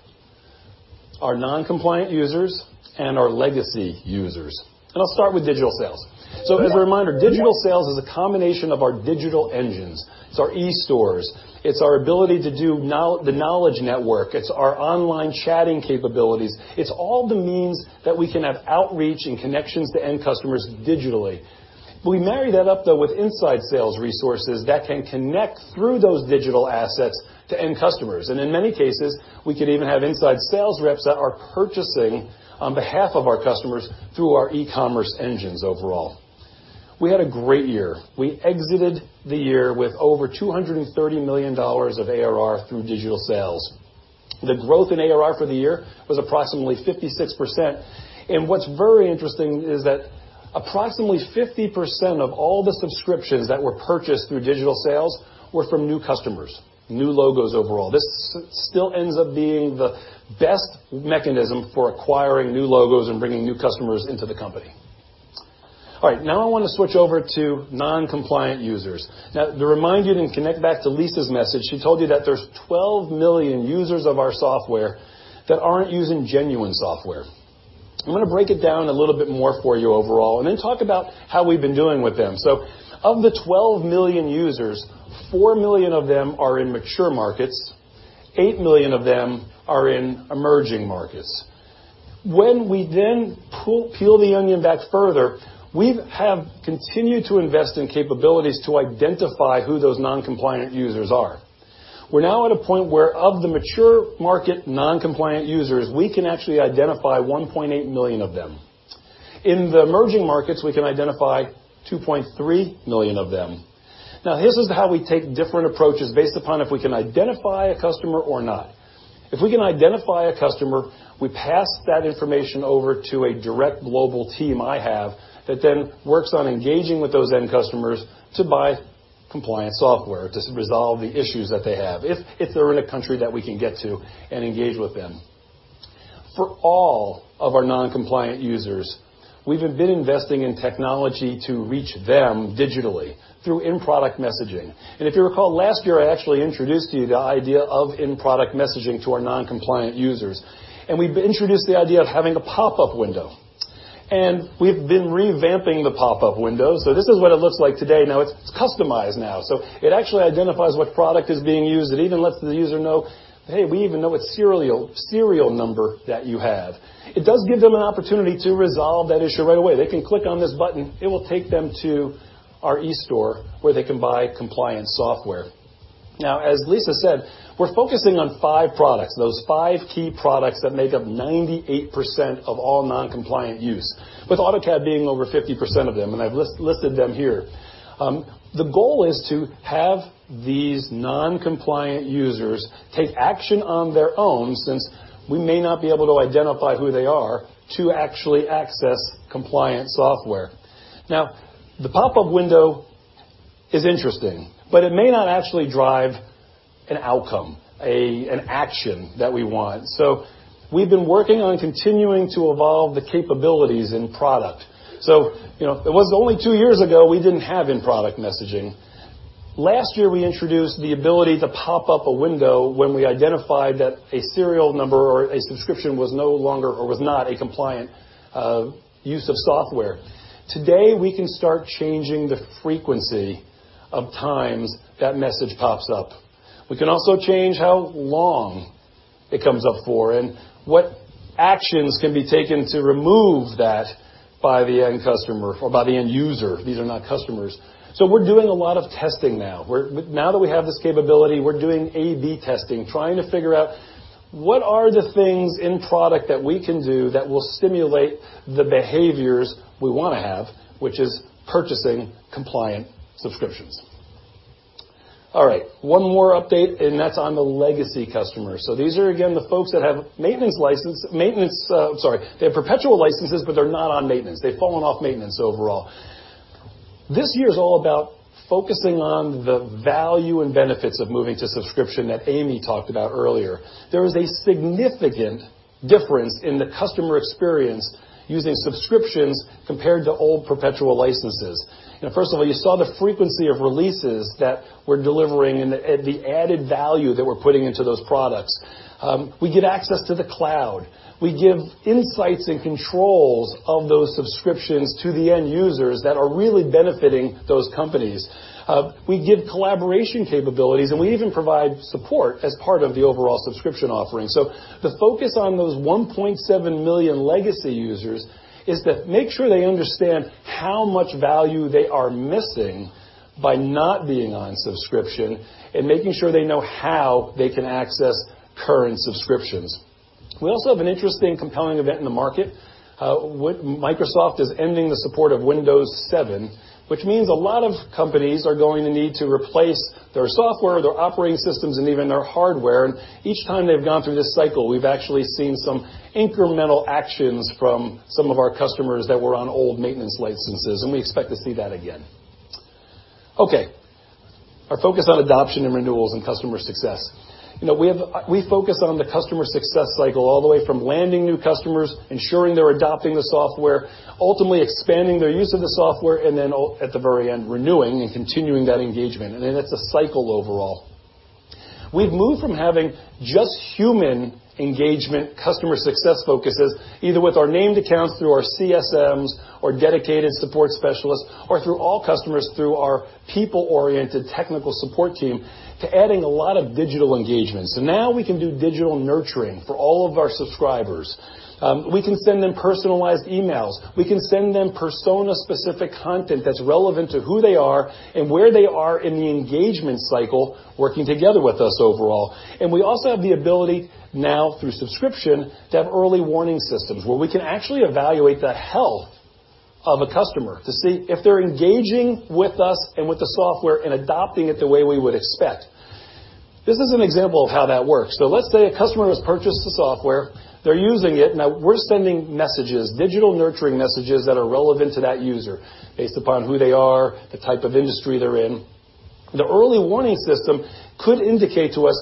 our non-compliant users, and our legacy users. I'll start with digital sales. As a reminder, digital sales is a combination of our digital engines. It's our e-stores. It's our ability to do the Knowledge Network. It's our online chatting capabilities. It's all the means that we can have outreach and connections to end customers digitally. We marry that up, though, with inside sales resources that can connect through those digital assets to end customers. In many cases, we could even have inside sales reps that are purchasing on behalf of our customers through our e-commerce engines overall. We had a great year. We exited the year with over $230 million of ARR through digital sales. The growth in ARR for the year was approximately 56%. What's very interesting is that approximately 50% of all the subscriptions that were purchased through digital sales were from new customers, new logos overall. This still ends up being the best mechanism for acquiring new logos and bringing new customers into the company. All right, now I want to switch over to non-compliant users. To remind you and connect back to Lisa's message, she told you that there's 12 million users of our software that aren't using genuine software. I'm going to break it down a little bit more for you overall and then talk about how we've been doing with them. Of the 12 million users, 4 million of them are in mature markets, 8 million of them are in emerging markets. When we then peel the onion back further, we have continued to invest in capabilities to identify who those non-compliant users are. We're now at a point where of the mature market non-compliant users, we can actually identify 1.8 million of them. In the emerging markets, we can identify 2.3 million of them. This is how we take different approaches based upon if we can identify a customer or not. If we can identify a customer, we pass that information over to a direct global team I have that then works on engaging with those end customers to buy compliant software to resolve the issues that they have, if they're in a country that we can get to and engage with them. For all of our non-compliant users, we've been investing in technology to reach them digitally through in-product messaging. If you recall, last year, I actually introduced to you the idea of in-product messaging to our non-compliant users. We've introduced the idea of having a pop-up window. We've been revamping the pop-up window. This is what it looks like today. It's customized now. It actually identifies what product is being used. It even lets the user know, "Hey, we even know what serial number that you have." It does give them an opportunity to resolve that issue right away. They can click on this button. It will take them to our e-store where they can buy compliant software. As Lisa said, we're focusing on five products, those five key products that make up 98% of all non-compliant use, with AutoCAD being over 50% of them, and I've listed them here. The goal is to have these non-compliant users take action on their own, since we may not be able to identify who they are to actually access compliant software. The pop-up window is interesting, but it may not actually drive an outcome, an action that we want. We've been working on continuing to evolve the capabilities in product. It was only two years ago, we didn't have in-product messaging. Last year, we introduced the ability to pop up a window when we identified that a serial number or a subscription was no longer, or was not a compliant use of software. Today, we can start changing the frequency of times that message pops up. We can also change how long it comes up for, and what actions can be taken to remove that by the end customer or by the end user. These are not customers. We're doing a lot of testing now. Now that we have this capability, we're doing A/B testing, trying to figure out what are the things in product that we can do that will stimulate the behaviors we want to have, which is purchasing compliant subscriptions. All right, one more update, and that's on the legacy customer. These are, again, the folks that have maintenance license. I'm sorry, they have perpetual licenses, but they're not on maintenance. They've fallen off maintenance overall. This year is all about focusing on the value and benefits of moving to subscription that Amy talked about earlier. There is a significant difference in the customer experience using subscriptions compared to old perpetual licenses. First of all, you saw the frequency of releases that we're delivering and the added value that we're putting into those products. We give access to the cloud. We give insights and controls of those subscriptions to the end users that are really benefiting those companies. We give collaboration capabilities, and we even provide support as part of the overall subscription offering. The focus on those 1.7 million legacy users is to make sure they understand how much value they are missing by not being on subscription, and making sure they know how they can access current subscriptions. We also have an interesting compelling event in the market. Microsoft is ending the support of Windows 7, which means a lot of companies are going to need to replace their software, their operating systems, and even their hardware. Each time they've gone through this cycle, we've actually seen some incremental actions from some of our customers that were on old maintenance licenses, and we expect to see that again. Okay. Our focus on adoption and renewals and customer success. We focus on the customer success cycle all the way from landing new customers, ensuring they're adopting the software, ultimately expanding their use of the software, and then at the very end, renewing and continuing that engagement. That's a cycle overall. We've moved from having just human engagement customer success focuses, either with our named accounts through our CSMs or dedicated support specialists, or through all customers through our people-oriented technical support team, to adding a lot of digital engagement. Now we can do digital nurturing for all of our subscribers. We can send them personalized emails. We can send them persona-specific content that's relevant to who they are and where they are in the engagement cycle, working together with us overall. We also have the ability now through subscription to have early warning systems, where we can actually evaluate the health of a customer to see if they're engaging with us and with the software, and adopting it the way we would expect. This is an example of how that works. Let's say a customer has purchased the software, they're using it. Now we're sending messages, digital nurturing messages that are relevant to that user based upon who they are, the type of industry they're in. The early warning system could indicate to us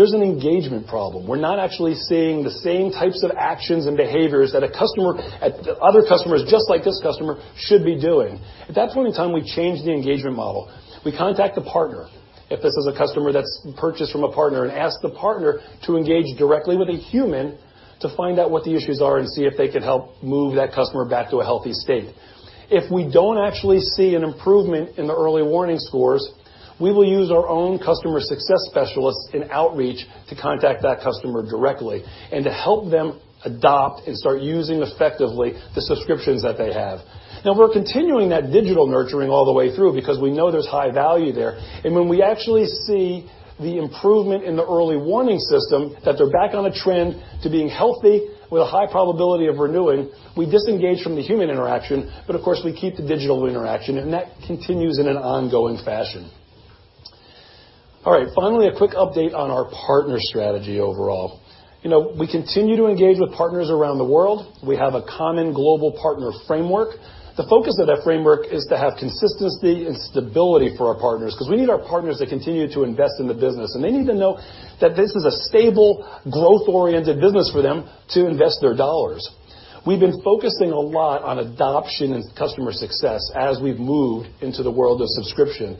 there's an engagement problem. We're not actually seeing the same types of actions and behaviors that other customers just like this customer should be doing. At that point in time, we change the engagement model. We contact the partner, if this is a customer that's purchased from a partner, and ask the partner to engage directly with a human to find out what the issues are and see if they could help move that customer back to a healthy state. If we don't actually see an improvement in the early warning scores, we will use our own customer success specialists in outreach to contact that customer directly and to help them adopt and start using effectively the subscriptions that they have. Now we're continuing that digital nurturing all the way through because we know there's high value there. When we actually see the improvement in the early warning system that they're back on a trend to being healthy with a high probability of renewing, we disengage from the human interaction. Of course, we keep the digital interaction, that continues in an ongoing fashion. All right, finally, a quick update on our partner strategy overall. We continue to engage with partners around the world. We have a common global partner framework. The focus of that framework is to have consistency and stability for our partners, because we need our partners to continue to invest in the business. They need to know that this is a stable, growth-oriented business for them to invest their dollars. We've been focusing a lot on adoption and customer success as we've moved into the world of subscription.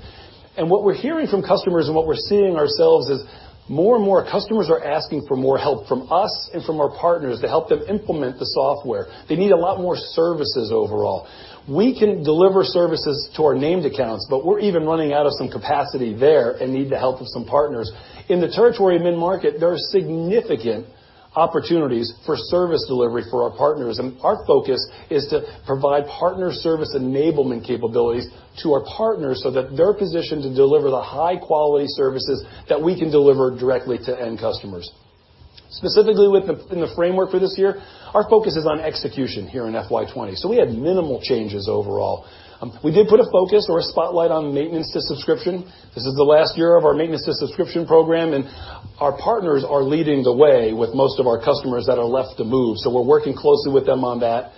What we're hearing from customers and what we're seeing ourselves is more and more customers are asking for more help from us and from our partners to help them implement the software. They need a lot more services overall. We can deliver services to our named accounts. We're even running out of some capacity there and need the help of some partners. In the territory of mid-market, there are significant opportunities for service delivery for our partners. Our focus is to provide partner service enablement capabilities to our partners so that they're positioned to deliver the high-quality services that we can deliver directly to end customers. Specifically within the framework for this year, our focus is on execution here in FY 2020. We had minimal changes overall. We did put a focus or a spotlight on maintenance to subscription. This is the last year of our maintenance to subscription program, and our partners are leading the way with most of our customers that are left to move. We're working closely with them on that.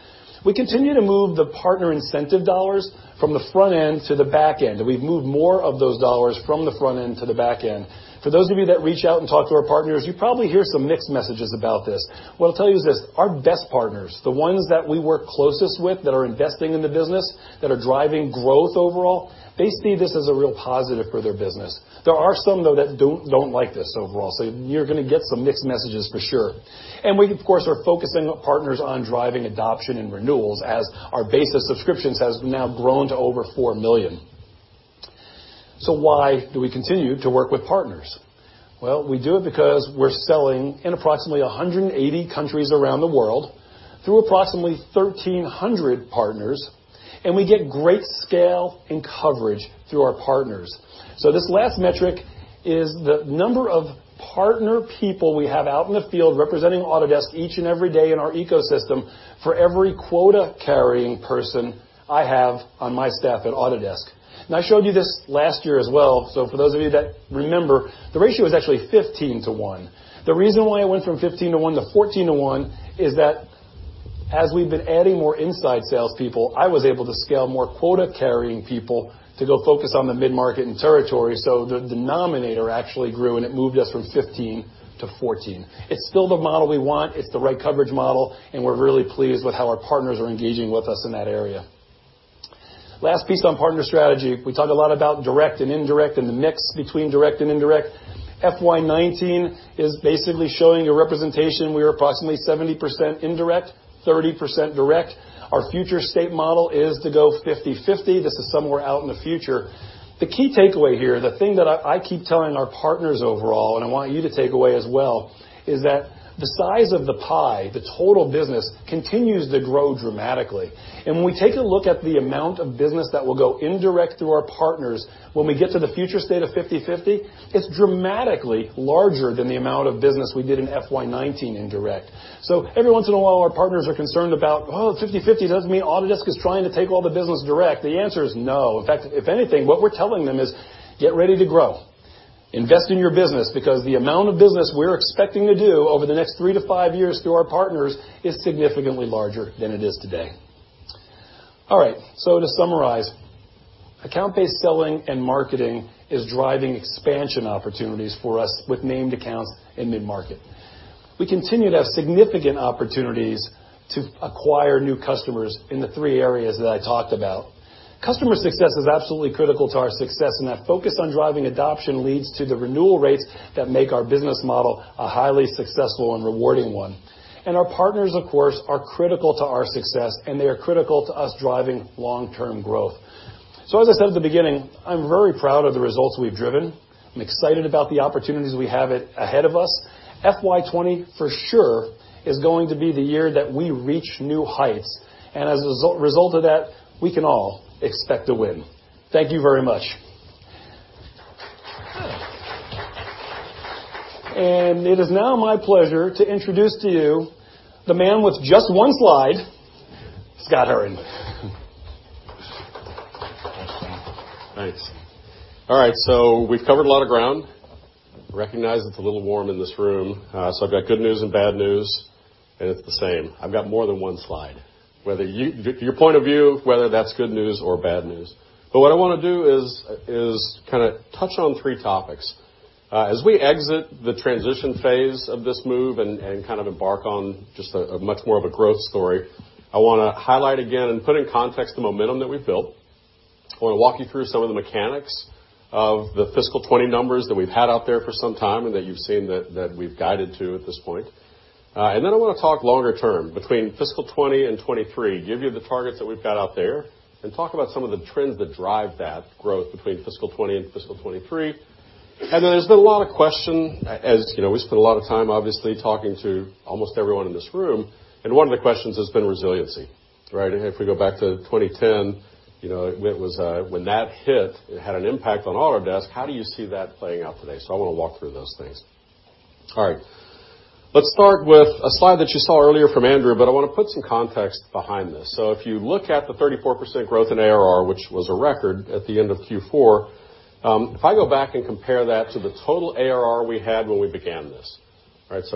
We continue to move the partner incentive dollars from the front end to the back end. We've moved more of those dollars from the front end to the back end. For those of you that reach out and talk to our partners, you probably hear some mixed messages about this. What I'll tell you is this. Our best partners, the ones that we work closest with that are investing in the business, that are driving growth overall, they see this as a real positive for their business. There are some, though, that don't like this overall. You're gonna get some mixed messages for sure. We, of course, are focusing partners on driving adoption and renewals as our base of subscriptions has now grown to over 4 million. Why do we continue to work with partners? Well, we do it because we're selling in approximately 180 countries around the world through approximately 1,300 partners. We get great scale and coverage through our partners. This last metric is the number of partner people we have out in the field representing Autodesk each and every day in our ecosystem for every quota-carrying person I have on my staff at Autodesk. I showed you this last year as well. For those of you that remember, the ratio is actually 15 to 1. The reason why it went from 15 to 1 to 14 to 1 is that as we've been adding more inside salespeople, I was able to scale more quota-carrying people to go focus on the mid-market and territory. The denominator actually grew, and it moved us from 15 to 14. It's still the model we want. It's the right coverage model. We're really pleased with how our partners are engaging with us in that area. Last piece on partner strategy. We talk a lot about direct and indirect and the mix between direct and indirect. FY 2019 is basically showing a representation. We are approximately 70% indirect, 30% direct. Our future state model is to go 50/50. This is somewhere out in the future. The key takeaway here, the thing that I keep telling our partners overall, and I want you to take away as well, is that the size of the pie, the total business, continues to grow dramatically. When we take a look at the amount of business that will go indirect through our partners when we get to the future state of 50/50, it's dramatically larger than the amount of business we did in FY 2019 indirect. Every once in a while, our partners are concerned about, 50/50. Does it mean Autodesk is trying to take all the business direct? The answer is no. In fact, if anything, what we're telling them is, "Get ready to grow. Invest in your business," because the amount of business we're expecting to do over the next three to five years through our partners is significantly larger than it is today. To summarize, account-based selling and marketing is driving expansion opportunities for us with named accounts in mid-market. We continue to have significant opportunities to acquire new customers in the three areas that I talked about. Customer success is absolutely critical to our success, and that focus on driving adoption leads to the renewal rates that make our business model a highly successful and rewarding one. Our partners, of course, are critical to our success, and they are critical to us driving long-term growth. As I said at the beginning, I'm very proud of the results we've driven. I'm excited about the opportunities we have ahead of us. FY 2020 for sure is going to be the year that we reach new heights, and as a result of that, we can all expect to win. Thank you very much. It is now my pleasure to introduce to you the man with just one slide, Scott Herren. Thanks. We've covered a lot of ground. Recognize it's a little warm in this room. I've got good news and bad news, and it's the same. I've got more than one slide, your point of view, whether that's good news or bad news. What I want to do is touch on three topics. As we exit the transition phase of this move and embark on just a much more of a growth story, I want to highlight again and put in context the momentum that we've built. I want to walk you through some of the mechanics of the fiscal 2020 numbers that we've had out there for some time and that you've seen that we've guided to at this point. I want to talk longer term between fiscal 2020 and 2023, give you the targets that we've got out there, and talk about some of the trends that drive that growth between fiscal 2020 and fiscal 2023. There's been a lot of question as we spent a lot of time, obviously, talking to almost everyone in this room, and one of the questions has been resiliency, right? If we go back to 2010, when that hit, it had an impact on Autodesk. How do you see that playing out today? I want to walk through those things. Let's start with a slide that you saw earlier from Andrew, but I want to put some context behind this. If you look at the 34% growth in ARR, which was a record at the end of Q4, if I go back and compare that to the total ARR we had when we began this.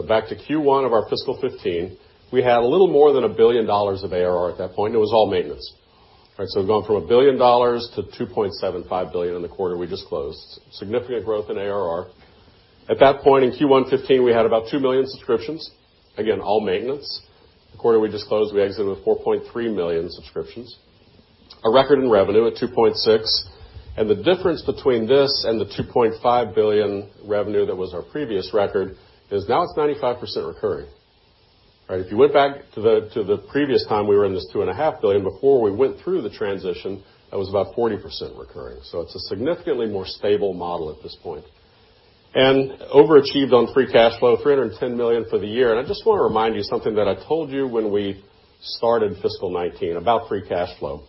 Back to Q1 of our fiscal 2015, we had a little more than $1 billion of ARR at that point, and it was all maintenance. We're going from $1 billion to $2.75 billion in the quarter we just closed. Significant growth in ARR. At that point in Q1 2015, we had about 2 million subscriptions, again, all maintenance. The quarter we just closed, we exited with 4.3 million subscriptions. A record in revenue at $2.6 billion. The difference between this and the $2.5 billion revenue that was our previous record is now it's 95% recurring. If you went back to the previous time we were in this $2.5 billion, before we went through the transition, that was about 40% recurring. It's a significantly more stable model at this point. Overachieved on free cash flow, $310 million for the year. I just want to remind you something that I told you when we started fiscal 2019 about free cash flow.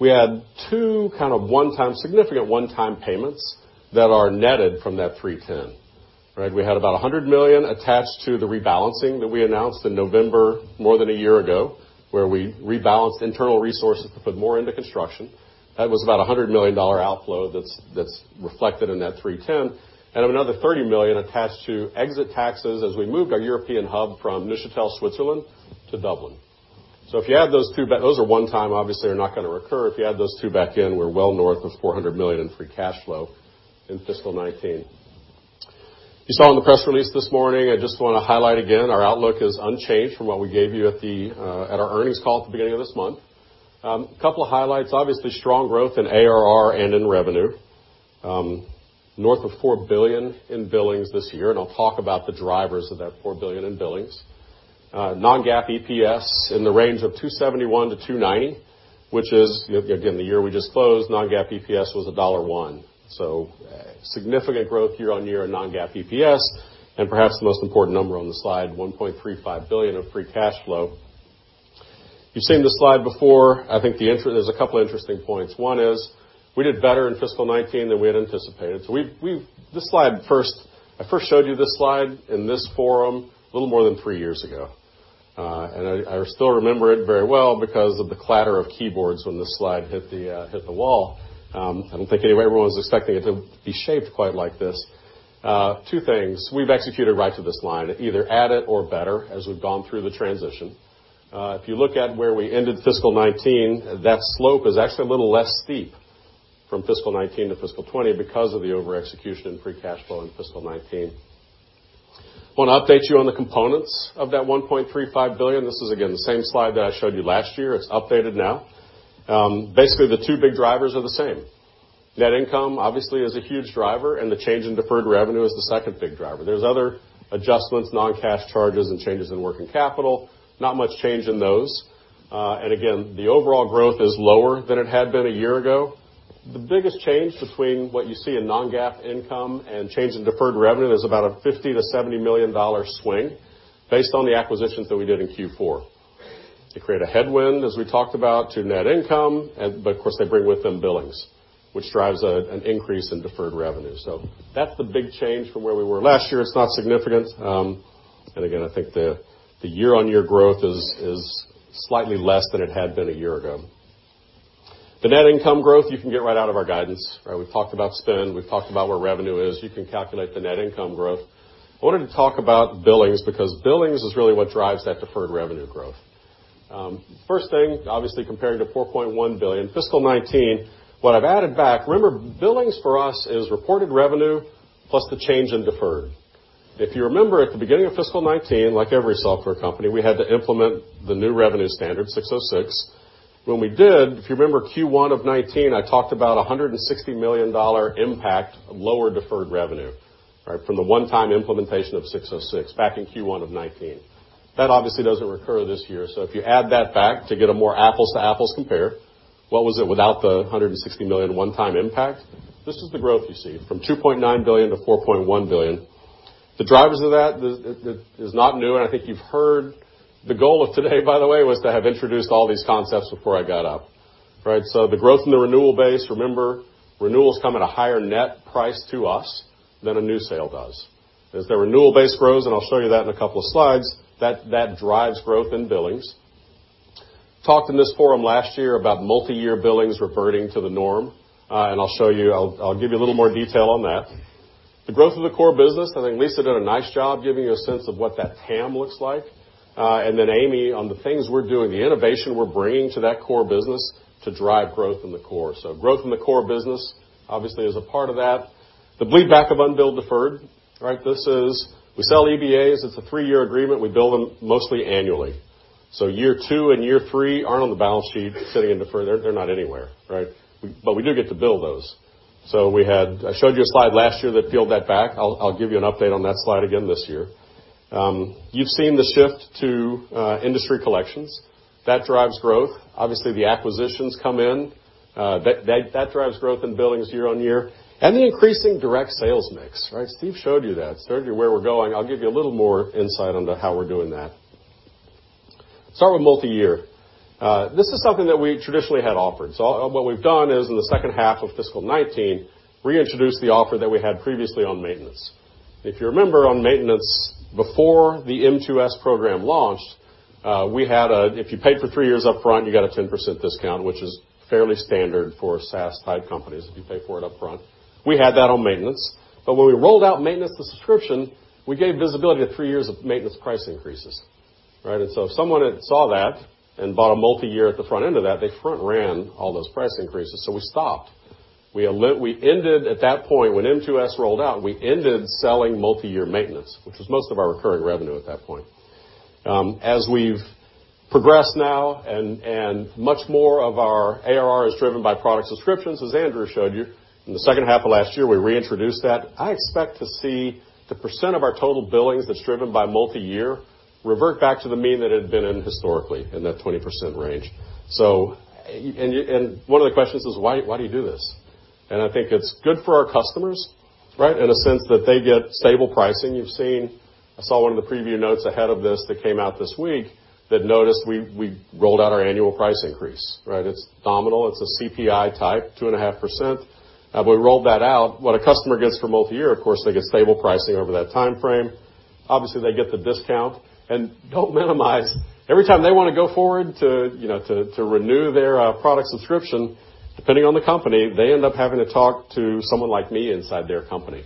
We had two significant one-time payments that are netted from that $310 million. We had about $100 million attached to the rebalancing that we announced in November, more than a year ago, where we rebalanced internal resources to put more into construction. That was about a $100 million outflow that's reflected in that $310 million, and another $30 million attached to exit taxes as we moved our European hub from Neuchâtel, Switzerland to Dublin. Those are one-time, obviously, they're not going to recur. If you add those two back in, we're well north of $400 million in free cash flow in fiscal 2019. You saw in the press release this morning, I just want to highlight again, our outlook is unchanged from what we gave you at our earnings call at the beginning of this month. A couple of highlights, obviously, strong growth in ARR and in revenue. North of $4 billion in billings this year, I'll talk about the drivers of that $4 billion in billings. Non-GAAP EPS in the range of $2.71-$2.90, which is, again, the year we just closed, non-GAAP EPS was $1.10. Significant growth year-over-year in non-GAAP EPS, and perhaps the most important number on the slide, $1.35 billion of free cash flow. You've seen this slide before. I think there's a couple interesting points. One is, we did better in fiscal 2019 than we had anticipated. I first showed you this slide in this forum a little more than three years ago. I still remember it very well because of the clatter of keyboards when this slide hit the wall. I don't think everyone was expecting it to be shaped quite like this. Two things. We've executed right to this line, either at it or better as we've gone through the transition. If you look at where we ended fiscal 2019, that slope is actually a little less steep from fiscal 2019 to fiscal 2020 because of the over-execution in free cash flow in fiscal 2019. I want to update you on the components of that $1.35 billion. This is, again, the same slide that I showed you last year. It's updated now. Basically, the two big drivers are the same. Net income, obviously, is a huge driver, and the change in deferred revenue is the second big driver. There's other adjustments, non-cash charges, and changes in working capital, not much change in those. Again, the overall growth is lower than it had been a year ago. The biggest change between what you see in non-GAAP income and change in deferred revenue is about a $50 million-$70 million swing based on the acquisitions that we did in Q4. They create a headwind, as we talked about, to net income, but of course, they bring with them billings, which drives an increase in deferred revenue. That's the big change from where we were last year. It's not significant. Again, I think the year-on-year growth is slightly less than it had been a year ago. The net income growth, you can get right out of our guidance. We've talked about spend, we've talked about where revenue is. You can calculate the net income growth. I wanted to talk about billings because billings is really what drives that deferred revenue growth. First thing, obviously, comparing to $4.1 billion, fiscal 2019, what I've added back, remember, billings for us is reported revenue plus the change in deferred. If you remember, at the beginning of fiscal 2019, like every software company, we had to implement the new revenue standard 606. When we did, if you remember Q1 of 2019, I talked about $160 million impact of lower deferred revenue. From the one-time implementation of 606 back in Q1 of 2019. That obviously doesn't recur this year. If you add that back to get a more apples-to-apples compare, what was it without the $160 million one-time impact? This is the growth you see, from $2.9 billion-$4.1 billion. The drivers of that is not new, I think you've heard the goal of today, by the way, was to have introduced all these concepts before I got up. The growth in the renewal base, remember, renewals come at a higher net price to us than a new sale does. As the renewal base grows, I'll show you that in a couple of slides, that drives growth in billings. Talked in this forum last year about multi-year billings reverting to the norm. I'll give you a little more detail on that. The growth of the core business, I think Lisa did a nice job giving you a sense of what that TAM looks like. Amy, on the things we're doing, the innovation we're bringing to that core business to drive growth in the core. Growth in the core business, obviously, is a part of that. The bleed back of unbilled deferred. We sell EBAs, it's a three-year agreement. We bill them mostly annually. Year 2 and year 3 aren't on the balance sheet sitting in deferred. They're not anywhere. We do get to bill those. I showed you a slide last year that peeled that back. I'll give you an update on that slide again this year. You've seen the shift to industry collections. That drives growth. Obviously, the acquisitions come in. That drives growth in billings year-on-year. The increasing direct sales mix. Steve showed you that, showed you where we're going. I'll give you a little more insight into how we're doing that. Start with multi-year. This is something that we traditionally had offered. What we've done is in the second half of fiscal 2019, reintroduced the offer that we had previously on maintenance. If you remember, on maintenance, before the M2S program launched, if you paid for 3 years upfront, you got a 10% discount, which is fairly standard for SaaS-type companies if you pay for it upfront. We had that on maintenance. But when we rolled out maintenance as a subscription, we gave visibility to 3 years of maintenance price increases. If someone had saw that and bought a multi-year at the front end of that, they front-ran all those price increases, we stopped. At that point, when M2S rolled out, we ended selling multi-year maintenance, which was most of our recurring revenue at that point. We've progressed now and much more of our ARR is driven by product subscriptions, as Andrew showed you, in the second half of last year, we reintroduced that. I expect to see the percent of our total billings that's driven by multi-year revert back to the mean that it had been in historically, in that 20% range. One of the questions is, why do you do this? I think it's good for our customers, right? In a sense that they get stable pricing. I saw one of the preview notes ahead of this that came out this week that noticed we rolled out our annual price increase, right? It's nominal. It's a CPI type 2.5%. We rolled that out. What a customer gets for multi-year, of course, they get stable pricing over that timeframe. Obviously, they get the discount and don't minimize every time they want to go forward to renew their product subscription, depending on the company, they end up having to talk to someone like me inside their company.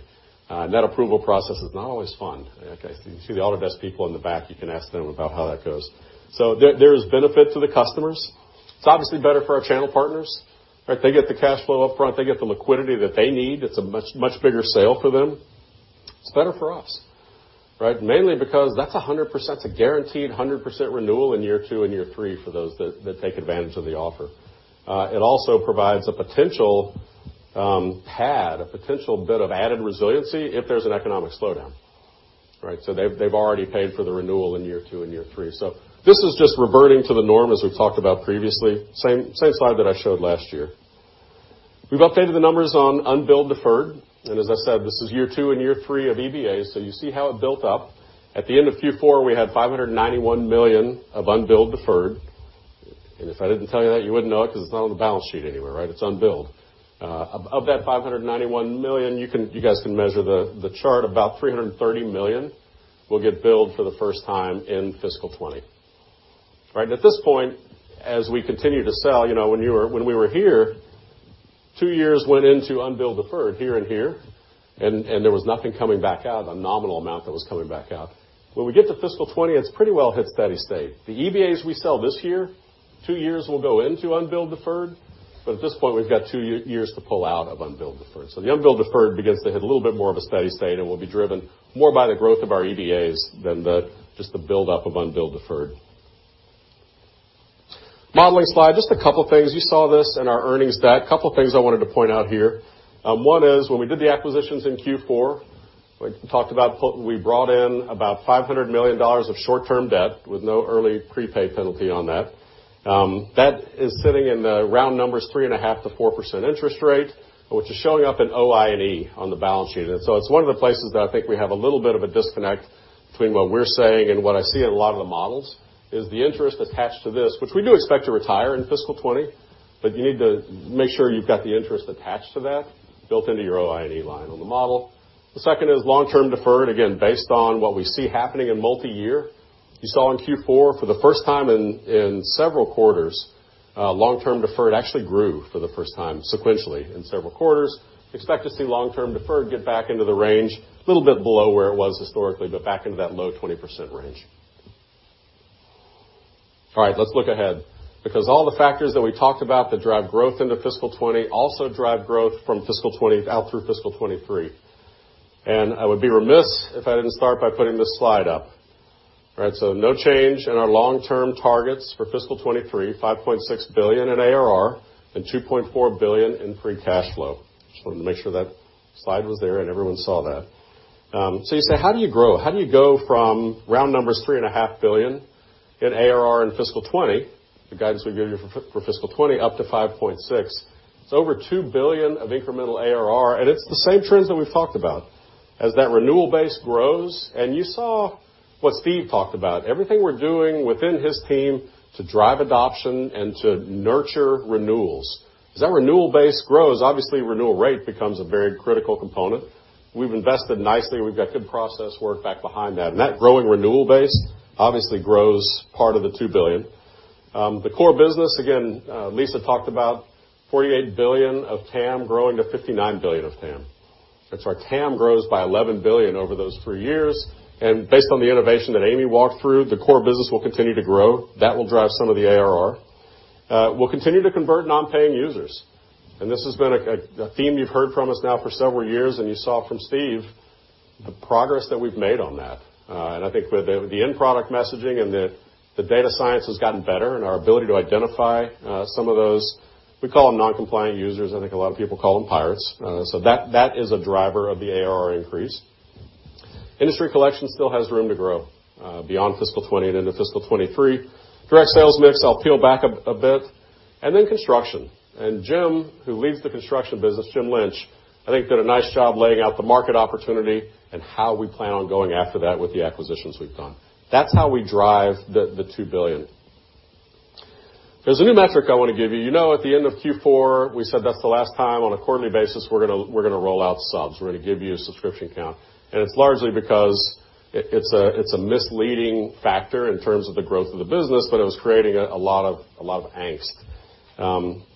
That approval process is not always fun, okay? You see all the best people in the back, you can ask them about how that goes. There is benefit to the customers. It's obviously better for our channel partners. They get the cash flow up front. They get the liquidity that they need. It's a much bigger sale for them. It's better for us, right? Mainly because that's 100%, a guaranteed 100% renewal in year 2 and year 3 for those that take advantage of the offer. It also provides a potential pad, a potential bit of added resiliency if there's an economic slowdown, right? They've already paid for the renewal in year 2 and year 3. This is just reverting to the norm as we've talked about previously. Same slide that I showed last year. We've updated the numbers on unbilled deferred, and as I said, this is year 2 and year 3 of EBAs. You see how it built up. At the end of Q4, we had $591 million of unbilled deferred. If I didn't tell you that, you wouldn't know it because it's not on the balance sheet anywhere, right? It's unbilled. Of that $591 million, you guys can measure the chart, about $330 million will get billed for the first time in fiscal 2020. Right? At this point, as we continue to sell, when we were here, two years went into unbilled deferred here and here, and there was nothing coming back out, a nominal amount that was coming back out. When we get to fiscal 20, it's pretty well hit steady state. The EBAs we sell this year, two years will go into unbilled deferred, but at this point, we've got two years to pull out of unbilled deferred. The unbilled deferred begins to hit a little bit more of a steady state and will be driven more by the growth of our EBAs than just the buildup of unbilled deferred. Modeling slide, just a couple things. You saw this in our earnings deck. Couple things I wanted to point out here. One is when we did the acquisitions in Q4, we brought in about $500 million of short-term debt with no early prepaid penalty on that. That is sitting in the round numbers 3.5%-4% interest rate, which is showing up in OI&E on the balance sheet. It's one of the places that I think we have a little bit of a disconnect between what we're saying and what I see in a lot of the models, is the interest attached to this, which we do expect to retire in fiscal 20, but you need to make sure you've got the interest attached to that built into your OI&E line on the model. The second is long-term deferred, again, based on what we see happening in multi-year. You saw in Q4 for the first time in several quarters, long-term deferred actually grew for the first time sequentially in several quarters. Expect to see long-term deferred get back into the range, a little bit below where it was historically, but back into that low 20% range. All right. Let's look ahead, because all the factors that we talked about that drive growth into fiscal 20 also drive growth from fiscal 20 out through fiscal 23. I would be remiss if I didn't start by putting this slide up. All right, no change in our long-term targets for fiscal 23, $5.6 billion in ARR and $2.4 billion in free cash flow. Just wanted to make sure that slide was there and everyone saw that. You say, how do you grow? How do you go from round numbers $ three and a half billion in ARR in fiscal 20, the guidance we gave you for fiscal 20, up to $5.6 billion? It's over $2 billion of incremental ARR, and it's the same trends that we've talked about. As that renewal base grows, and you saw what Steve talked about, everything we're doing within his team to drive adoption and to nurture renewals. As that renewal base grows, obviously, renewal rate becomes a very critical component. We've invested nicely. We've got good process work back behind that. That growing renewal base obviously grows part of the $2 billion. The core business, again, Lisa talked about $48 billion of TAM growing to $59 billion of TAM. That's our TAM grows by $11 billion over those three years. Based on the innovation that Amy walked through, the core business will continue to grow. That will drive some of the ARR. We'll continue to convert non-paying users. This has been a theme you've heard from us now for several years, and you saw from Steve Blum the progress that we've made on that. I think with the end product messaging and the data science has gotten better and our ability to identify some of those, we call them non-compliant users. I think a lot of people call them pirates. That is a driver of the ARR increase. Industry collection still has room to grow beyond fiscal 2020 and into fiscal 2023. Direct sales mix, I'll peel back a bit, and then construction. Jim, who leads the construction business, Jim Lynch, I think did a nice job laying out the market opportunity and how we plan on going after that with the acquisitions we've done. That's how we drive the $2 billion. There's a new metric I want to give you. You know, at the end of Q4, we said that's the last time on a quarterly basis we're going to roll out subs. We're going to give you a subscription count. It's largely because it's a misleading factor in terms of the growth of the business, but it was creating a lot of angst.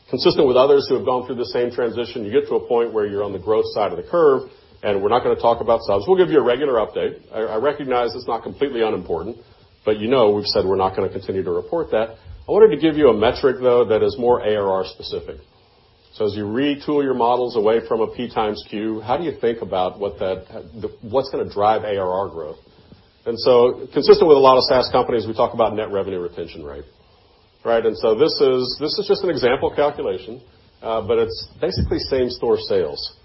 Consistent with others who have gone through the same transition, you get to a point where you're on the growth side of the curve, and we're not going to talk about subs. We'll give you a regular update. I recognize it's not completely unimportant, but you know we've said we're not going to continue to report that. I wanted to give you a metric, though, that is more ARR specific. As you retool your models away from a P times Q, how do you think about what's going to drive ARR growth? Consistent with a lot of SaaS companies, we talk about net revenue retention rate, right? This is just an example calculation, but it's basically same store sales.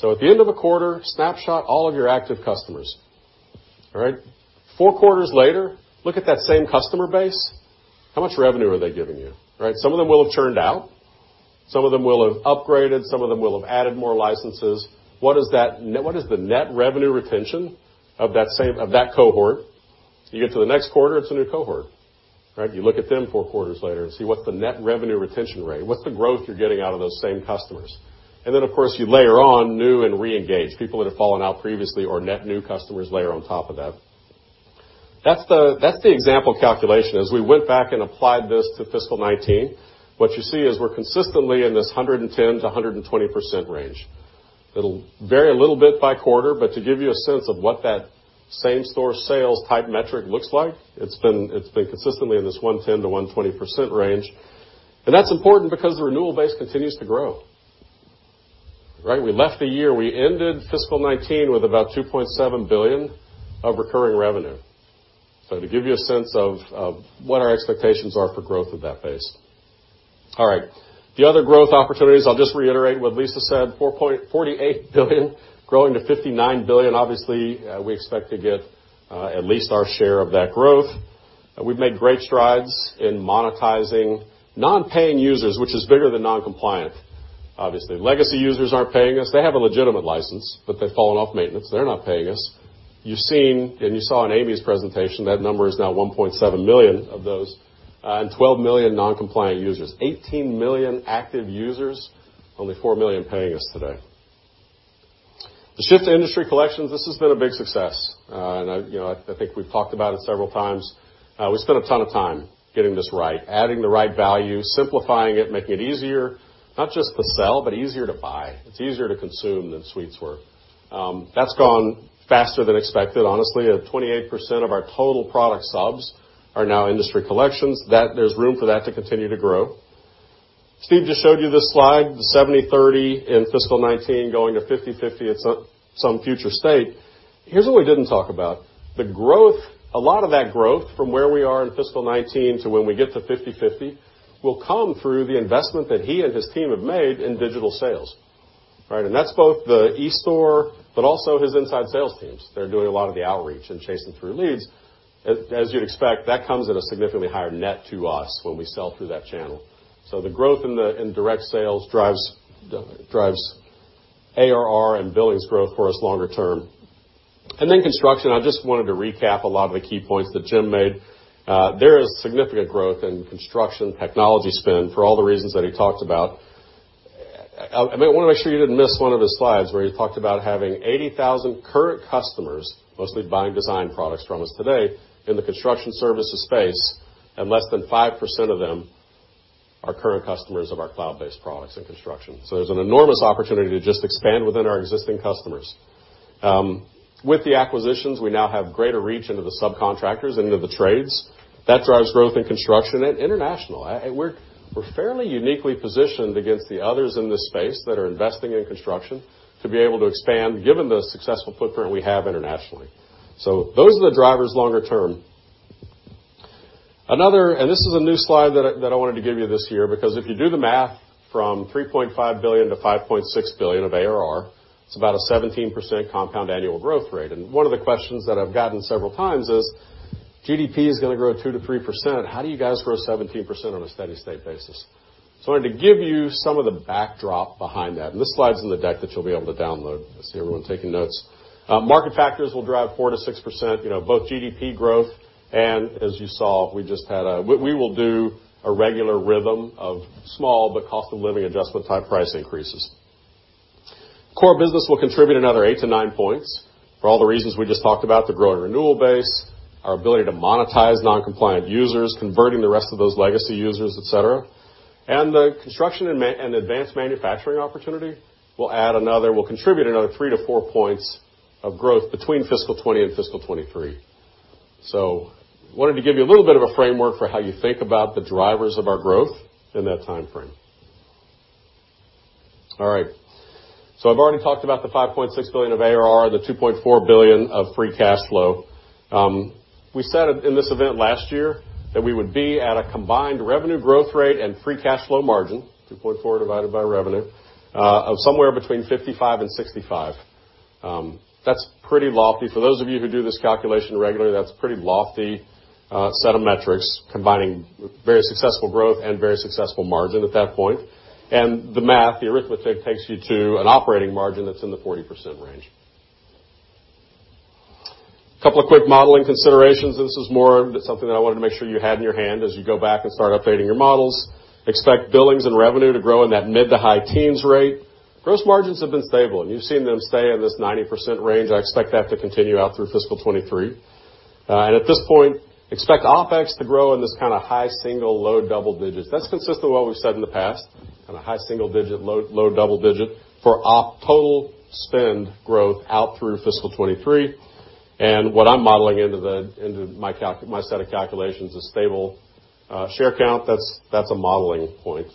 At the end of a quarter, snapshot all of your active customers. All right. Four quarters later, look at that same customer base. How much revenue are they giving you? Right. Some of them will have churned out. Some of them will have upgraded, some of them will have added more licenses. What is the net revenue retention of that cohort? You get to the next quarter, it's a new cohort, right? You look at them four quarters later and see what's the net revenue retention rate, what's the growth you're getting out of those same customers. Then, of course, you layer on new and re-engaged, people that have fallen out previously or net new customers layer on top of that. That's the example calculation. As we went back and applied this to fiscal 2019, what you see is we're consistently in this 110%-120% range. It'll vary a little bit by quarter, but to give you a sense of what that same store sales type metric looks like, it's been consistently in this 110%-120% range. That's important because the renewal base continues to grow. Right. We left the year, we ended fiscal 2019 with about $2.7 billion of recurring revenue. To give you a sense of what our expectations are for growth of that base. All right. The other growth opportunities, I'll just reiterate what Lisa Campbell said, $4.48 billion growing to $59 billion. Obviously, we expect to get at least our share of that growth. We've made great strides in monetizing non-paying users, which is bigger than non-compliant. Obviously, legacy users aren't paying us. They have a legitimate license, but they've fallen off maintenance. They're not paying us. You've seen, and you saw in Amy Bunszel's presentation, that number is now $1.7 million of those, and 12 million non-compliant users. 18 million active users, only four million paying us today. The shift to industry collections, this has been a big success. I think we've talked about it several times. We spent a ton of time getting this right, adding the right value, simplifying it, making it easier, not just to sell, but easier to buy. It's easier to consume than suites were. That's gone faster than expected. Honestly, 28% of our total product subs are now industry collections. There's room for that to continue to grow. Steve Blum just showed you this slide, the 70/30 in FY 2019 going to 50/50 at some future state. Here's what we didn't talk about. A lot of that growth from where we are in FY 2019 to when we get to 50/50, will come through the investment that he and his team have made in digital sales. Right. That's both the e-store, but also his inside sales teams. They're doing a lot of the outreach and chasing through leads. As you'd expect, that comes at a significantly higher net to us when we sell through that channel. The growth in direct sales drives ARR and billings growth for us longer term. Construction, I just wanted to recap a lot of the key points that Jim Lynch made. There is significant growth in construction technology spend for all the reasons that he talked about. I want to make sure you didn't miss one of his slides where he talked about having 80,000 current customers, mostly buying design products from us today, in the construction services space, and less than 5% of them are current customers of our cloud-based products in construction. There's an enormous opportunity to just expand within our existing customers. With the acquisitions, we now have greater reach into the subcontractors and into the trades. That drives growth in construction and international. We're fairly uniquely positioned against the others in this space that are investing in construction to be able to expand given the successful footprint we have internationally. Those are the drivers longer term. Another, this is a new slide that I wanted to give you this year, because if you do the math from $3.5 billion to $5.6 billion of ARR, it's about a 17% compound annual growth rate. One of the questions that I've gotten several times is, GDP is going to grow 2%-3%. How do you guys grow 17% on a steady-state basis? I wanted to give you some of the backdrop behind that, and this slide's in the deck that you'll be able to download. I see everyone taking notes. Market factors will drive 4%-6%, both GDP growth, and as you saw, we will do a regular rhythm of small but cost of living adjustment type price increases. Core business will contribute another 8 to 9 points for all the reasons we just talked about, the growing renewal base, our ability to monetize non-compliant users, converting the rest of those legacy users, et cetera. The construction and advanced manufacturing opportunity will contribute another 3 to 4 points of growth between FY 2020 and FY 2023. I wanted to give you a little bit of a framework for how you think about the drivers of our growth in that timeframe. All right. I've already talked about the $5.6 billion of ARR, the $2.4 billion of free cash flow. We said in this event last year that we would be at a combined revenue growth rate and free cash flow margin, $2.4 divided by revenue, of somewhere between 55% and 65%. That's pretty lofty. For those of you who do this calculation regularly, that's a pretty lofty set of metrics combining very successful growth and very successful margin at that point. The math, the arithmetic takes you to an operating margin that's in the 40% range. Couple of quick modeling considerations. This is more something that I wanted to make sure you had in your hand as you go back and start updating your models. Expect billings and revenue to grow in that mid-to-high teens rate. Gross margins have been stable, and you've seen them stay in this 90% range. I expect that to continue out through FY 2023. At this point, expect OpEx to grow in this kind of high single-digit, low double-digit. That's consistent with what we've said in the past, kind of high single-digit, low double-digit for total spend growth out through FY 2023. What I'm modeling into my set of calculations is stable share count. That's a modeling point.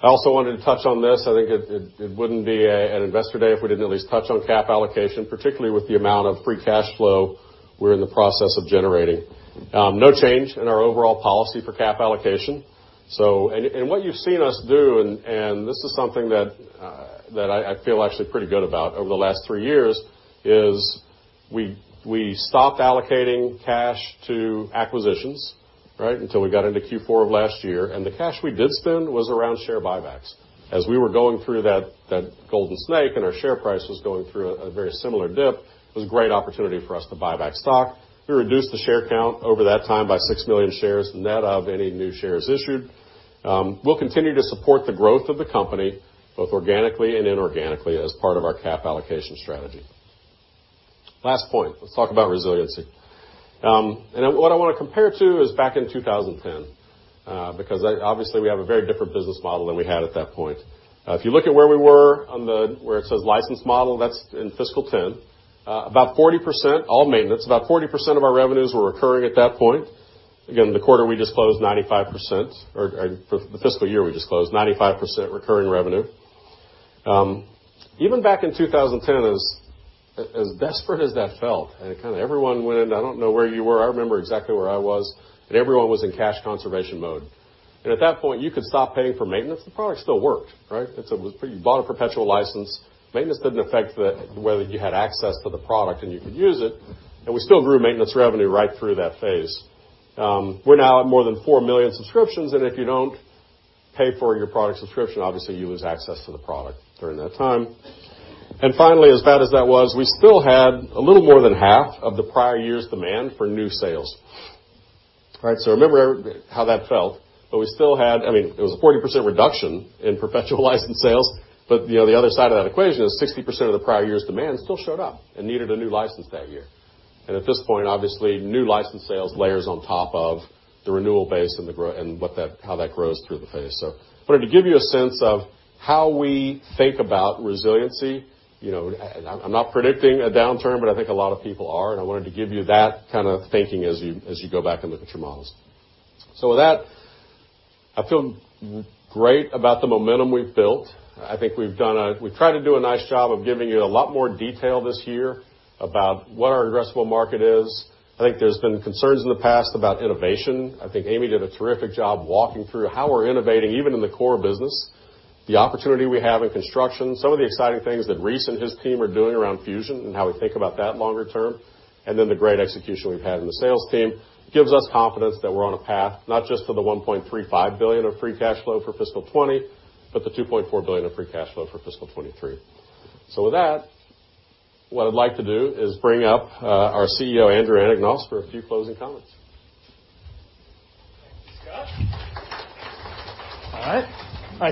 I also wanted to touch on this. I think it wouldn't be an investor day if we didn't at least touch on cap allocation, particularly with the amount of free cash flow we're in the process of generating. No change in our overall policy for cap allocation. And what you've seen us do, and this is something that I feel actually pretty good about over the last three years, is we stopped allocating cash to acquisitions until we got into Q4 of last year, and the cash we did spend was around share buybacks. As we were going through that golden snake and our share price was going through a very similar dip, it was a great opportunity for us to buy back stock. We reduced the share count over that time by six million shares net of any new shares issued. We'll continue to support the growth of the company, both organically and inorganically as part of our cap allocation strategy. Last point, let's talk about resiliency. What I want to compare to is back in 2010, because obviously, we have a very different business model than we had at that point. If you look at where we were on the where it says licensed model, that's in FY 2010. All maintenance, about 40% of our revenues were recurring at that point. Again, the quarter we just closed, 95% or the fiscal year we just closed, 95% recurring revenue. Even back in 2010, as desperate as that felt, and everyone went into. I don't know where you were. I remember exactly where I was, and everyone was in cash conservation mode. At that point, you could stop paying for maintenance. The product still worked, right? You bought a perpetual license. Maintenance didn't affect whether you had access to the product, and you could use it. We still grew maintenance revenue right through that phase. We're now at more than 4 million subscriptions, and if you don't pay for your product subscription, obviously, you lose access to the product during that time. Finally, as bad as that was, we still had a little more than half of the prior year's demand for new sales. Remember how that felt. We still had a 40% reduction in perpetual license sales, but the other side of that equation is 60% of the prior year's demand still showed up and needed a new license that year. At this point, obviously, new license sales layers on top of the renewal base and how that grows through the phase. I wanted to give you a sense of how we think about resiliency. I'm not predicting a downturn, but I think a lot of people are, and I wanted to give you that kind of thinking as you go back and look at your models. With that, I feel great about the momentum we've built. I think we've tried to do a nice job of giving you a lot more detail this year about what our addressable market is. I think there's been concerns in the past about innovation. I think Amy did a terrific job walking through how we're innovating, even in the core business. The opportunity we have in construction, some of the exciting things that Reese and his team are doing around fusion and how we think about that longer term, and then the great execution we've had in the sales team gives us confidence that we're on a path, not just for the $1.35 billion of free cash flow for fiscal 2020, but the $2.4 billion of free cash flow for fiscal 2023. With that, what I'd like to do is bring up our CEO, Andrew Anagnost, for a few closing comments. Thank you, Scott. All right.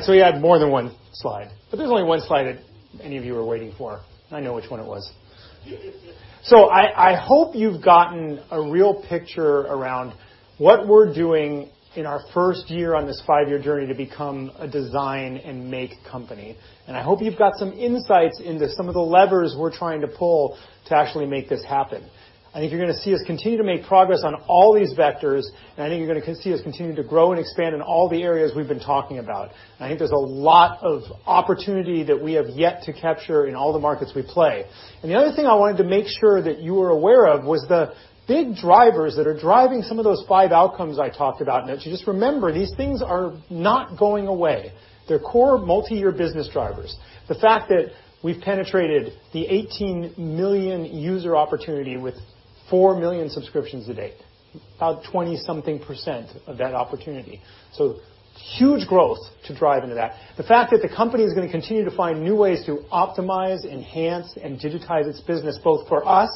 We had more than one slide. There's only one slide that any of you are waiting for. I know which one it was. I hope you've gotten a real picture around what we're doing in our first year on this five-year journey to become a design and make company. I hope you've got some insights into some of the levers we're trying to pull to actually make this happen. I think you're going to see us continue to make progress on all these vectors, and I think you're going to see us continue to grow and expand in all the areas we've been talking about. I think there's a lot of opportunity that we have yet to capture in all the markets we play. The other thing I wanted to make sure that you were aware of was the big drivers that are driving some of those five outcomes I talked about. That you just remember, these things are not going away. They're core multi-year business drivers. The fact that we've penetrated the 18 million user opportunity with 4 million subscriptions to date, about 20-something% of that opportunity. Huge growth to drive into that. The fact that the company is going to continue to find new ways to optimize, enhance, and digitize its business, both for us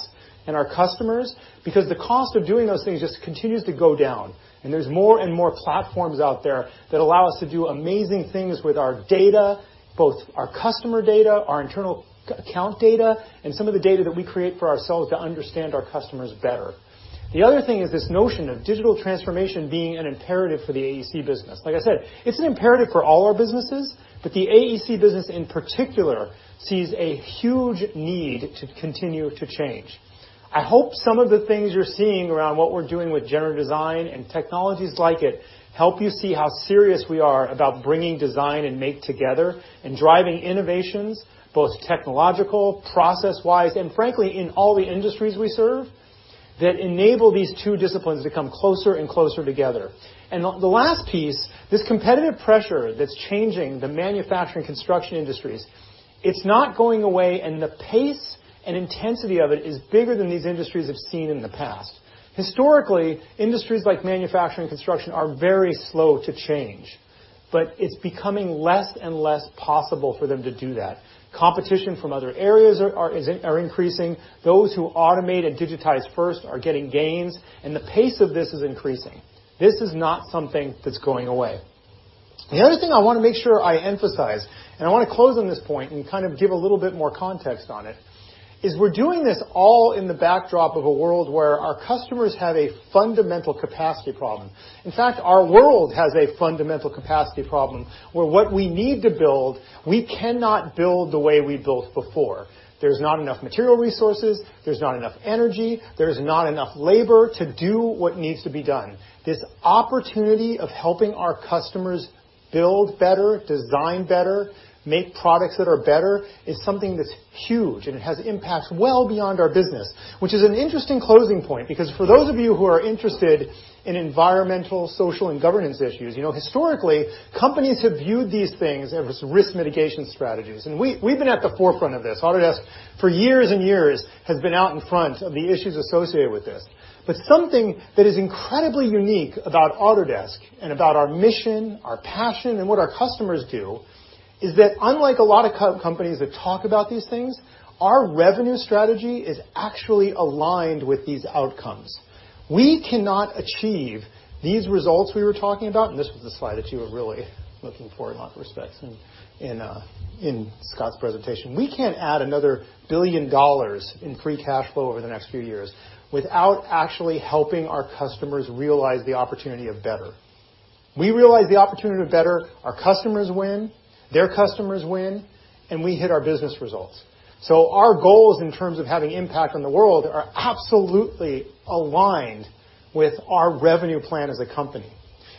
and our customers, because the cost of doing those things just continues to go down. There's more and more platforms out there that allow us to do amazing things with our data, both our customer data, our internal account data, and some of the data that we create for ourselves to understand our customers better. The other thing is this notion of digital transformation being an imperative for the AEC business. Like I said, it's an imperative for all our businesses, but the AEC business, in particular, sees a huge need to continue to change. I hope some of the things you're seeing around what we're doing with generative design and technologies like it help you see how serious we are about bringing design and make together and driving innovations, both technological, process-wise, and frankly, in all the industries we serve that enable these two disciplines to come closer and closer together. The last piece, this competitive pressure that's changing the manufacturing construction industries, it's not going away, and the pace and intensity of it is bigger than these industries have seen in the past. Historically, industries like manufacturing and construction are very slow to change, but it's becoming less and less possible for them to do that. Competition from other areas are increasing. Those who automate and digitize first are getting gains, and the pace of this is increasing. This is not something that's going away. The other thing I want to make sure I emphasize, and I want to close on this point and give a little bit more context on it, is we're doing this all in the backdrop of a world where our customers have a fundamental capacity problem. In fact, our world has a fundamental capacity problem, where what we need to build, we cannot build the way we built before. There's not enough material resources, there's not enough energy, there's not enough labor to do what needs to be done. This opportunity of helping our customers build better, design better, make products that are better is something that's huge, and it has impacts well beyond our business. Which is an interesting closing point, because for those of you who are interested in environmental, social, and governance issues, historically, companies have viewed these things as risk mitigation strategies. We've been at the forefront of this. Autodesk, for years and years, has been out in front of the issues associated with this. Something that is incredibly unique about Autodesk and about our mission, our passion, and what our customers do is that unlike a lot of companies that talk about these things, our revenue strategy is actually aligned with these outcomes. We cannot achieve these results we were talking about, and this was the slide that you were really looking forward in lots of respects in Scott's presentation. We cannot add another $1 billion in free cash flow over the next few years without actually helping our customers realize the opportunity of better. We realize the opportunity of better, our customers win, their customers win, and we hit our business results. Our goals in terms of having impact on the world are absolutely aligned with our revenue plan as a company.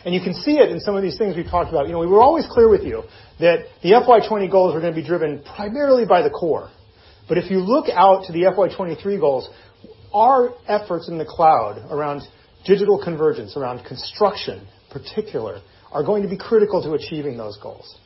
You can see it in some of these things we've talked about. We were always clear with you that the FY 2020 goals are going to be driven primarily by the core. If you look out to the FY 2023 goals, our efforts in the cloud around digital convergence, around construction particular, are going to be critical to achieving those goals.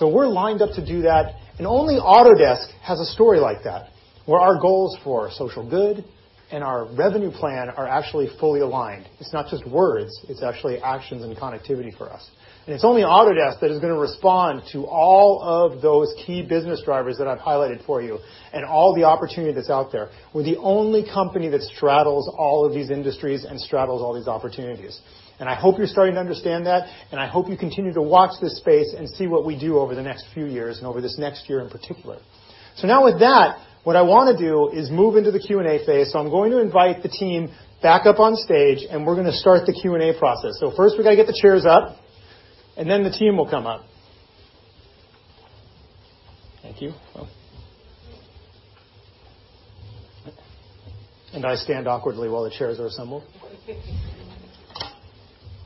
We're lined up to do that, and only Autodesk has a story like that, where our goals for social good and our revenue plan are actually fully aligned. It's not just words, it's actually actions and connectivity for us. It's only Autodesk that is going to respond to all of those key business drivers that I've highlighted for you and all the opportunity that's out there. We're the only company that straddles all of these industries and straddles all these opportunities. I hope you're starting to understand that, and I hope you continue to watch this space and see what we do over the next few years and over this next year in particular. Now with that, what I want to do is move into the Q&A phase. I'm going to invite the team back up on stage, and we're going to start the Q&A process. First, we got to get the chairs up, and then the team will come up. Thank you. I stand awkwardly while the chairs are assembled.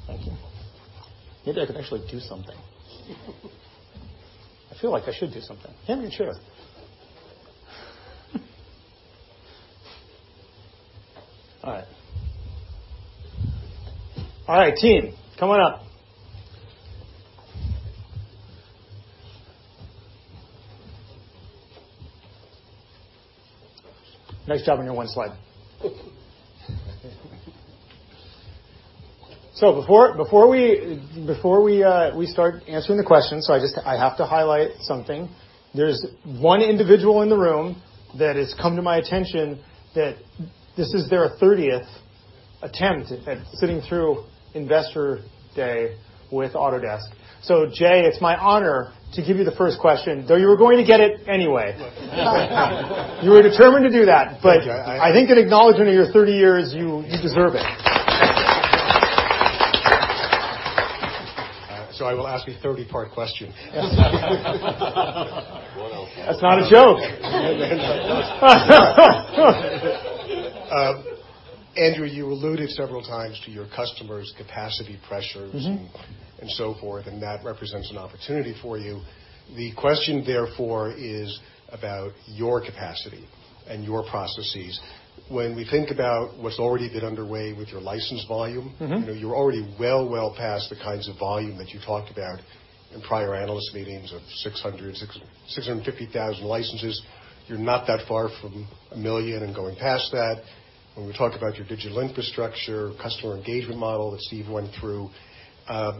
Thank you. Maybe I could actually do something. I feel like I should do something. Hand me the chair. All right. All right, team, come on up. Nice job on your one slide. Before we start answering the questions, so I have to highlight something. There's one individual in the room that it's come to my attention that this is their 30th attempt at sitting through Investor Day with Autodesk. Jay, it's my honor to give you the first question, though you were going to get it anyway. You were determined to do that. Thank you. I think an acknowledgment of your 30 years, you deserve it. I will ask a 30-part question. That's not a joke. Andrew, you alluded several times to your customers' capacity pressures- So forth, and that represents an opportunity for you. The question therefore is about your capacity and your processes. When we think about what's already been underway with your license volume- You're already well past the kinds of volume that you talked about in prior analyst meetings of 600,000, 650,000 licenses. You're not that far from a million and going past that. When we talk about your digital infrastructure, customer engagement model that Steve went through,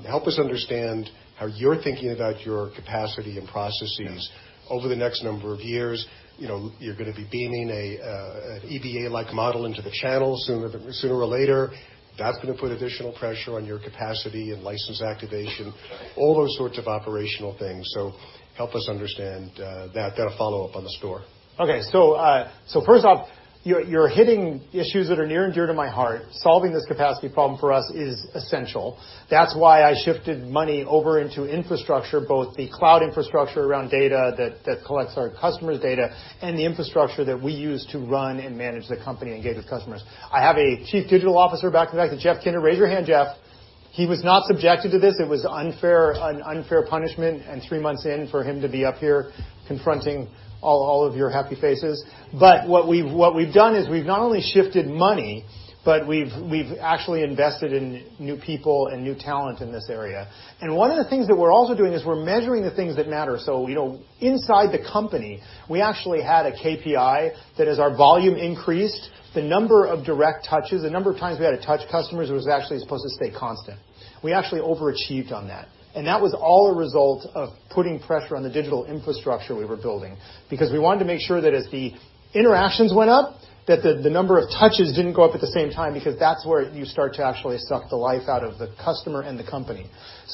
help us understand how you're thinking about your capacity and processes over the next number of years. You're going to be beaming an EBA-like model into the channel sooner or later. That's going to put additional pressure on your capacity and license activation. Right. All those sorts of operational things. Help us understand that. Got a follow-up on the store. First off, you're hitting issues that are near and dear to my heart. Solving this capacity problem for us is essential. That's why I shifted money over into infrastructure, both the cloud infrastructure around data that collects our customers' data and the infrastructure that we use to run and manage the company and engage with customers. I have a Chief Digital Officer back in the back, Jeff Kinder. Raise your hand, Jeff. He was not subjected to this. It was unfair punishment and three months in for him to be up here confronting all of your happy faces. What we've done is we've not only shifted money, but we've actually invested in new people and new talent in this area. One of the things that we're also doing is we're measuring the things that matter. Inside the company, we actually had a KPI that as our volume increased, the number of direct touches, the number of times we had to touch customers was actually supposed to stay constant. We actually overachieved on that. That was all a result of putting pressure on the digital infrastructure we were building because we wanted to make sure that as the interactions went up, that the number of touches didn't go up at the same time because that's where you start to actually suck the life out of the customer and the company.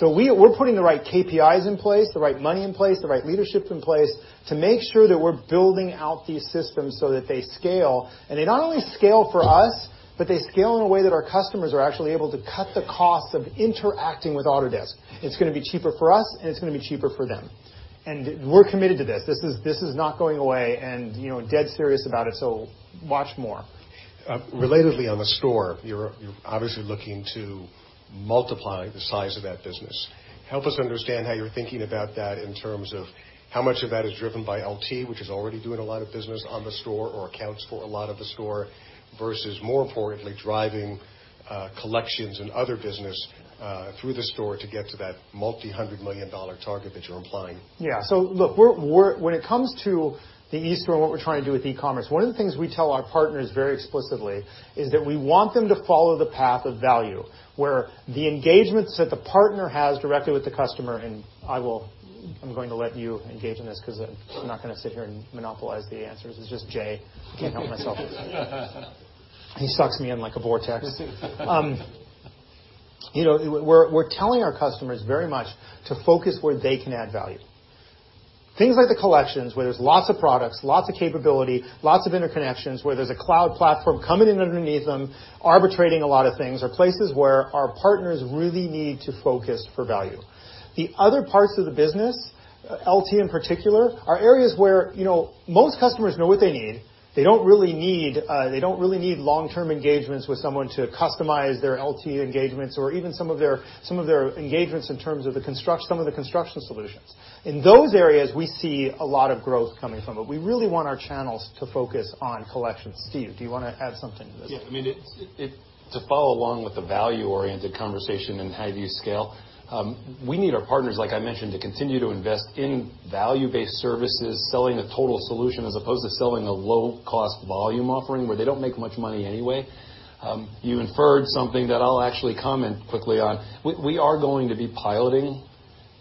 We're putting the right KPIs in place, the right money in place, the right leadership in place to make sure that we're building out these systems so that they scale, and they not only scale for us, but they scale in a way that our customers are actually able to cut the cost of interacting with Autodesk. It's going to be cheaper for us, and it's going to be cheaper for them. And we're committed to this. This is not going away, and dead serious about it. Watch more. Relatedly on the store, you're obviously looking to multiply the size of that business. Help us understand how you're thinking about that in terms of how much of that is driven by LT, which is already doing a lot of business on the store or accounts for a lot of the store, versus more importantly, driving collections and other business through the store to get to that multi-hundred million dollar target that you're implying. Look, when it comes to the eStore and what we're trying to do with e-commerce, one of the things we tell our partners very explicitly is that we want them to follow the path of value, where the engagements that the partner has directly with the customer, and I'm going to let you engage in this because I'm not going to sit here and monopolize the answers. It's just Jay. I can't help myself. He sucks me in like a vortex. We're telling our customers very much to focus where they can add value. Things like the Collections where there's lots of products, lots of capability, lots of interconnections, where there's a cloud platform coming in underneath them, arbitrating a lot of things, are places where our partners really need to focus for value. The other parts of the business, LT in particular, are areas where most customers know what they need. They don't really need long-term engagements with someone to customize their LT engagements or even some of their engagements in terms of some of the Construction Solutions. In those areas, we see a lot of growth coming from it. We really want our channels to focus on Collections. Steve, do you want to add something to this? Yeah. To follow along with the value-oriented conversation and how do you scale, we need our partners, like I mentioned, to continue to invest in value-based services, selling a total solution as opposed to selling a low-cost volume offering where they don't make much money anyway. You inferred something that I'll actually comment quickly on. We are going to be piloting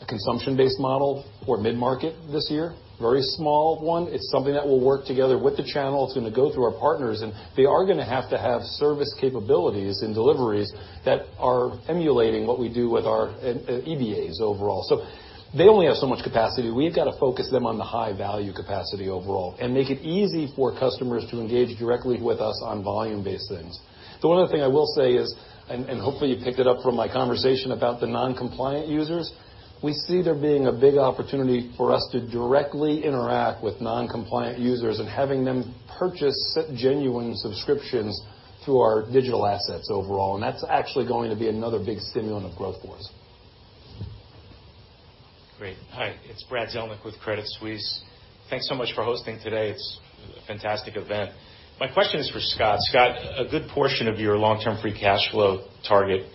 a consumption-based model for mid-market this year. Very small one. It's something that will work together with the channel. It's going to go through our partners, and they are going to have to have service capabilities and deliveries that are emulating what we do with our EBAs overall. They only have so much capacity. We've got to focus them on the high-value capacity overall and make it easy for customers to engage directly with us on volume-based things. The one other thing I will say is, hopefully you picked it up from my conversation about the non-compliant users, we see there being a big opportunity for us to directly interact with non-compliant users and having them purchase genuine subscriptions through our digital assets overall, that's actually going to be another big stimulant of growth for us. Great. Hi, it's Brad Zelnick with Credit Suisse. Thanks so much for hosting today. It's a fantastic event. My question is for Scott. Scott, a good portion of your long-term free cash flow target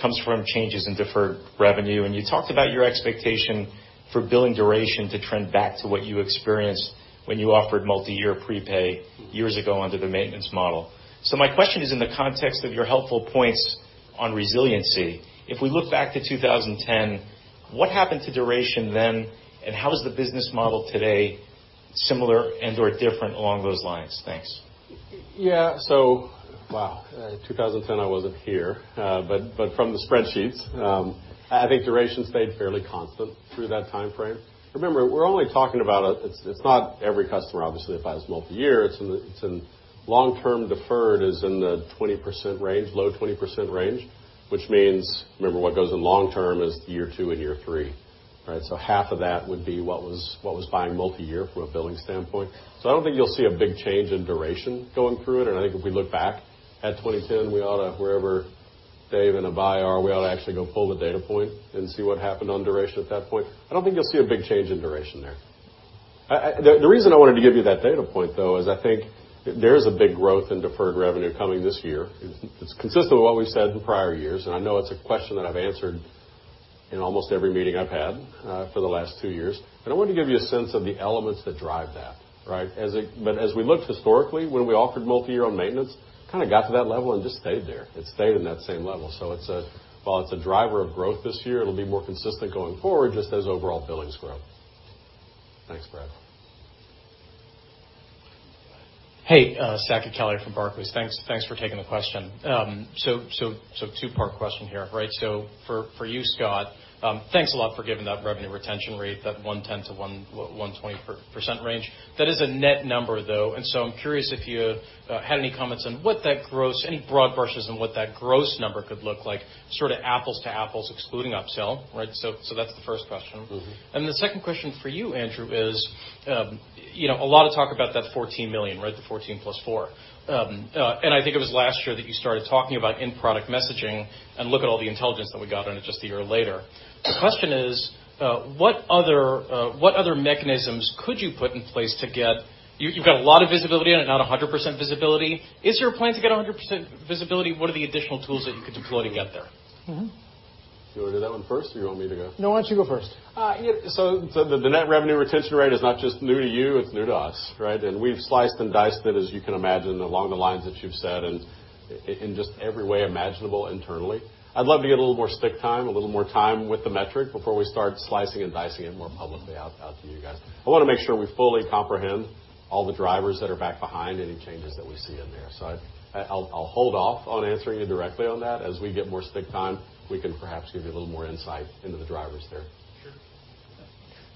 comes from changes in deferred revenue. You talked about your expectation for billing duration to trend back to what you experienced when you offered multi-year prepay years ago under the maintenance model. My question is in the context of your helpful points on resiliency. If we look back to 2010, what happened to duration then, and how is the business model today similar and/or different along those lines? Thanks. Yeah. Wow. 2010, I wasn't here. From the spreadsheets, I think duration stayed fairly constant through that timeframe. Remember, we're only talking about. It's not every customer, obviously, that buys multi-year. Long-term deferred is in the low 20% range. Which means, remember, what goes in long-term is year 2 and year 3. Right? Half of that would be what was buying multi-year from a billing standpoint. I don't think you'll see a big change in duration going through it. I think if we look back at 2010, wherever Dave and Abhey are, we ought to actually go pull the data point and see what happened on duration at that point. I don't think you'll see a big change in duration there. The reason I wanted to give you that data point, though, is I think there is a big growth in deferred revenue coming this year. It's consistent with what we've said in prior years, and I know it's a question that I've answered in almost every meeting I've had for the last 2 years. I wanted to give you a sense of the elements that drive that, right? As we looked historically, when we offered multi-year on maintenance, it got to that level and just stayed there. It stayed in that same level. While it's a driver of growth this year, it'll be more consistent going forward just as overall billings grow. Thanks, Brad. Hey, Saket Kalia from Barclays. Thanks for taking the question. Two-part question here. For you, Scott, thanks a lot for giving that revenue retention rate, that 110%-120% range. That is a net number, though. I'm curious if you had any comments on any broad brushes on what that gross number could look like, apples to apples excluding upsell. That's the first question. The second question for you, Andrew, is, a lot of talk about that $14 million. The 14 plus four. I think it was last year that you started talking about in-product messaging, and look at all the intelligence that we got on it just a year later. The question is, what other mechanisms could you put in place? You've got a lot of visibility on it, not 100% visibility. Is there a plan to get 100% visibility? What are the additional tools that you could deploy to get there? Do you want to do that one first, or you want me to go? No, why don't you go first? The net revenue retention rate is not just new to you, it's new to us, right? We've sliced and diced it, as you can imagine, along the lines that you've said, and in just every way imaginable internally. I'd love to get a little more stick time, a little more time with the metric before we start slicing and dicing it more publicly out to you guys. I want to make sure we fully comprehend all the drivers that are back behind any changes that we see in there. I'll hold off on answering you directly on that. As we get more stick time, we can perhaps give you a little more insight into the drivers there.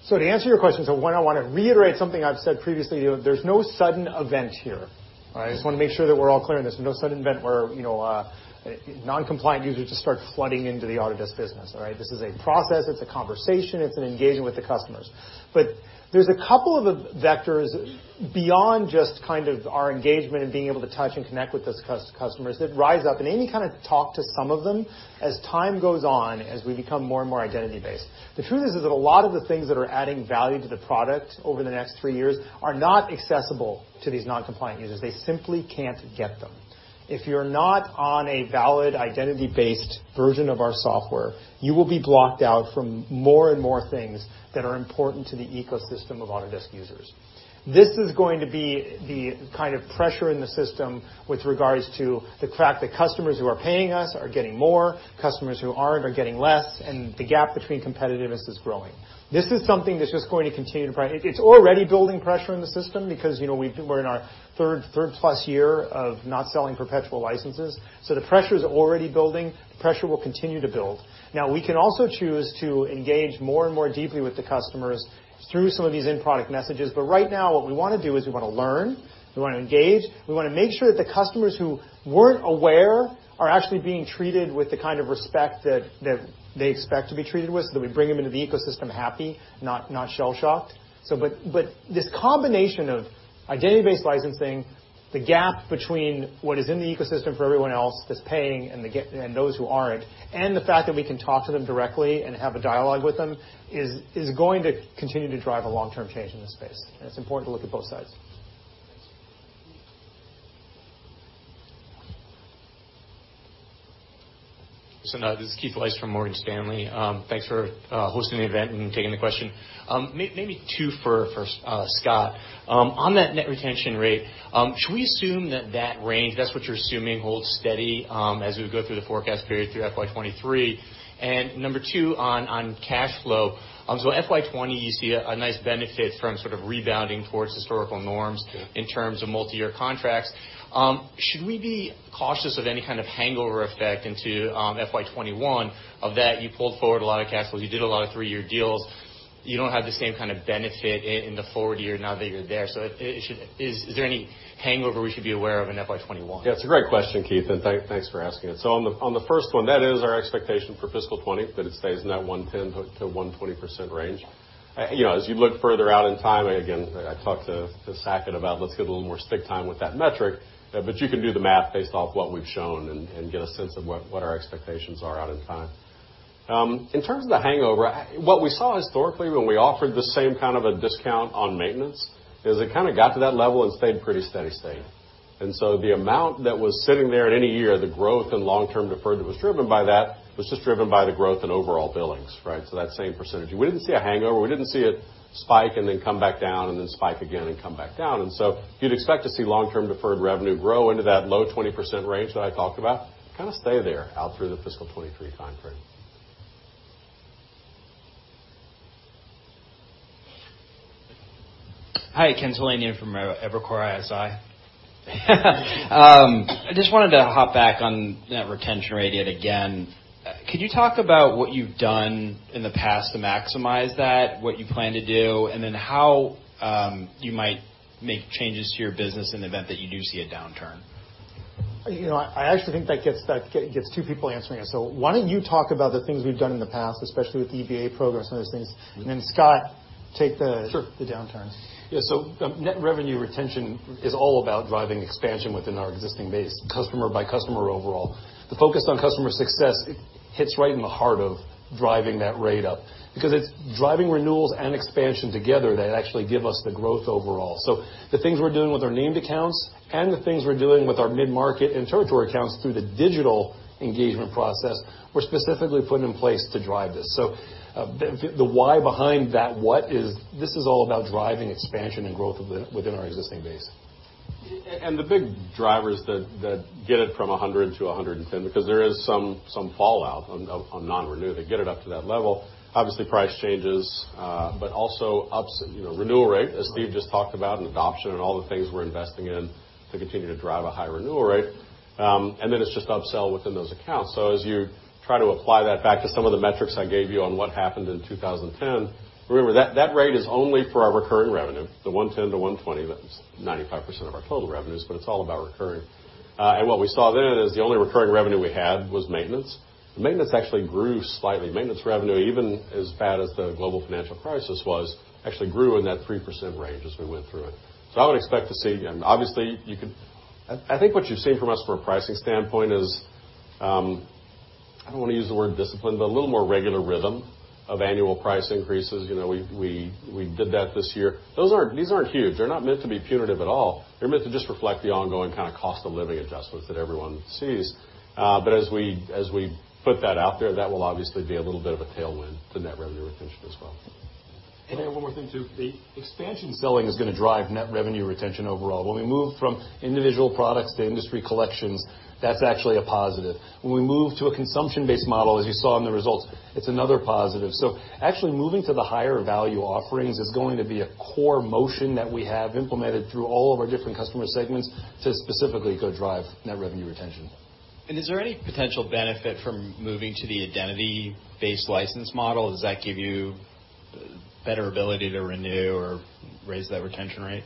Sure. To answer your question, one, I want to reiterate something I've said previously. There's no sudden event here. All right? I just want to make sure that we're all clear on this. There's no sudden event where non-compliant users just start flooding into the Autodesk business. All right? This is a process, it's a conversation, it's an engagement with the customers. There's a couple of vectors beyond just our engagement and being able to touch and connect with those customers that rise up in any kind of talk to some of them as time goes on, as we become more and more identity-based. The truth is that a lot of the things that are adding value to the product over the next 3 years are not accessible to these non-compliant users. They simply can't get them. If you're not on a valid identity-based version of our software, you will be blocked out from more and more things that are important to the ecosystem of Autodesk users. This is going to be the kind of pressure in the system with regards to the fact that customers who are paying us are getting more, customers who aren't are getting less, and the gap between competitiveness is growing. This is something that's just going to continue to. It's already building pressure in the system because, we're in our third-plus year of not selling perpetual licenses. The pressure is already building. The pressure will continue to build. We can also choose to engage more and more deeply with the customers through some of these in-product messages. Right now, what we want to do is we want to learn, we want to engage, we want to make sure that the customers who weren't aware are actually being treated with the kind of respect that they expect to be treated with, so that we bring them into the ecosystem happy, not shell-shocked. This combination of identity-based licensing, the gap between what is in the ecosystem for everyone else that's paying and those who aren't, and the fact that we can talk to them directly and have a dialogue with them, is going to continue to drive a long-term change in this space. It's important to look at both sides. Thanks. This is Keith Weiss from Morgan Stanley. Thanks for hosting the event and taking the question. Maybe two for Scott. On that net retention rate, should we assume that range, that's what you're assuming, holds steady as we go through the forecast period through FY 2023? Number two, on cash flow. FY 2020, you see a nice benefit from rebounding towards historical norms- Yeah In terms of multi-year contracts. Should we be cautious of any kind of hangover effect into FY 2021 of that you pulled forward a lot of cash flow, you did a lot of three-year deals. You don't have the same kind of benefit in the forward year now that you're there. Is there any hangover we should be aware of in FY 2021? Yeah, it's a great question, Keith, and thanks for asking it. On the first one, that is our expectation for fiscal 2020, that it stays in that 110%-120% range. As you look further out in time, again, I talked to Saket about let's get a little more stick time with that metric. You can do the math based off what we've shown and get a sense of what our expectations are out in time. In terms of the hangover, what we saw historically when we offered the same kind of a discount on maintenance is it got to that level and stayed pretty steady state. The amount that was sitting there at any year, the growth in long-term deferred that was driven by that was just driven by the growth in overall billings, right? That same percentage. We didn't see a hangover. We didn't see it spike and then come back down, and then spike again and come back down. You'd expect to see long-term deferred revenue grow into that low 20% range that I talked about, stay there out through the fiscal 2023 time frame. Ken. Hi, Ken Talanian from Evercore ISI. I just wanted to hop back on net retention rate yet again. Could you talk about what you've done in the past to maximize that, what you plan to do, and then how you might make changes to your business in the event that you do see a downturn? I actually think that gets two people answering it. Why don't you talk about the things we've done in the past, especially with the EBA program and some of those things, and then Scott, take the Sure the downturn. Yeah. Net revenue retention is all about driving expansion within our existing base, customer by customer overall. The focus on customer success hits right in the heart of driving that rate up because it's driving renewals and expansion together that actually give us the growth overall. The things we're doing with our named accounts and the things we're doing with our mid-market and territory accounts through the digital engagement process, we're specifically putting in place to drive this. The why behind that what is this is all about driving expansion and growth within our existing base. The big drivers that get it from 100-110, because there is some fallout on non-renew. To get it up to that level, obviously price changes, but also renewal rate, as Steve just talked about, and adoption and all the things we're investing in to continue to drive a high renewal rate. Then it's just upsell within those accounts. As you try to apply that back to some of the metrics I gave you on what happened in 2010, remember, that rate is only for our recurring revenue, the 110-120, that's 95% of our total revenues, but it's all about recurring. What we saw then is the only recurring revenue we had was maintenance. The maintenance actually grew slightly. Maintenance revenue, even as bad as the global financial crisis was, actually grew in that 3% range as we went through it. I would expect to see. I think what you've seen from us from a pricing standpoint is, I don't want to use the word discipline, but a little more regular rhythm of annual price increases. We did that this year. These aren't huge. They're not meant to be punitive at all. They're meant to just reflect the ongoing cost of living adjustments that everyone sees. As we put that out there, that will obviously be a little bit of a tailwind to net revenue retention as well. One more thing, too. The expansion selling is going to drive net revenue retention overall. When we move from individual products to industry collections, that's actually a positive. When we move to a consumption-based model, as you saw in the results, it's another positive. Actually, moving to the higher-value offerings is going to be a core motion that we have implemented through all of our different customer segments to specifically go drive net revenue retention. Is there any potential benefit from moving to the identity-based license model? Does that give you better ability to renew or raise that retention rate?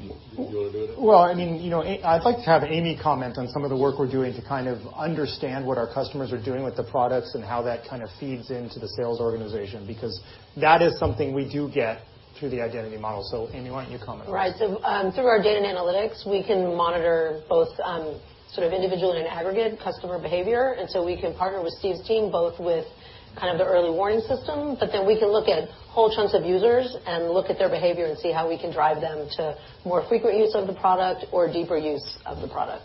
You want to do it, Andrew? I'd like to have Amy comment on some of the work we're doing to understand what our customers are doing with the products and how that feeds into the sales organization, because that is something we do get through the identity model. Amy, why don't you comment on that? Right. Through our data and analytics, we can monitor both individually and aggregate customer behavior. We can partner with Steve's team, both with the early warning system, but then we can look at whole chunks of users and look at their behavior and see how we can drive them to more frequent use of the product or deeper use of the product.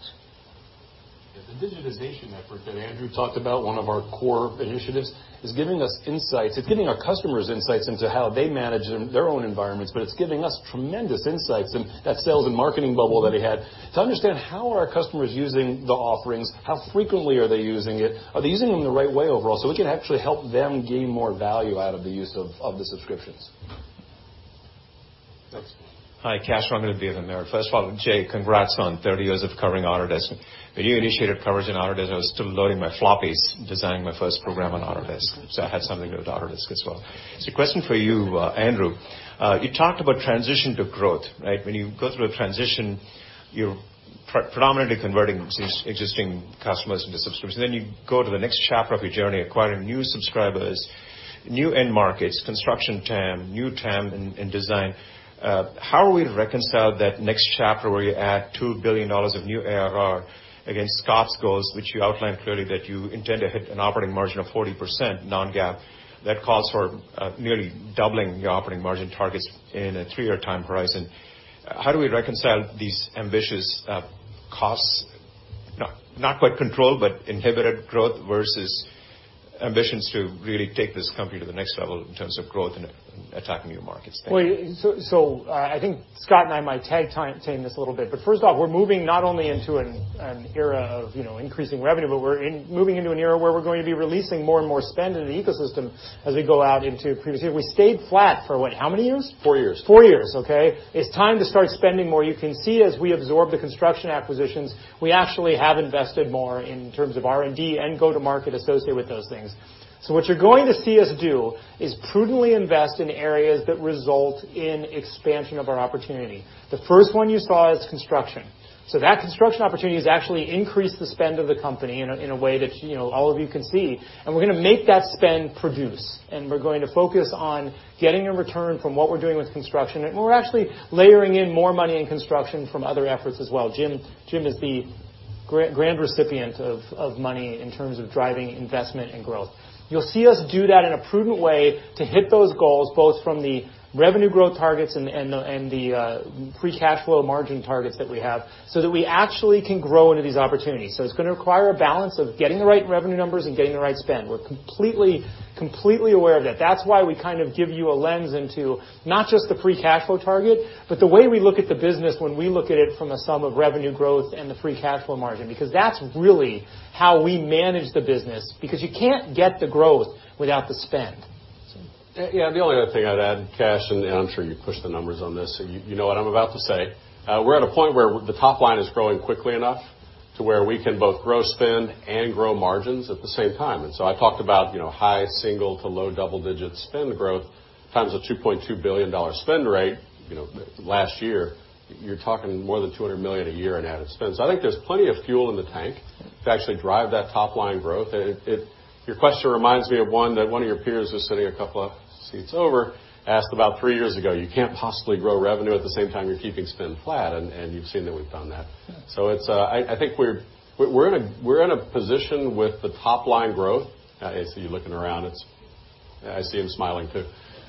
The digitization effort that Andrew talked about, one of our core initiatives, is giving us insights. It's giving our customers insights into how they manage their own environments, but it's giving us tremendous insights in that sales and marketing bubble that he had to understand how are our customers using the offerings, how frequently are they using it, are they using them the right way overall, so we can actually help them gain more value out of the use of the subscriptions. Hi, Kash Rangan here. First of all, Jay, congrats on 30 years of covering Autodesk. When you initiated coverage in Autodesk, I was still loading my floppies, designing my first program on Autodesk. I had something with Autodesk as well. Question for you, Andrew. You talked about transition to growth, right? When you go through a transition, you're predominantly converting existing customers into subscriptions. You go to the next chapter of your journey, acquiring new subscribers, new end markets, construction TAM, new TAM in design. How are we to reconcile that next chapter where you add $2 billion of new ARR against cost goals, which you outlined clearly that you intend to hit an operating margin of 40% non-GAAP. That calls for nearly doubling your operating margin targets in a three-year time horizon. How do we reconcile these ambitious costs, not quite controlled, but inhibited growth versus ambitions to really take this company to the next level in terms of growth and attacking new markets? Thank you. Well, I think Scott and I might tag team this a little bit. But first off, we're moving not only into an era of increasing revenue, but we're moving into an era where we're going to be releasing more and more spend in the ecosystem. We stayed flat for what, how many years? Four years. Four years, okay. It's time to start spending more. You can see as we absorb the construction acquisitions, we actually have invested more in terms of R&D and go-to-market associated with those things. What you're going to see us do is prudently invest in areas that result in expansion of our opportunity. The first one you saw is construction. That construction opportunity has actually increased the spend of the company in a way that all of you can see. We're going to make that spend produce, and we're going to focus on getting a return from what we're doing with construction. We're actually layering in more money in construction from other efforts as well. Jim is the grand recipient of money in terms of driving investment and growth. You'll see us do that in a prudent way to hit those goals, both from the revenue growth targets and the free cash flow margin targets that we have, so that we actually can grow into these opportunities. It's going to require a balance of getting the right revenue numbers and getting the right spend. We're completely aware of that. That's why we give you a lens into not just the free cash flow target, but the way we look at the business when we look at it from a sum of revenue growth and the free cash flow margin, because that's really how we manage the business, because you can't get the growth without the spend. Yeah. The only other thing I'd add, Kash Rangan, I'm sure you pushed the numbers on this, so you know what I'm about to say. We're at a point where the top line is growing quickly enough to where we can both grow spend and grow margins at the same time. I talked about high single- to low double-digit spend growth times a $2.2 billion spend rate last year. You're talking more than $200 million a year in added spend. I think there's plenty of fuel in the tank to actually drive that top-line growth. Your question reminds me of one that one of your peers was sitting a couple of seats over, asked about 3 years ago, you can't possibly grow revenue at the same time you're keeping spend flat, and you've seen that we've done that. I think we're in a position with the top-line growth. I see you looking around. I see him smiling, too.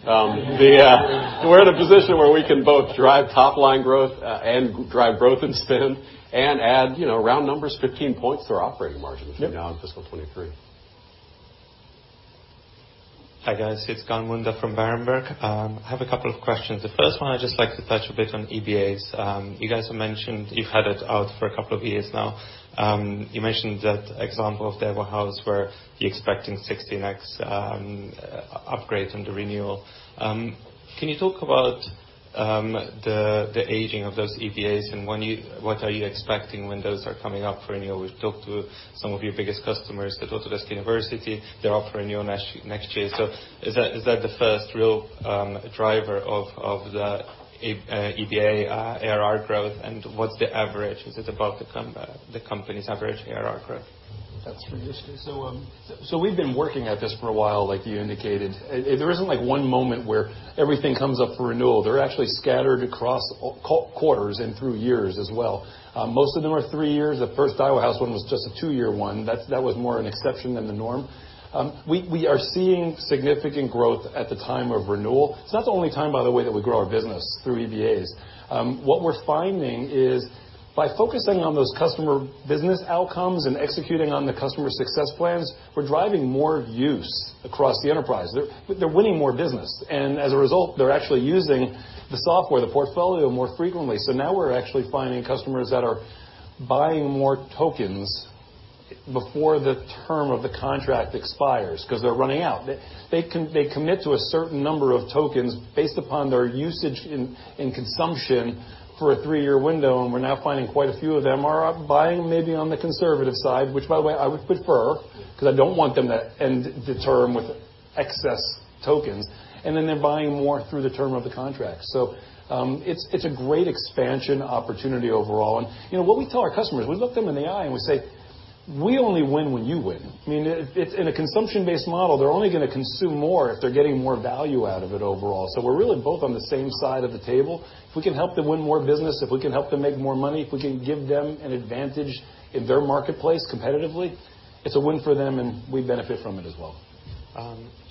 We're in a position where we can both drive top-line growth and drive growth in spend and add round numbers 15 points to our operating margin from now on fiscal 2023. Hi, guys. It's Gal Munda from Berenberg. I have a couple of questions. The first one, I'd just like to touch a bit on EBAs. You guys have mentioned you've had it out for a couple of years now. You mentioned that example of the Daiwa House where you're expecting 16x upgrades under renewal. Can you talk about the aging of those EBAs and what are you expecting when those are coming up for renewal? We've talked to some of your biggest customers at Autodesk University. They're up for renewal next year. Is that the first real driver of the EBA ARR growth, and what's the average? Is it above the company's average ARR growth? That's for you, Scott. We've been working at this for a while, like you indicated. There isn't one moment where everything comes up for renewal. They're actually scattered across quarters and through years as well. Most of them are three years. The first Daiwa House one was just a two-year one. That was more an exception than the norm. We are seeing significant growth at the time of renewal. It's not the only time, by the way, that we grow our business through EBAs. What we're finding is by focusing on those customer business outcomes and executing on the customer success plans, we're driving more use across the enterprise. They're winning more business. As a result, they're actually using the software, the portfolio more frequently. Now we're actually finding customers that are buying more tokens before the term of the contract expires because they're running out. They commit to a certain number of tokens based upon their usage in consumption for a three-year window, and we're now finding quite a few of them are buying maybe on the conservative side, which by the way, I would prefer because I don't want them to end the term with excess tokens. Then they're buying more through the term of the contract. It's a great expansion opportunity overall. What we tell our customers, we look them in the eye and we say, "We only win when you win." I mean, in a consumption-based model, they're only going to consume more if they're getting more value out of it overall. We're really both on the same side of the table. If we can help them win more business, if we can help them make more money, if we can give them an advantage in their marketplace competitively, it's a win for them and we benefit from it as well.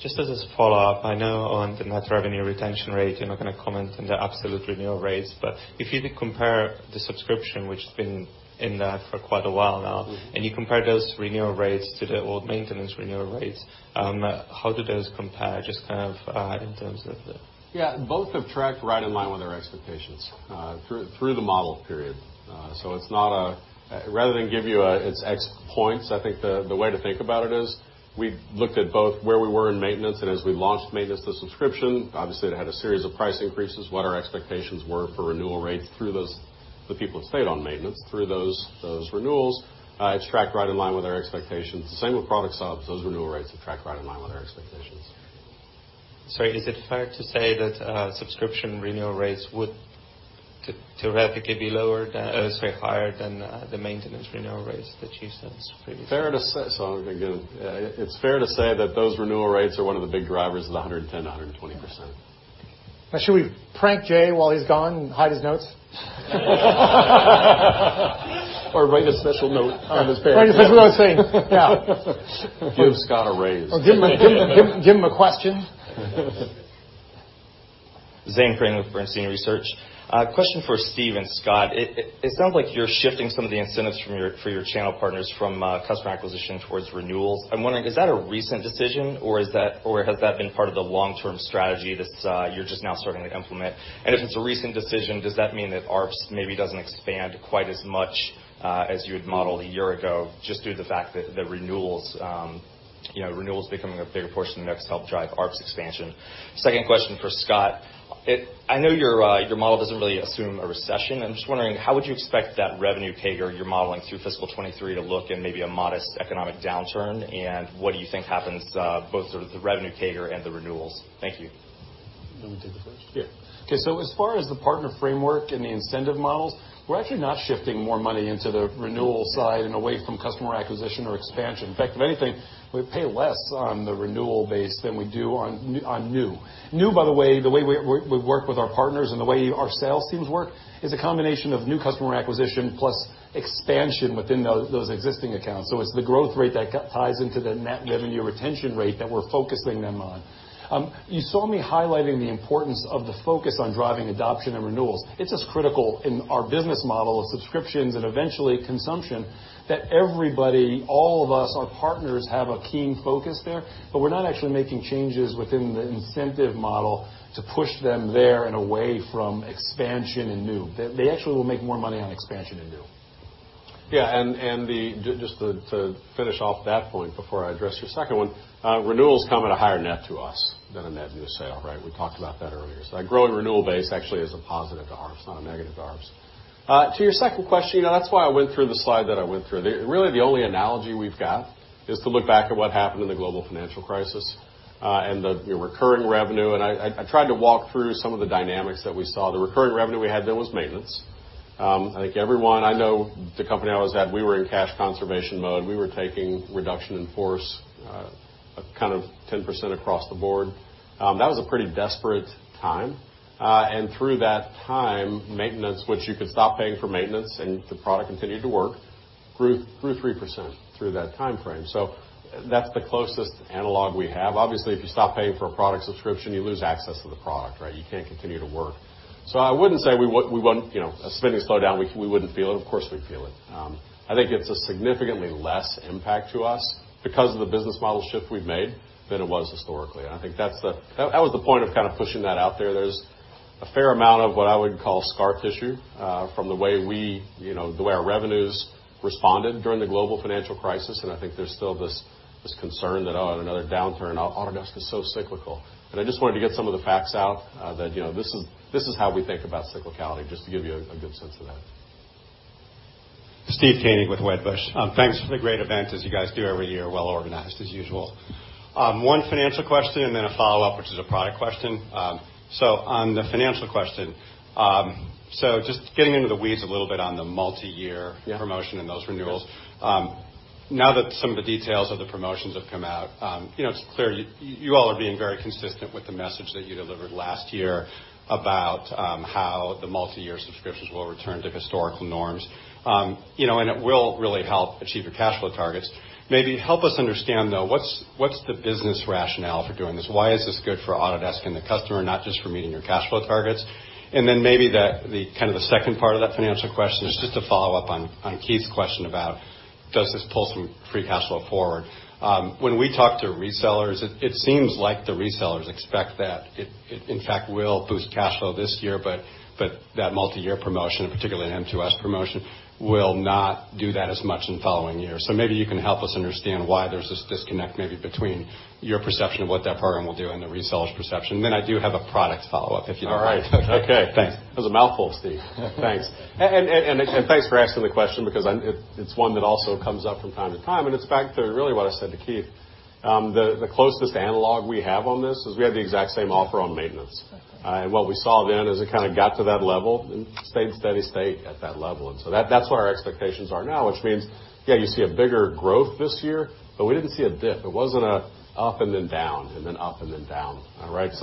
Just as a follow-up, I know on the net revenue retention rate, you're not going to comment on the absolute renewal rates, but if you compare the subscription, which has been in that for quite a while now, and you compare those renewal rates to the old maintenance renewal rates, how do those compare, just in terms of the? Yeah. Both have tracked right in line with our expectations through the model period. Rather than give you its X points, I think the way to think about it is, we looked at both where we were in maintenance and as we launched maintenance to subscription, obviously it had a series of price increases, what our expectations were for renewal rates through those, the people who stayed on maintenance through those renewals, it's tracked right in line with our expectations. The same with product subs. Those renewal rates have tracked right in line with our expectations. Is it fair to say that subscription renewal rates would theoretically be higher than the maintenance renewal rates that you said previously? It's fair to say that those renewal rates are one of the big drivers of the 110%-120%. Should we prank Jay while he's gone and hide his notes? Write a special note on his. That's what I was saying. Yeah. Give Scott a raise. Give him a question. Zane Chrane with Bernstein Research. Question for Steve and Scott. It sounds like you're shifting some of the incentives for your channel partners from customer acquisition towards renewals. I'm wondering, is that a recent decision or has that been part of the long-term strategy that you're just now starting to implement? If it's a recent decision, does that mean that ARPS maybe doesn't expand quite as much as you had modeled a year ago, just due to the fact that the renewals becoming a bigger portion of the mix help drive ARPS expansion? Second question for Scott. I know your model doesn't really assume a recession. I'm just wondering, how would you expect that revenue CAGR you're modeling through fiscal 2023 to look in maybe a modest economic downturn? What do you think happens, both sort of the revenue CAGR and the renewals? Thank you. You want me to take that first? Yeah. Okay. As far as the partner framework and the incentive models, we're actually not shifting more money into the renewal side and away from customer acquisition or expansion. In fact, if anything, we pay less on the renewal base than we do on new. New, by the way, the way we work with our partners and the way our sales teams work, is a combination of new customer acquisition plus expansion within those existing accounts. It's the growth rate that ties into the net revenue retention rate that we're focusing them on. You saw me highlighting the importance of the focus on driving adoption and renewals. It's as critical in our business model of subscriptions and eventually consumption, that everybody, all of us, our partners, have a keen focus there. We're not actually making changes within the incentive model to push them there and away from expansion and new. They actually will make more money on expansion and new. Yeah. Just to finish off that point before I address your second one, renewals come at a higher net to us than a net new sale, right? We talked about that earlier. That growing renewal base actually is a positive to ARPS, not a negative to ARPS. To your second question, that's why I went through the slide that I went through. Really, the only analogy we've got is to look back at what happened in the global financial crisis, and the recurring revenue. I tried to walk through some of the dynamics that we saw. The recurring revenue we had then was maintenance. I think everyone I know, the company I was at, we were in cash conservation mode. We were taking reduction in force of 10% across the board. That was a pretty desperate time. Through that time, maintenance, which you could stop paying for maintenance and the product continued to work, grew 3% through that timeframe. That's the closest analog we have. Obviously, if you stop paying for a product subscription, you lose access to the product, right? You can't continue to work. I wouldn't say a spending slowdown, we wouldn't feel it. Of course, we'd feel it. I think it's a significantly less impact to us because of the business model shift we've made than it was historically. I think that was the point of pushing that out there. There's a fair amount of what I would call scar tissue, from the way our revenues responded during the global financial crisis, and I think there's still this concern that, oh, another downturn, Autodesk is so cyclical. I just wanted to get some of the facts out that this is how we think about cyclicality, just to give you a good sense of that. Steve Koenig with Wedbush. Thanks for the great event, as you guys do every year. Well organized as usual. One financial question and then a follow-up, which is a product question. On the financial question, so just getting into the weeds a little bit on the multi-year- Yeah promotion and those renewals. Now that some of the details of the promotions have come out, it's clear you all are being very consistent with the message that you delivered last year about how the multi-year subscriptions will return to historical norms. It will really help achieve your cash flow targets. Maybe help us understand, though, what's the business rationale for doing this? Why is this good for Autodesk and the customer, not just for meeting your cash flow targets? Then maybe the second part of that financial question is just a follow-up on Keith's question about, does this pull some free cash flow forward? When we talk to resellers, it seems like the resellers expect that it, in fact, will boost cash flow this year, but that multi-year promotion, and particularly an M2S promotion, will not do that as much in the following years. Maybe you can help us understand why there's this disconnect maybe between your perception of what that program will do and the reseller's perception. I do have a product follow-up, if you don't mind. All right. Okay. Thanks. That was a mouthful, Steve. Thanks. Thanks for asking the question because it's one that also comes up from time to time, and it's back to really what I said to Keith. The closest analog we have on this is we had the exact same offer on maintenance. What we saw then as it kind of got to that level, it stayed steady state at that level. That's where our expectations are now, which means, yeah, you see a bigger growth this year, but we didn't see a dip. It wasn't a up and then down. Up and then down. All right? As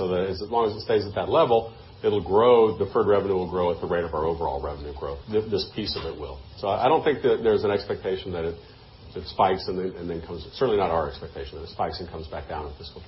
long as it stays at that level, deferred revenue will grow at the rate of our overall revenue growth. This piece of it will. I don't think that there's an expectation that it spikes and then comes. Certainly not our expectation, that it spikes and comes back down at fiscal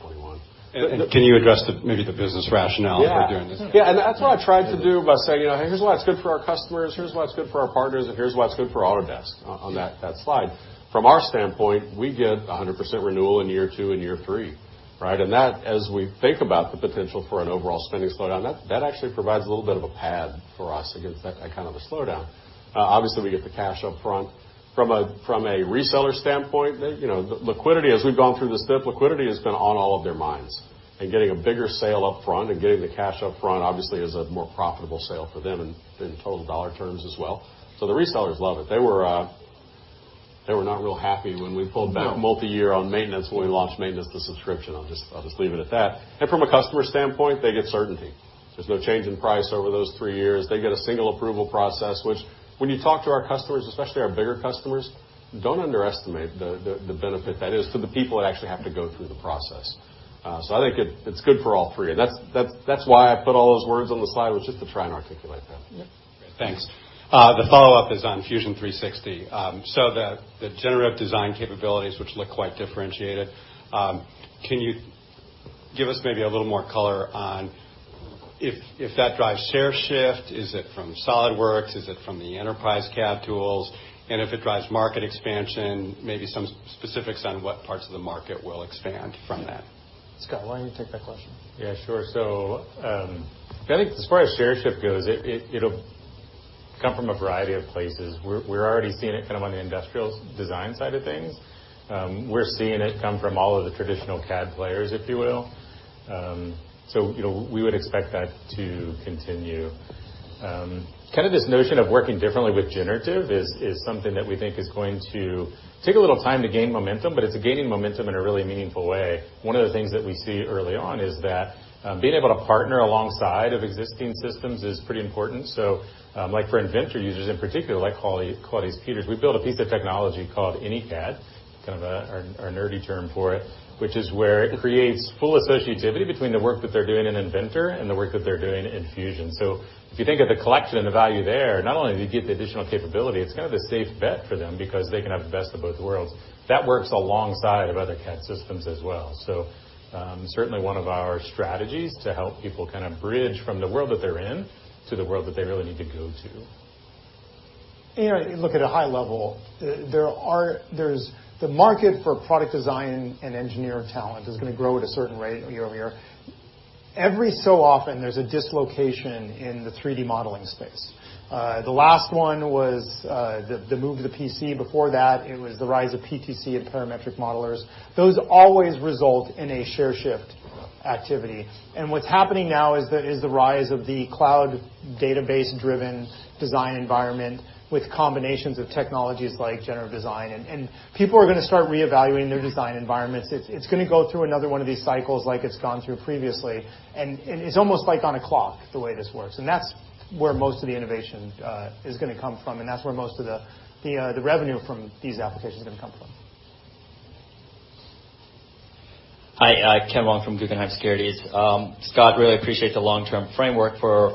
2021. Can you address maybe the business rationale for doing this? Yeah. That's what I tried to do by saying, "Here's why it's good for our customers, here's why it's good for our partners, and here's why it's good for Autodesk" on that slide. From our standpoint, we get 100% renewal in year two and year three. Right? As we think about the potential for an overall spending slowdown, that actually provides a little bit of a pad for us against that kind of a slowdown. Obviously, we get the cash up front. From a reseller standpoint, as we've gone through this dip, liquidity has been on all of their minds. Getting a bigger sale up front and getting the cash up front, obviously, is a more profitable sale for them in total dollar terms as well. The resellers love it. They were not real happy when we pulled back multi-year on maintenance, when we launched maintenance to subscription. I'll just leave it at that. From a customer standpoint, they get certainty. There's no change in price over those three years. They get a single approval process, which when you talk to our customers, especially our bigger customers, don't underestimate the benefit that is to the people that actually have to go through the process. I think it's good for all three. That's why I put all those words on the slide, was just to try and articulate that. Yeah. Great. Thanks. The follow-up is on Fusion 360. The generative design capabilities, which look quite differentiated, can you give us maybe a little more color on if that drives share shift? Is it from SOLIDWORKS? Is it from the enterprise CAD tools? If it drives market expansion, maybe some specifics on what parts of the market will expand from that. Scott, why don't you take that question? Yeah, sure. I think as far as share shift goes, it'll come from a variety of places. We're already seeing it on the industrial design side of things. We're seeing it come from all of the traditional CAD players, if you will. We would expect that to continue. This notion of working differently with generative is something that we think is going to take a little time to gain momentum, but it's gaining momentum in a really meaningful way. One of the things that we see early on is that being able to partner alongside of existing systems is pretty important. Like for Inventor users in particular, like Claudius Peters, we built a piece of technology called AnyCAD, our nerdy term for it, which is where it creates full associativity between the work that they're doing in Inventor and the work that they're doing in Fusion. If you think of the collection and the value there, not only do you get the additional capability, it's a safe bet for them because they can have the best of both worlds. That works alongside of other CAD systems as well. Certainly one of our strategies to help people bridge from the world that they're in to the world that they really need to go to. If you look at a high level, the market for product design and engineer talent is going to grow at a certain rate year over year. Every so often, there's a dislocation in the 3D modeling space. The last one was the move to the PC. Before that, it was the rise of PTC and parametric modelers. Those always result in a share shift activity. What's happening now is the rise of the cloud database-driven design environment with combinations of technologies like generative design. People are going to start reevaluating their design environments. It's going to go through another one of these cycles like it's gone through previously. It's almost like on a clock, the way this works. That's where most of the innovation is going to come from, and that's where most of the revenue from these applications are going to come from. Hi, Ken Wong from Guggenheim Securities. Scott, really appreciate the long-term framework for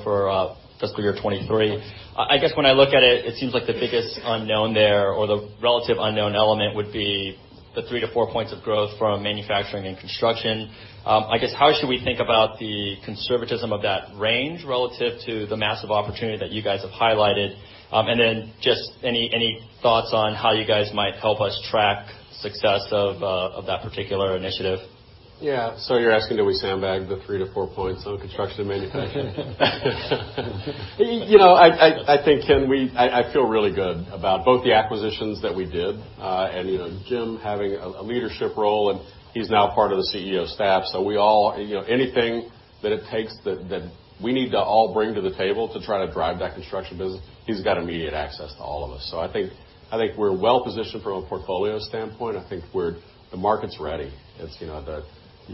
fiscal year 2023. I guess when I look at it seems like the biggest unknown there, or the relative unknown element would be the three to four points of growth from manufacturing and construction. I guess, how should we think about the conservatism of that range relative to the massive opportunity that you guys have highlighted? Then just any thoughts on how you guys might help us track success of that particular initiative? Yeah. You're asking, do we sandbag the three to four points on construction and manufacturing? I think, Ken, I feel really good about both the acquisitions that we did. Jim having a leadership role, and he's now part of the CEO staff. Anything that it takes that we need to all bring to the table to try to drive that construction business, he's got immediate access to all of us. I think we're well-positioned from a portfolio standpoint. I think the market's ready.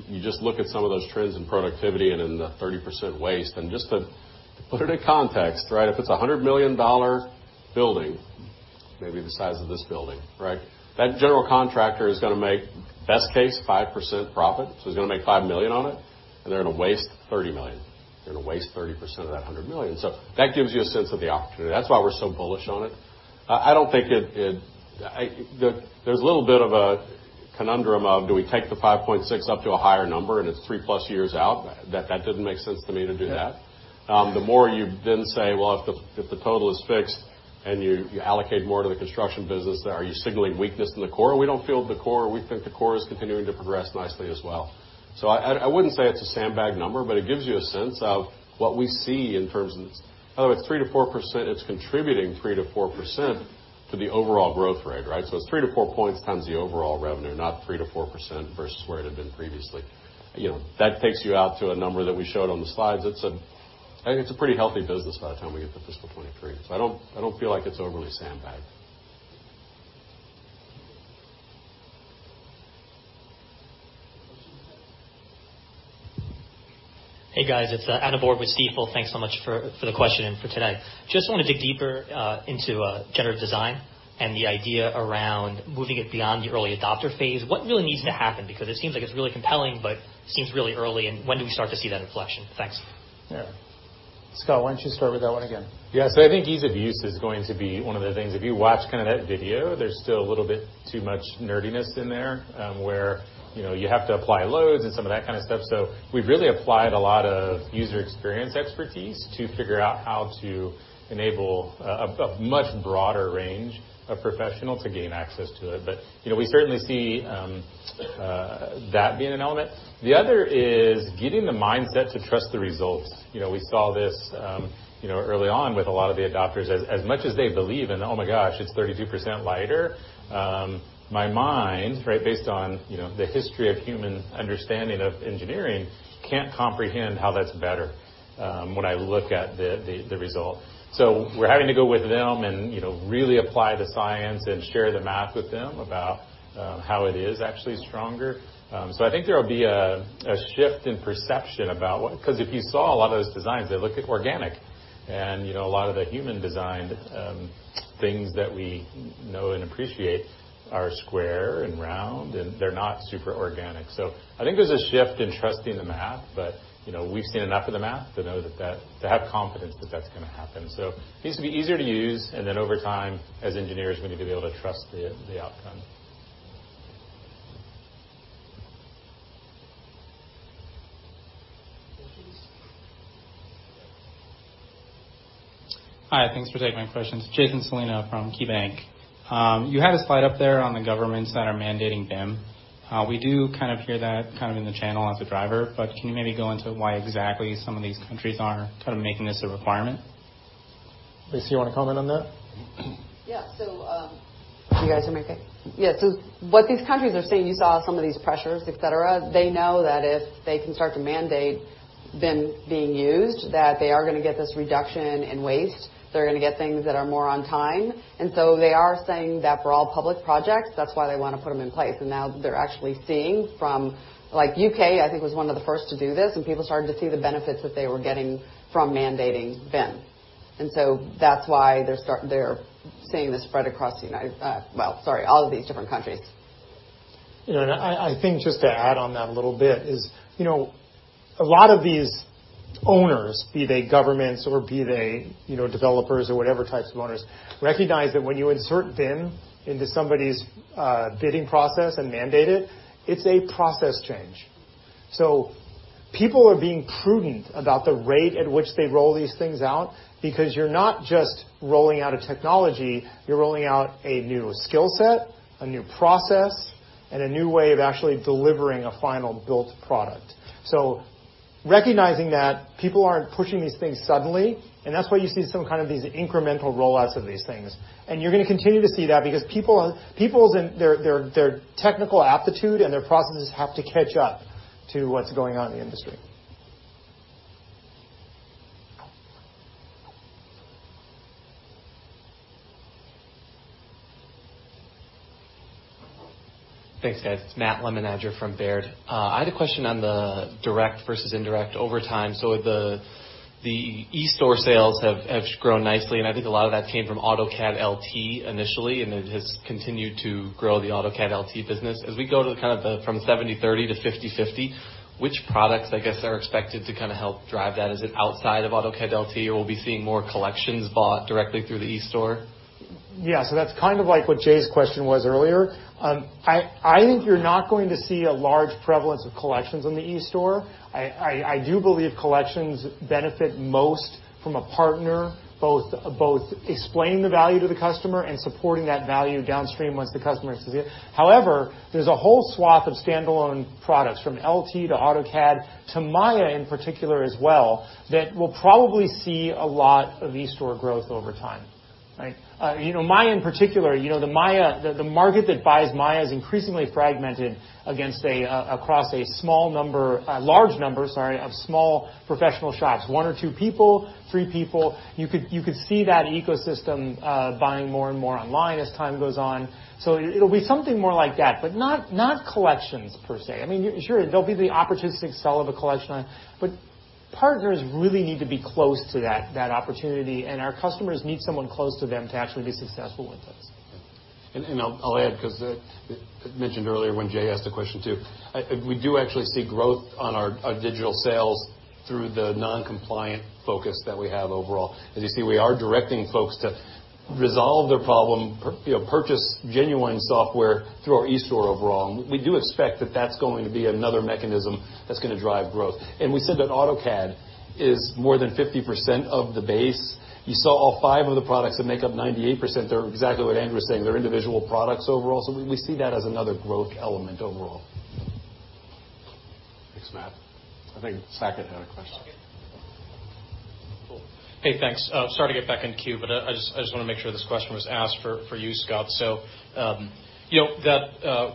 You just look at some of those trends in productivity and in the 30% waste. Just to put it in context, if it's a $100 million building, maybe the size of this building. That general contractor is going to make, best case, 5% profit. So he's going to make $5 million on it, and they're going to waste $30 million. They're going to waste 30% of that $100 million. That gives you a sense of the opportunity. That's why we're so bullish on it. There's a little bit of a conundrum of do we take the 5.6 up to a higher number and it's 3+ years out? That didn't make sense to me to do that. The more you then say, well, if the total is fixed and you allocate more to the construction business, are you signaling weakness in the core? We don't feel the core. We think the core is continuing to progress nicely as well. I wouldn't say it's a sandbagged number, but it gives you a sense of what we see in terms of. By the way, it's 3%-4%, it's contributing 3%-4% to the overall growth rate. It's three to four points times the overall revenue, not 3%-4% versus where it had been previously. That takes you out to a number that we showed on the slides. I think it's a pretty healthy business by the time we get to FY 2023. I don't feel like it's overly sandbagged. Questions? Hey guys, it's Adam Borg with Stifel. Thanks so much for the question and for today. I just want to dig deeper into generative design and the idea around moving it beyond the early adopter phase. What really needs to happen? It seems like it's really compelling, but seems really early, and when do we start to see that inflection? Thanks. Scott, why don't you start with that one again? I think ease of use is going to be one of the things. If you watch that video, there's still a little bit too much nerdiness in there, where you have to apply loads and some of that kind of stuff. We've really applied a lot of user experience expertise to figure out how to enable a much broader range of professional to gain access to it. We certainly see that being an element. The other is getting the mindset to trust the results. We saw this early on with a lot of the adopters. As much as they believe in, oh my gosh, it's 32% lighter. My mind, based on the history of human understanding of engineering, can't comprehend how that's better when I look at the result. We're having to go with them and really apply the science and share the math with them about how it is actually stronger. I think there'll be a shift in perception about what If you saw a lot of those designs, they look organic. A lot of the human-designed things that we know and appreciate are square and round, and they're not super organic. I think there's a shift in trusting the math, but we've seen enough of the math to have confidence that that's going to happen. It needs to be easier to use, and then over time, as engineers, we need to be able to trust the outcome. Questions? Hi, thanks for taking my questions. Jason Celino from KeyBanc. You had a slide up there on the governments that are mandating BIM. We do hear that in the channel as a driver, but can you maybe go into why exactly some of these countries are making this a requirement? Lisa, you want to comment on that? Yeah. You guys hear me okay? Yeah. What these countries are saying, you saw some of these pressures, et cetera. They know that if they can start to mandate BIM being used, that they are going to get this reduction in waste. They're going to get things that are more on time. They are saying that for all public projects, that's why they want to put them in place. Now they're actually seeing from Like U.K., I think, was one of the first to do this, and people started to see the benefits that they were getting from mandating BIM. That's why they're seeing this spread across all of these different countries. I think just to add on that a little bit is, a lot of these owners, be they governments or be they developers or whatever types of owners, recognize that when you insert BIM into somebody's bidding process and mandate it's a process change. People are being prudent about the rate at which they roll these things out because you're not just rolling out a technology, you're rolling out a new skill set, a new process, and a new way of actually delivering a final built product. Recognizing that people aren't pushing these things suddenly, and that's why you see some these incremental rollouts of these things. You're going to continue to see that because people's and their technical aptitude and their processes have to catch up to what's going on in the industry. Thanks, guys. It's Matt Lemmon-Adger from Baird. I had a question on the direct versus indirect over time. The e-store sales have grown nicely, and I think a lot of that came from AutoCAD LT initially, and it has continued to grow the AutoCAD LT business. As we go from 70/30 to 50/50, which products, I guess, are expected to help drive that? Is it outside of AutoCAD LT, or we'll be seeing more collections bought directly through the e-store? Yeah. That's like what Jay's question was earlier. I think you're not going to see a large prevalence of collections on the e-store. I do believe collections benefit most from a partner, both explaining the value to the customer and supporting that value downstream once the customer receives it. However, there's a whole swath of standalone products, from LT to AutoCAD to Maya in particular as well, that will probably see a lot of e-store growth over time. Maya in particular. The market that buys Maya is increasingly fragmented across a large number of small professional shops, one or two people, three people. You could see that ecosystem buying more and more online as time goes on. It'll be something more like that, but not collections per se. Sure, there'll be the opportunistic sell of a collection. Partners really need to be close to that opportunity, and our customers need someone close to them to actually be successful with this. I'll add, because I mentioned earlier when Jay asked the question, too. We do actually see growth on our digital sales through the non-compliant focus that we have overall. As you see, we are directing folks to resolve their problem, purchase genuine software through our e-store overall. We do expect that that's going to be another mechanism that's going to drive growth. We said that AutoCAD is more than 50% of the base. You saw all five of the products that make up 98%. They're exactly what Andrew was saying. We see that as another growth element overall. Thanks, Matt. I think Saket had a question. Cool. Hey, thanks. Sorry to get back in queue, I just want to make sure this question was asked for you, Scott.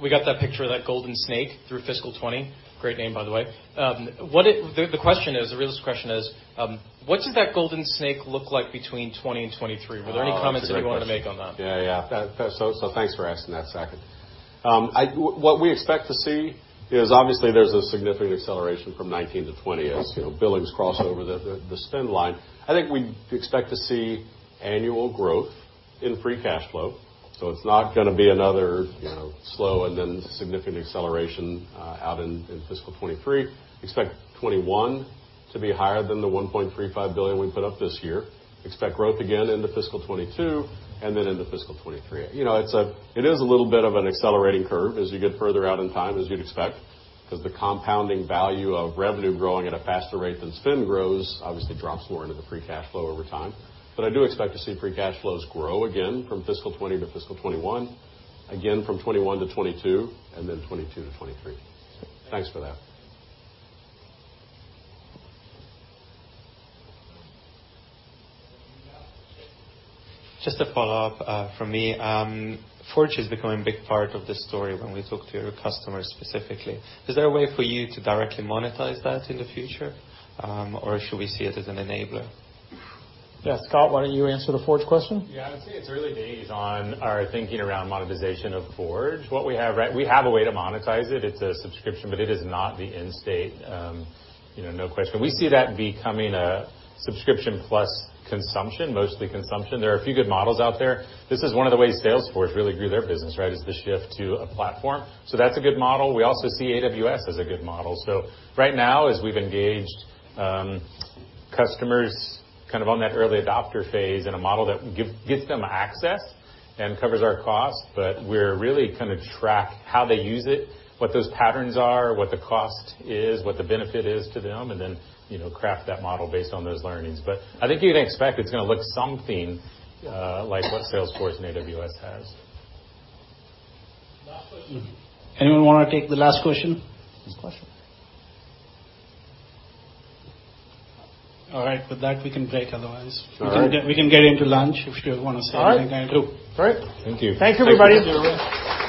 We got that picture of that Golden Snake through fiscal 2020. Great name, by the way. The real question is, what did that Golden Snake look like between 2020 and 2023? Were there any comments that you wanted to make on that? Yeah. Thanks for asking that, Saket. What we expect to see is obviously there's a significant acceleration from FY 2019 to FY 2020 as billings cross over the spend line. I think we expect to see annual growth in free cash flow, so it's not going to be another slow and then significant acceleration out in fiscal 2023. Expect fiscal 2021 to be higher than the $1.35 billion we put up this year. Expect growth again into fiscal 2022 and then into fiscal 2023. It is a little bit of an accelerating curve as you get further out in time, as you'd expect, because the compounding value of revenue growing at a faster rate than spend grows obviously drops more into the free cash flow over time. I do expect to see free cash flows grow again from fiscal 2020 to fiscal 2021, again from fiscal 2021 to fiscal 2022, and then fiscal 2022 to fiscal 2023. Thanks for that. Just a follow-up from me. Forge is becoming a big part of this story when we talk to your customers specifically. Is there a way for you to directly monetize that in the future? Should we see it as an enabler? Yes, Scott, why don't you answer the Forge question? I'd say it's early days on our thinking around monetization of Forge. We have a way to monetize it. It's a subscription, but it is not the end state, no question. We see that becoming a subscription plus consumption, mostly consumption. There are a few good models out there. This is one of the ways Salesforce really grew their business, is the shift to a platform. That's a good model. We also see AWS as a good model. Right now, as we've engaged customers on that early adopter phase in a model that gives them access and covers our costs, but we're really going to track how they use it, what those patterns are, what the cost is, what the benefit is to them, and then craft that model based on those learnings. I think you can expect it's going to look something like what Salesforce and AWS has. Last question. Anyone want to take the last question? Last question. All right. With that, we can break otherwise. All right. We can get into lunch if you want to say anything. All right. Cool. Thank you. Thanks, everybody. Thanks for your input.